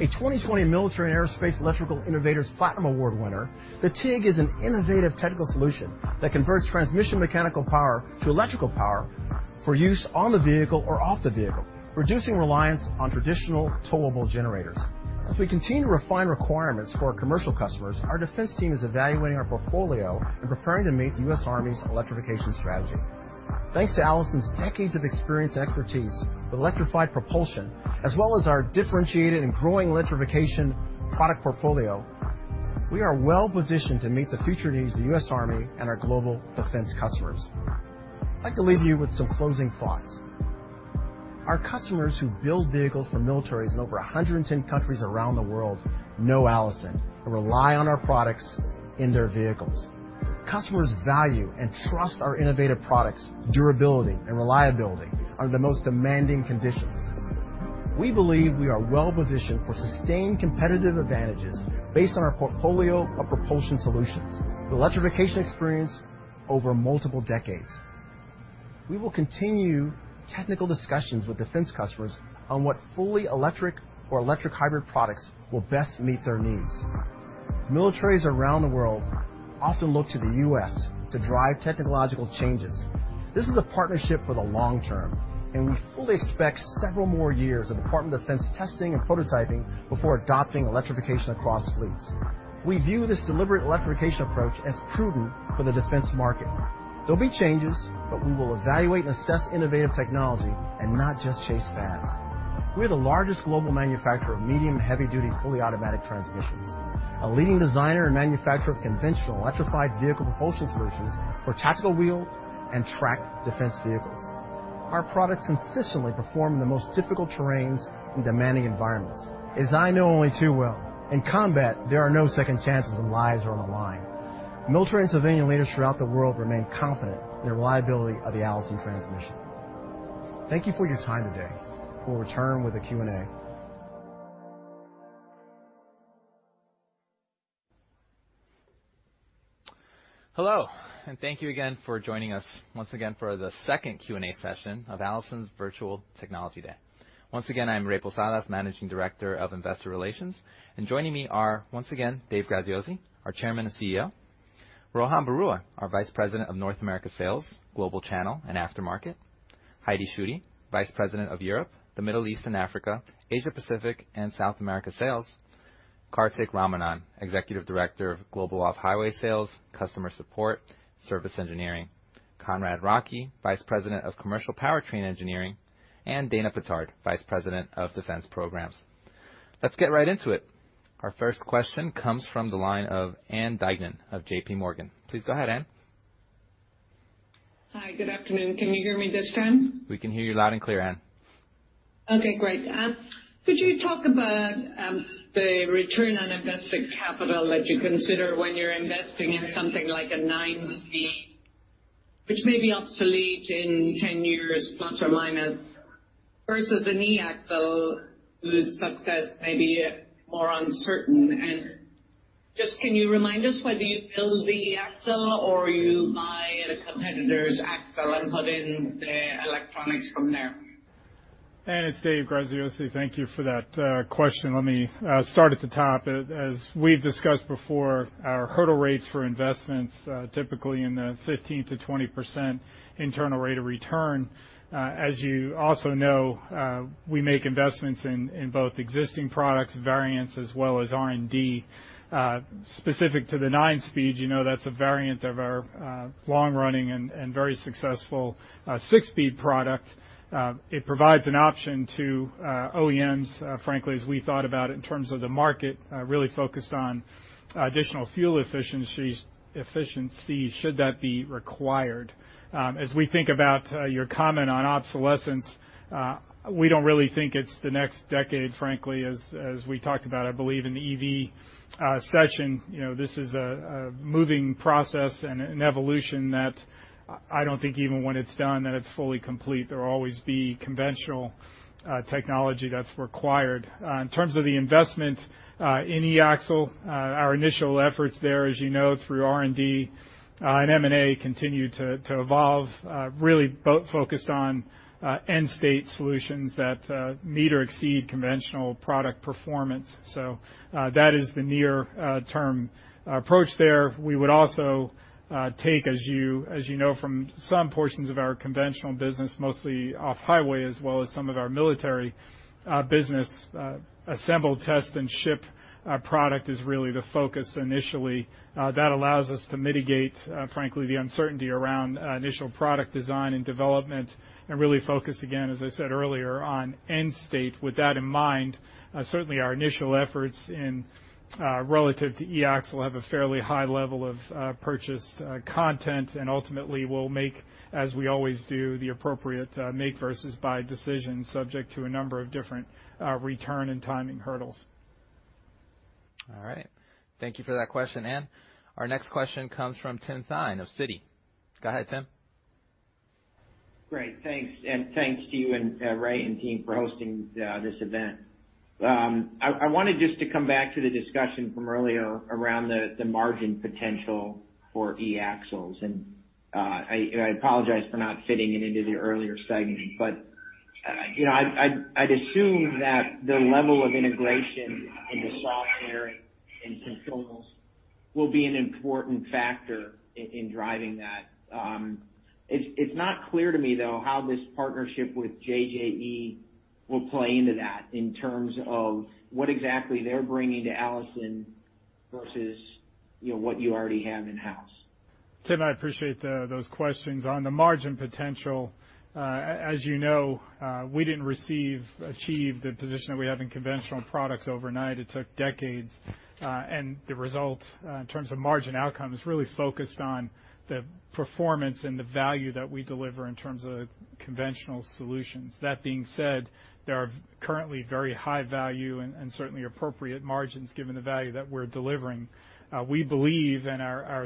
A 2020 Military and Aerospace Electrical Innovators Platinum Award winner, the TIG is an innovative technical solution that converts transmission mechanical power to electrical power for use on the vehicle or off the vehicle, reducing reliance on traditional towable generators. As we continue to refine requirements for our commercial customers, our defense team is evaluating our portfolio and preparing to meet the US Army's electrification strategy. Thanks to Allison's decades of experience and expertise with electrified propulsion, as well as our differentiated and growing electrification product portfolio, we are well positioned to meet the future needs of the US Army and our global defense customers. I'd like to leave you with some closing thoughts. Our customers, who build vehicles for militaries in over 110 countries around the world, know Allison and rely on our products in their vehicles. Customers value and trust our innovative products, durability, and reliability under the most demanding conditions. We believe we are well positioned for sustained competitive advantages based on our portfolio of propulsion solutions and electrification experience over multiple decades. We will continue technical discussions with defense customers on what fully electric or electric hybrid products will best meet their needs. Militaries around the world often look to the U.S. to drive technological changes. This is a partnership for the long term, and we fully expect several more years of Department of Defense testing and prototyping before adopting electrification across fleets. We view this deliberate electrification approach as prudent for the defense market. There'll be changes, but we will evaluate and assess innovative technology and not just chase fads. We're the largest global manufacturer of medium- and heavy-duty, fully automatic transmissions, a leading designer and manufacturer of conventional electrified vehicle propulsion solutions for tactical wheeled and tracked defense vehicles. Our products consistently perform in the most difficult terrains and demanding environments. As I know only too well, in combat, there are no second chances when lives are on the line. Military and civilian leaders throughout the world remain confident in the reliability of the Allison Transmission. Thank you for your time today. We'll return with a Q&A. Hello, and thank you again for joining us once again for the second Q&A session of Allison's Virtual Technology Day. Once again, I'm Ray Posadas, Managing Director of Investor Relations. And joining me are, once again, Dave Graziosi, our Chairman and CEO; Rohan Baruah, our Vice President of North America Sales, Global Channel, and Aftermarket; Heidi Schutte, Vice President of Europe, the Middle East and Africa, Asia Pacific, and South America Sales; Kartik Ramanan, Executive Director of Global Off-Highway Sales, Customer Support, Service Engineering; Conrad Reinke, Vice President of Commercial Powertrain Engineering; and Dana Pittard, Vice President of Defense Programs. Let's get right into it. Our first question comes from the line of Ann Duignan of JP Morgan. Please go ahead, Ann. Hi, good afternoon. Can you hear me this time? We can hear you loud and clear, Ann.... Okay, great. Could you talk about the return on invested capital that you consider when you're investing in something like a 9-speed, which may be obsolete in 10 years ±, versus an e-axle, whose success may be more uncertain? And just, can you remind us whether you build the e-axle or you buy a competitor's axle and put in the electronics from there? Anne, it's Dave Graziosi. Thank you for that, question. Let me, start at the top. As, as we've discussed before, our hurdle rates for investments, typically in the 15%-20% internal rate of return. As you also know, we make investments in, in both existing products, variants, as well as R&D. Specific to the 9-speed, you know, that's a variant of our, long-running and, and very successful, 6-speed product. It provides an option to, OEMs, frankly, as we thought about it, in terms of the market, really focused on additional fuel efficiencies, efficiency, should that be required. As we think about, your comment on obsolescence, we don't really think it's the next decade, frankly, as, as we talked about, I believe, in the EV, session. You know, this is a moving process and an evolution that I don't think even when it's done, that it's fully complete. There will always be conventional technology that's required. In terms of the investment in e-axle, our initial efforts there, as you know, through R&D and M&A, continue to evolve, really both focused on end-state solutions that meet or exceed conventional product performance. So, that is the near term approach there. We would also take, as you know, from some portions of our conventional business, mostly off-highway, as well as some of our military business, assemble, test, and ship product is really the focus initially. That allows us to mitigate, frankly, the uncertainty around initial product design and development, and really focus, again, as I said earlier, on end state. With that in mind, certainly our initial efforts in relative to e-axle have a fairly high level of purchased content, and ultimately will make, as we always do, the appropriate make versus buy decisions, subject to a number of different return and timing hurdles. All right. Thank you for that question, Anne. Our next question comes from Tim Thein of Citi. Go ahead, Tim. Great, thanks. And thanks to you and Ray and team for hosting this event. I wanted just to come back to the discussion from earlier around the margin potential for e-axles. I apologize for not fitting it into the earlier segment, but you know, I'd assume that the level of integration in the software and controls will be an important factor in driving that. It's not clear to me, though, how this partnership with JJE will play into that, in terms of what exactly they're bringing to Allison versus what you already have in-house. Tim, I appreciate those questions. On the margin potential, as you know, we didn't achieve the position that we have in conventional products overnight. It took decades, and the result in terms of margin outcome is really focused on the performance and the value that we deliver in terms of conventional solutions. That being said, there are currently very high value and certainly appropriate margins, given the value that we're delivering. We believe and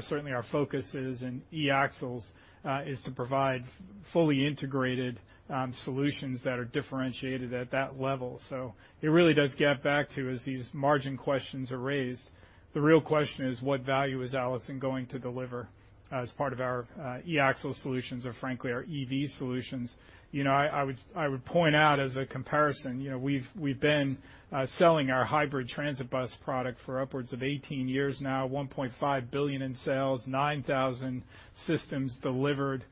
certainly our focus is in e-axles to provide fully integrated solutions that are differentiated at that level. So it really does get back to, as these margin questions are raised, the real question is: What value is Allison going to deliver as part of our e-axle solutions or frankly, our EV solutions? You know, I would point out as a comparison, you know, we've been selling our hybrid transit bus product for upwards of 18 years now, $1.5 billion in sales, 9,000 systems delivered.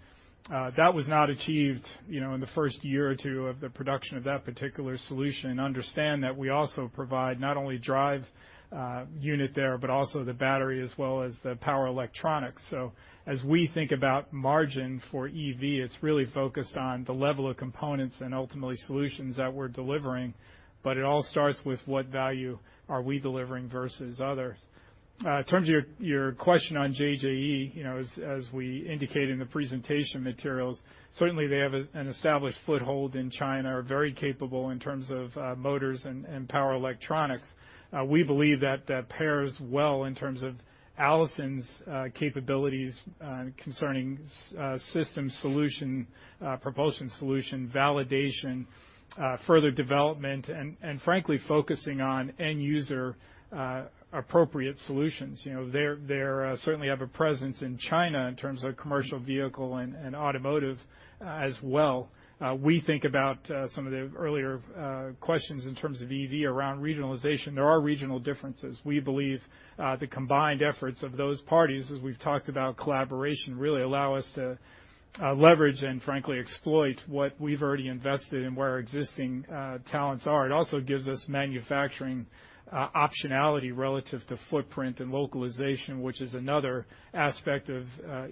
That was not achieved, you know, in the first year or two of the production of that particular solution. And understand that we also provide not only drive unit there, but also the battery, as well as the power electronics. So as we think about margin for EV, it's really focused on the level of components and ultimately solutions that we're delivering. But it all starts with what value are we delivering versus others. In terms of your question on JJE, you know, as we indicated in the presentation materials, certainly they have an established foothold in China, are very capable in terms of motors and power electronics. We believe that that pairs well in terms of Allison's capabilities concerning system solution, propulsion solution, validation, further development, and frankly, focusing on end user appropriate solutions. You know, they certainly have a presence in China in terms of commercial vehicle and automotive as well. We think about some of the earlier questions in terms of EV around regionalization. There are regional differences. We believe the combined efforts of those parties, as we've talked about collaboration, really allow us to leverage and frankly exploit what we've already invested and where our existing talents are. It also gives us manufacturing optionality relative to footprint and localization, which is another aspect of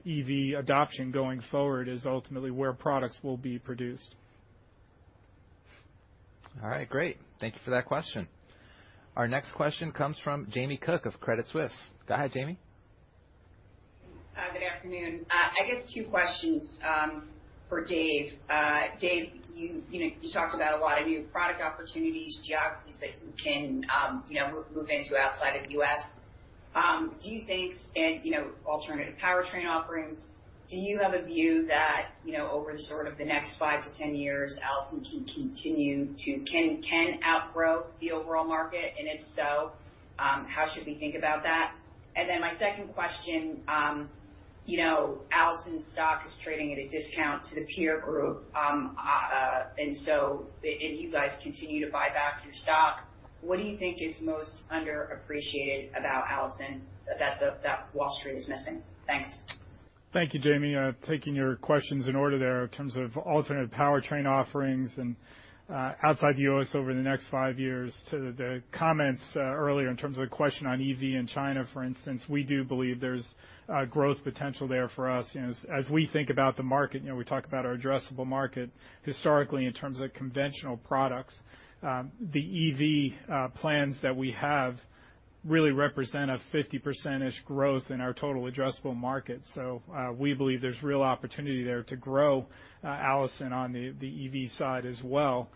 EV adoption going forward, is ultimately where products will be produced. All right, great. Thank you for that question. Our next question comes from Jamie Cook of Credit Suisse. Go ahead, Jamie. Good afternoon. I guess two questions for Dave. Dave, you know, you talked about a lot of new product opportunities, geographies that you can, you know, move into outside of the US. Do you think, and, you know, alternative powertrain offerings, do you have a view that, you know, over the sort of the next five to 10 years, Allison can continue to can outgrow the overall market? And if so, how should we think about that? And then my second question, you know, Allison's stock is trading at a discount to the peer group. And so, and you guys continue to buy back your stock. What do you think is most underappreciated about Allison that Wall Street is missing? Thanks. Thank you, Jamie. Taking your questions in order there, in terms of alternative powertrain offerings and outside the US over the next five years. To the comments earlier, in terms of the question on EV in China, for instance, we do believe there's growth potential there for us. You know, as we think about the market, you know, we talk about our addressable market historically in terms of conventional products. The EV plans that we have really represent a 50%-ish growth in our total addressable market. So, we believe there's real opportunity there to grow, Allison on the EV side as well,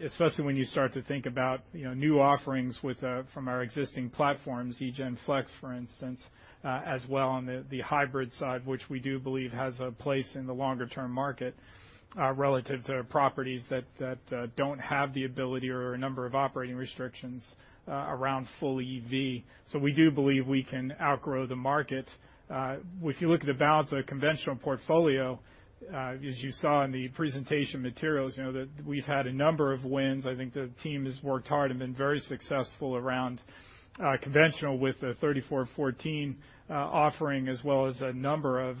especially when you start to think about, you know, new offerings with from our existing platforms, eGen Flex, for instance, as well on the hybrid side, which we do believe has a place in the longer term market, relative to properties that don't have the ability or a number of operating restrictions, around full EV. So we do believe we can outgrow the market. If you look at the balance of the conventional portfolio, as you saw in the presentation materials, you know, that we've had a number of wins. I think the team has worked hard and been very successful around conventional with the 3414 offering, as well as a number of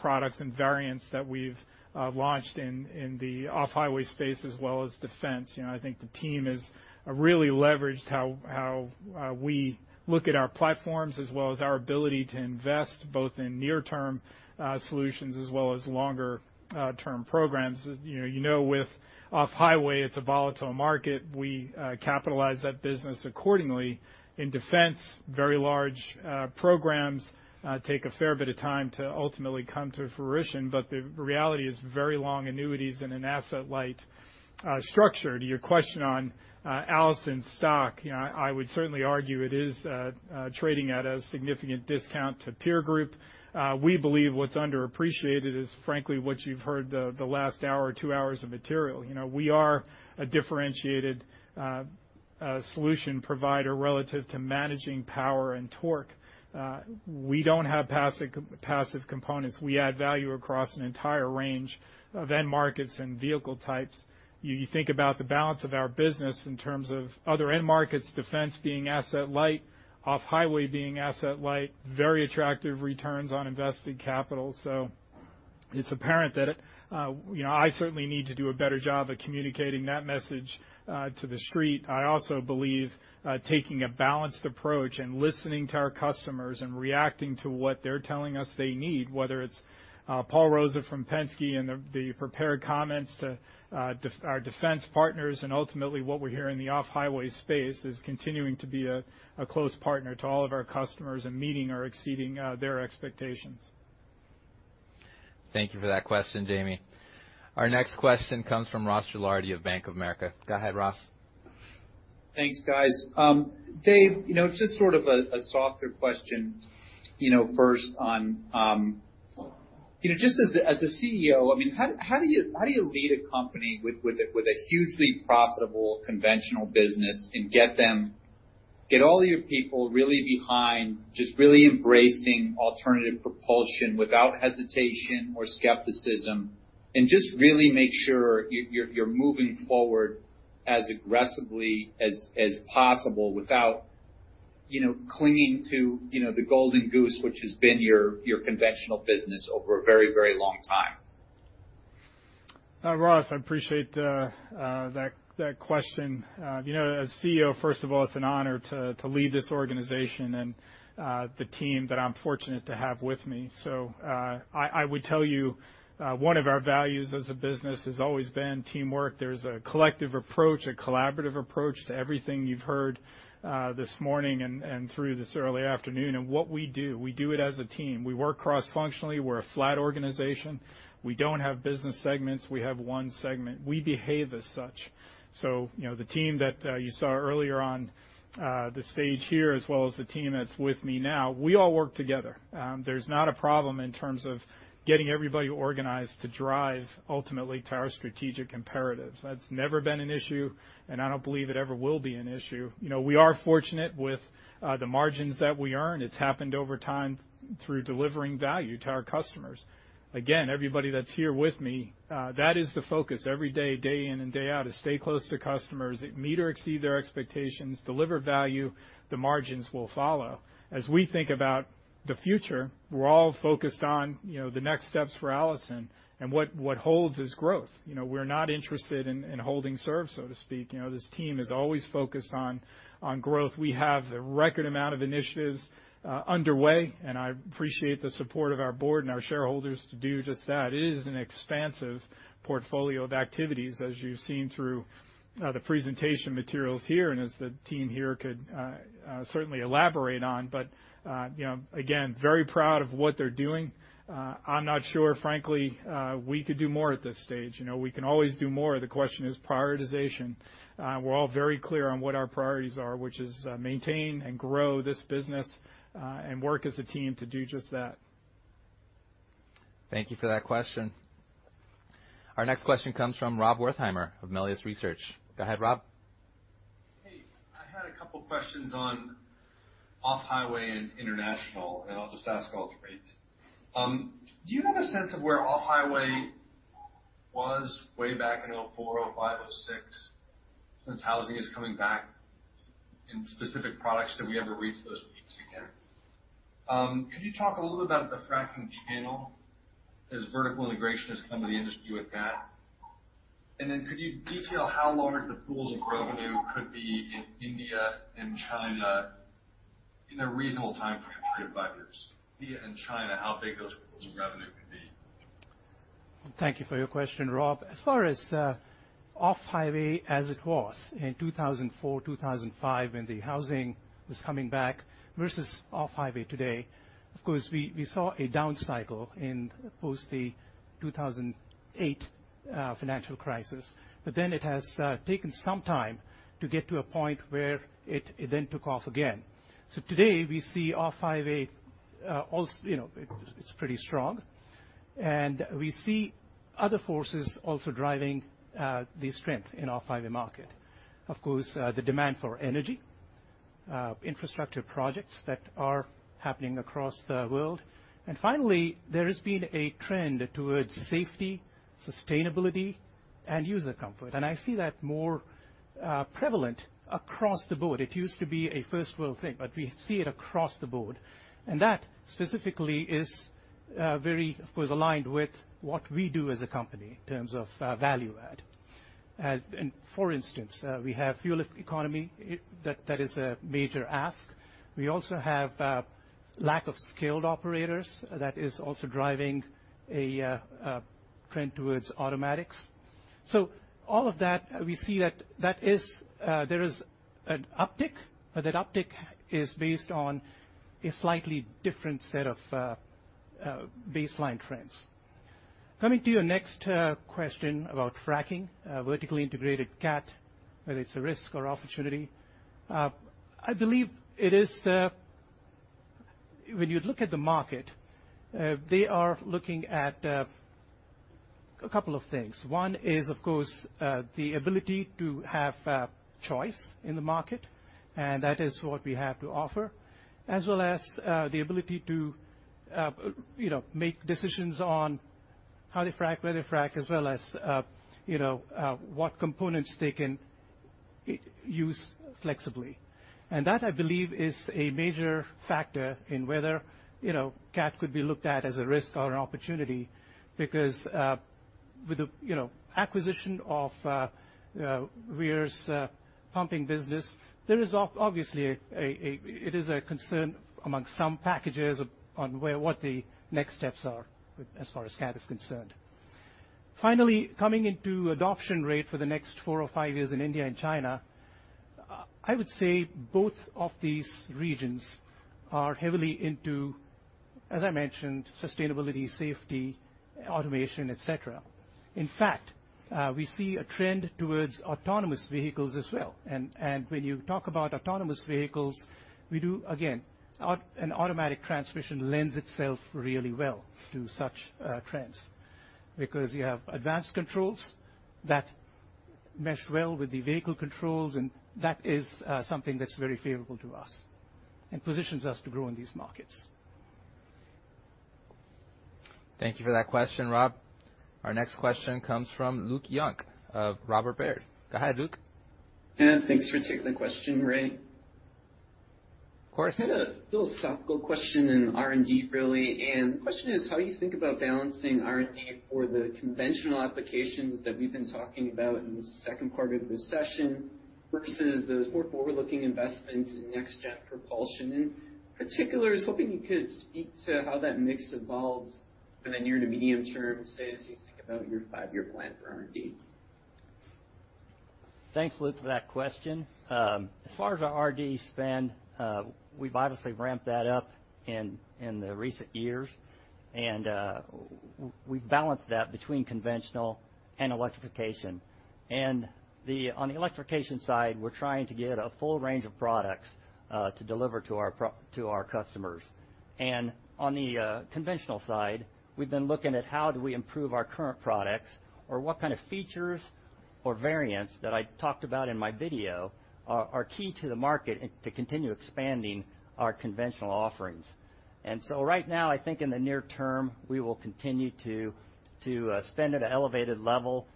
products and variants that we've launched in the off-highway space as well as defense. You know, I think the team has really leveraged how we look at our platforms, as well as our ability to invest, both in near-term solutions as well as longer term programs. As you know, you know, with off-highway, it's a volatile market. We capitalize that business accordingly. In defense, very large programs take a fair bit of time to ultimately come to fruition, but the reality is very long annuities in an asset-light structure. To your question on Allison's stock, you know, I would certainly argue it is trading at a significant discount to peer group. We believe what's underappreciated is, frankly, what you've heard the last hour or two hours of material. You know, we are a differentiated solution provider relative to managing power and torque. We don't have passive components. We add value across an entire range of end markets and vehicle types. You think about the balance of our business in terms of other end markets, defense being asset light, off-highway being asset light, very attractive returns on invested capital. So it's apparent that, you know, I certainly need to do a better job of communicating that message to the Street. I also believe, taking a balanced approach and listening to our customers and reacting to what they're telling us they need, whether it's Paul Rosa from Penske and the prepared comments to our defense partners, and ultimately, what we hear in the off-highway space, is continuing to be a close partner to all of our customers and meeting or exceeding their expectations. Thank you for that question, Jamie. Our next question comes from Ross Gilardi of Bank of America. Go ahead, Ross. Thanks, guys. Dave, you know, just sort of a softer question, you know, first on, you know, just as the CEO, I mean, how do you lead a company with a hugely profitable conventional business and get all your people really behind, just really embracing alternative propulsion without hesitation or skepticism, and just really make sure you're moving forward as aggressively as possible without, you know, clinging to, you know, the golden goose, which has been your conventional business over a very, very long time? Ross, I appreciate that question. You know, as CEO, first of all, it's an honor to lead this organization and the team that I'm fortunate to have with me. So, I would tell you, one of our values as a business has always been teamwork. There's a collective approach, a collaborative approach to everything you've heard this morning and through this early afternoon. And what we do, we do it as a team. We work cross-functionally. We're a flat organization. We don't have business segments. We have one segment. We behave as such. So, you know, the team that you saw earlier on the stage here, as well as the team that's with me now, we all work together. There's not a problem in terms of getting everybody organized to drive ultimately to our strategic imperatives. That's never been an issue, and I don't believe it ever will be an issue. You know, we are fortunate with the margins that we earn. It's happened over time through delivering value to our customers. Again, everybody that's here with me, that is the focus every day, day in and day out, is stay close to customers, meet or exceed their expectations, deliver value, the margins will follow. As we think about the future, we're all focused on, you know, the next steps for Allison and what holds is growth. You know, we're not interested in holding serve, so to speak. You know, this team is always focused on growth. We have a record amount of initiatives, underway, and I appreciate the support of our board and our shareholders to do just that. It is an expansive portfolio of activities, as you've seen through, the presentation materials here, and as the team here could,... certainly elaborate on. But, you know, again, very proud of what they're doing. I'm not sure, frankly, we could do more at this stage. You know, we can always do more. The question is prioritization. We're all very clear on what our priorities are, which is, maintain and grow this business, and work as a team to do just that. Thank you for that question. Our next question comes from Rob Wertheimer of Melius Research. Go ahead, Rob. Hey, I had a couple questions on off-highway and international, and I'll just ask all three. Do you have a sense of where off-highway was way back in 2004, 2005, 2006, since housing is coming back in specific products, that we ever reach those peaks again? Could you talk a little about the fracking channel as vertical integration has come into play with that? And then could you detail how large the pools of revenue could be in India and China in a reasonable time frame, three to five years? India and China, how big those revenue could be? Thank you for your question, Rob. As far as the off-highway, as it was in 2004, 2005, when the housing was coming back versus off-highway today, of course, we saw a down cycle in post the 2008 financial crisis, but then it has taken some time to get to a point where it then took off again. So today, we see off-highway also, you know, it's pretty strong, and we see other forces also driving the strength in off-highway market. Of course, the demand for energy infrastructure projects that are happening across the world. And finally, there has been a trend towards safety, sustainability, and user comfort, and I see that more prevalent across the board. It used to be a first world thing, but we see it across the board, and that specifically is very, of course, aligned with what we do as a company in terms of value add. And for instance, we have fuel economy; that is a major ask. We also have lack of skilled operators. That is also driving a trend towards automatics. So all of that, we see that; that is, there is an uptick, but that uptick is based on a slightly different set of baseline trends. Coming to your next question about fracking, vertically integrated CAT, whether it's a risk or opportunity. I believe it is... When you look at the market, they are looking at a couple of things. One is, of course, the ability to have choice in the market, and that is what we have to offer, as well as the ability to, you know, make decisions on how they frack, where they frack, as well as, you know, what components they can use flexibly. And that, I believe, is a major factor in whether, you know, CAT could be looked at as a risk or an opportunity, because, with the, you know, acquisition of Weir's pumping business, there is obviously, it is a concern among some packages on what the next steps are as far as CAT is concerned. Finally, coming into adoption rate for the next four or five years in India and China, I would say both of these regions are heavily into, as I mentioned, sustainability, safety, automation, et cetera. In fact, we see a trend towards autonomous vehicles as well. And, and when you talk about autonomous vehicles, we do again, an automatic transmission lends itself really well to such trends because you have advanced controls that mesh well with the vehicle controls, and that is something that's very favorable to us and positions us to grow in these markets. Thank you for that question, Rob. Our next question comes from Luke Junk of Robert W. Baird. Go ahead, Luke. Thanks for taking the question, Ray. Of course. I had a philosophical question in R&D, really. The question is: How do you think about balancing R&D for the conventional applications that we've been talking about in the second part of this session, versus those more forward-looking investments in next-gen propulsion? In particular, I was hoping you could speak to how that mix evolves in the near to medium term, say, as you think about your five-year plan for R&D. Thanks, Luke, for that question. As far as our R&D spend, we've obviously ramped that up in the recent years, and we've balanced that between conventional and electrification. On the electrification side, we're trying to get a full range of products to deliver to our customers. On the conventional side, we've been looking at how do we improve our current products or what kind of features or variants that I talked about in my video are key to the market and to continue expanding our conventional offerings. So right now, I think in the near term, we will continue to spend at an elevated level,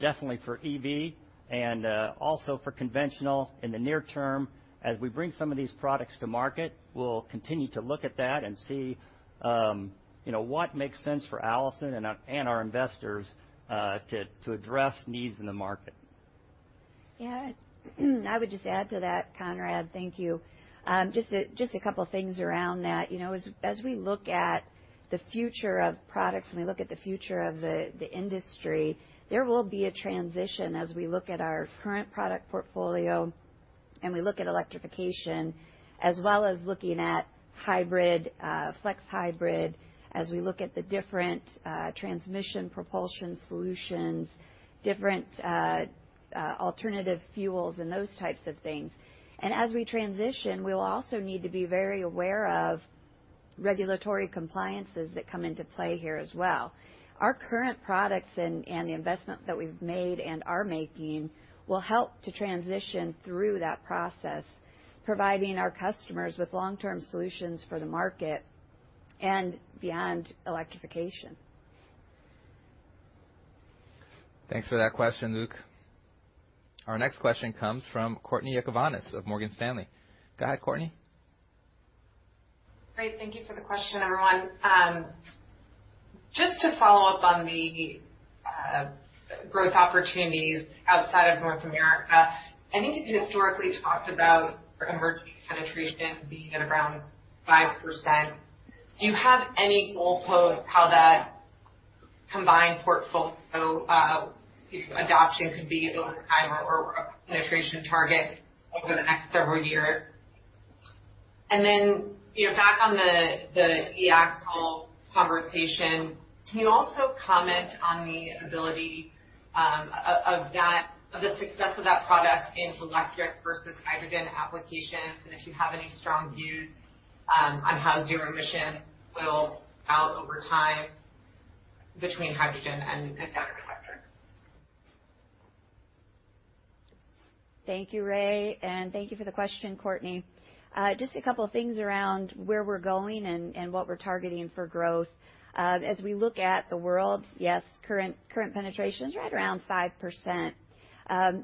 definitely for EV and also for conventional in the near term. As we bring some of these products to market, we'll continue to look at that and see, you know, what makes sense for Allison and our investors, to address needs in the market. Yeah, I would just add to that, Conrad, thank you. Just a couple things around that. You know, as we look at the future of products, when we look at the future of the industry, there will be a transition as we look at our current product portfolio and we look at electrification, as well as looking at hybrid flex hybrid, as we look at the different transmission propulsion solutions, different alternative fuels, and those types of things. And as we transition, we will also need to be very aware of regulatory compliances that come into play here as well. Our current products and the investment that we've made and are making will help to transition through that process, providing our customers with long-term solutions for the market and beyond electrification. Thanks for that question, Luke. Our next question comes from Courtney Yakavonis of Morgan Stanley. Go ahead, Courtney. Great, thank you for the question, everyone. Just to follow up on the growth opportunities outside of North America, I think you historically talked about emerging penetration being at around 5%. Do you have any goalposts how that combined portfolio adoption could be over time or penetration target over the next several years? And then, you know, back on the e-axle conversation, can you also comment on the ability of the success of that product in electric versus hydrogen applications, and if you have any strong views on how zero emission will play out over time between hydrogen and the electric sector? Thank you, Ray, and thank you for the question, Courtney. Just a couple of things around where we're going and what we're targeting for growth. As we look at the world, yes, current penetration is right around 5%.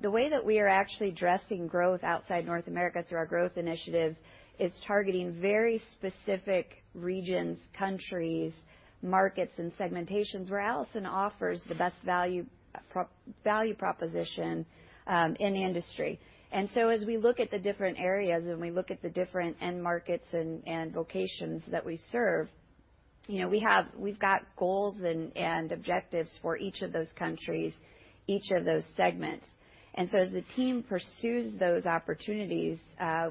The way that we are actually addressing growth outside North America through our growth initiatives is targeting very specific regions, countries, markets, and segmentations where Allison offers the best value proposition in the industry. So as we look at the different areas, and we look at the different end markets and locations that we serve, you know, we've got goals and objectives for each of those countries, each of those segments. As the team pursues those opportunities,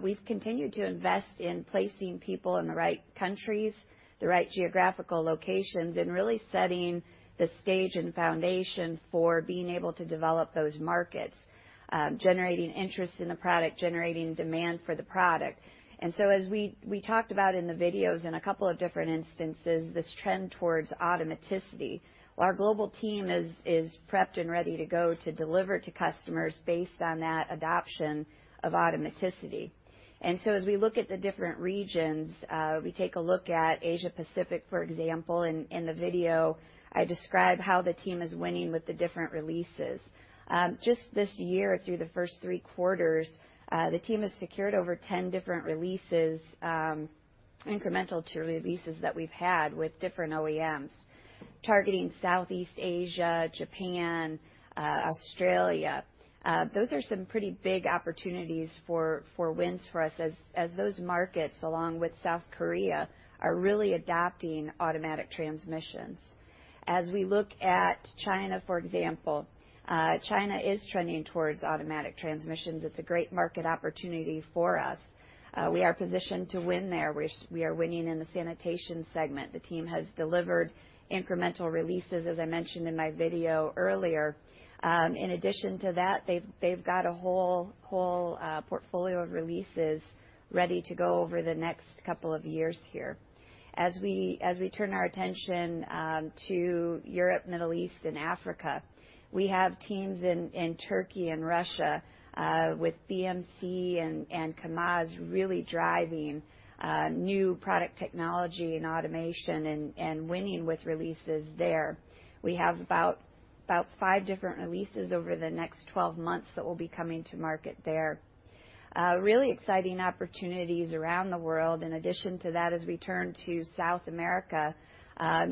we've continued to invest in placing people in the right countries, the right geographical locations, and really setting the stage and foundation for being able to develop those markets, generating interest in the product, generating demand for the product. As we talked about in the videos in a couple of different instances, this trend towards automaticity, our global team is prepped and ready to go to deliver to customers based on that adoption of automaticity. As we look at the different regions, we take a look at Asia Pacific, for example, in the video, I describe how the team is winning with the different releases. Just this year, through the first three quarters, the team has secured over 10 different releases, incremental to releases that we've had with different OEMs, targeting Southeast Asia, Japan, Australia. Those are some pretty big opportunities for wins for us as those markets, along with South Korea, are really adopting automatic transmissions. As we look at China, for example, China is trending towards automatic transmissions. It's a great market opportunity for us. We are positioned to win there, which we are winning in the sanitation segment. The team has delivered incremental releases, as I mentioned in my video earlier. In addition to that, they've got a whole portfolio of releases ready to go over the next couple of years here. As we turn our attention to Europe, Middle East, and Africa, we have teams in Turkey and Russia with BMC and Kamaz really driving new product technology and automation and winning with releases there. We have about five different releases over the next twelve months that will be coming to market there. Really exciting opportunities around the world. In addition to that, as we turn to South America,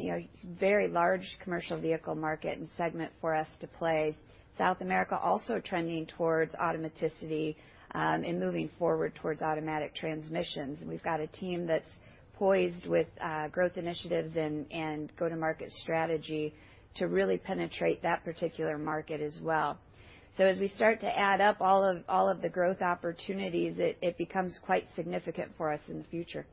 you know, very large commercial vehicle market and segment for us to play. South America also trending towards automaticity and moving forward towards automatic transmissions. We've got a team that's poised with growth initiatives and go-to-market strategy to really penetrate that particular market as well. So as we start to add up all of the growth opportunities, it becomes quite significant for us in the future.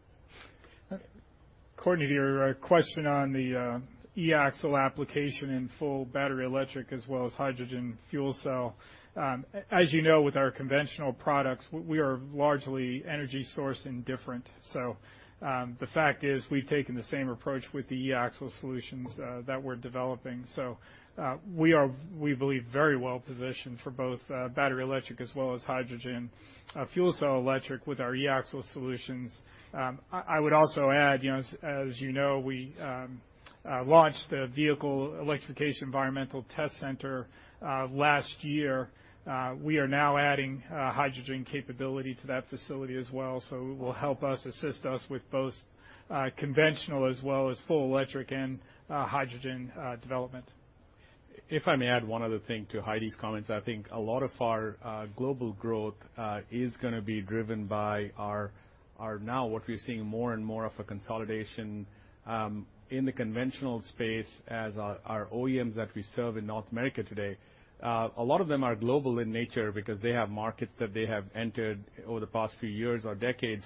Courtney, to your question on the e-axle application in full battery electric as well as hydrogen fuel cell. As you know, with our conventional products, we are largely energy source indifferent. So, the fact is, we've taken the same approach with the e-axle solutions that we're developing. So, we are, we believe, very well positioned for both battery electric as well as hydrogen fuel cell electric with our e-axle solutions. I would also add, you know, as you know, we launched the Vehicle Electrification Environmental Test Center last year. We are now adding hydrogen capability to that facility as well, so it will help us assist us with both conventional as well as full electric and hydrogen development.... If I may add one other thing to Heidi's comments, I think a lot of our global growth is gonna be driven by our now what we're seeing more and more of a consolidation in the conventional space as our OEMs that we serve in North America today. A lot of them are global in nature because they have markets that they have entered over the past few years or decades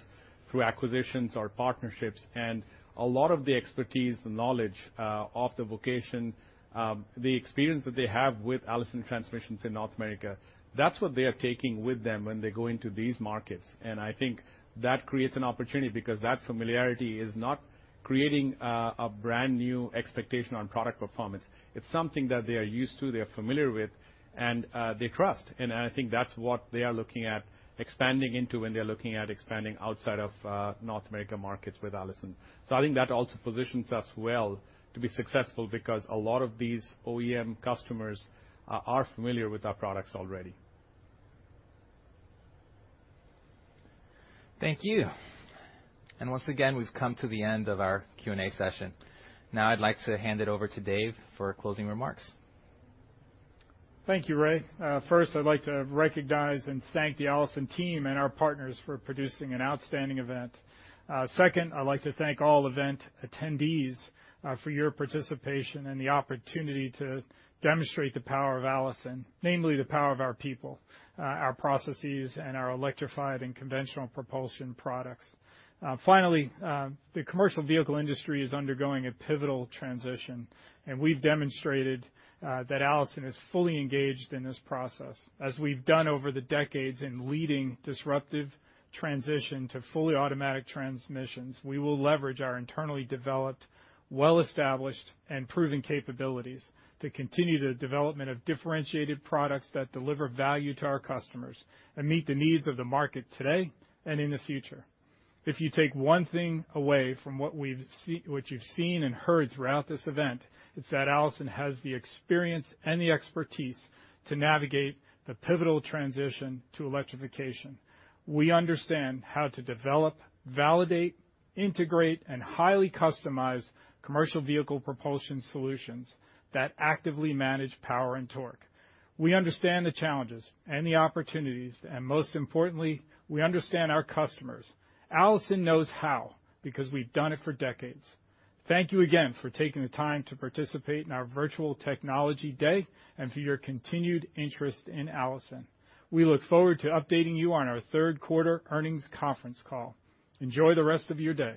through acquisitions or partnerships, and a lot of the expertise and knowledge of the vocation, the experience that they have with Allison Transmissions in North America, that's what they are taking with them when they go into these markets. I think that creates an opportunity because that familiarity is not creating a brand-new expectation on product performance. It's something that they are used to, they are familiar with, and they trust. And I think that's what they are looking at expanding into when they're looking at expanding outside of North America markets with Allison. So I think that also positions us well to be successful because a lot of these OEM customers are familiar with our products already. Thank you. Once again, we've come to the end of our Q&A session. Now, I'd like to hand it over to Dave for closing remarks. Thank you, Ray. First, I'd like to recognize and thank the Allison team and our partners for producing an outstanding event. Second, I'd like to thank all event attendees, for your participation and the opportunity to demonstrate the power of Allison, namely, the power of our people, our processes, and our electrified and conventional propulsion products. Finally, the commercial vehicle industry is undergoing a pivotal transition, and we've demonstrated, that Allison is fully engaged in this process. As we've done over the decades in leading disruptive transition to fully automatic transmissions, we will leverage our internally developed, well-established, and proven capabilities to continue the development of differentiated products that deliver value to our customers and meet the needs of the market today and in the future. If you take one thing away from what you've seen and heard throughout this event, it's that Allison has the experience and the expertise to navigate the pivotal transition to electrification. We understand how to develop, validate, integrate, and highly customize commercial vehicle propulsion solutions that actively manage power and torque. We understand the challenges and the opportunities, and most importantly, we understand our customers. Allison knows how because we've done it for decades. Thank you again for taking the time to participate in our virtual Technology Day and for your continued interest in Allison. We look forward to updating you on our third quarter earnings conference call. Enjoy the rest of your day.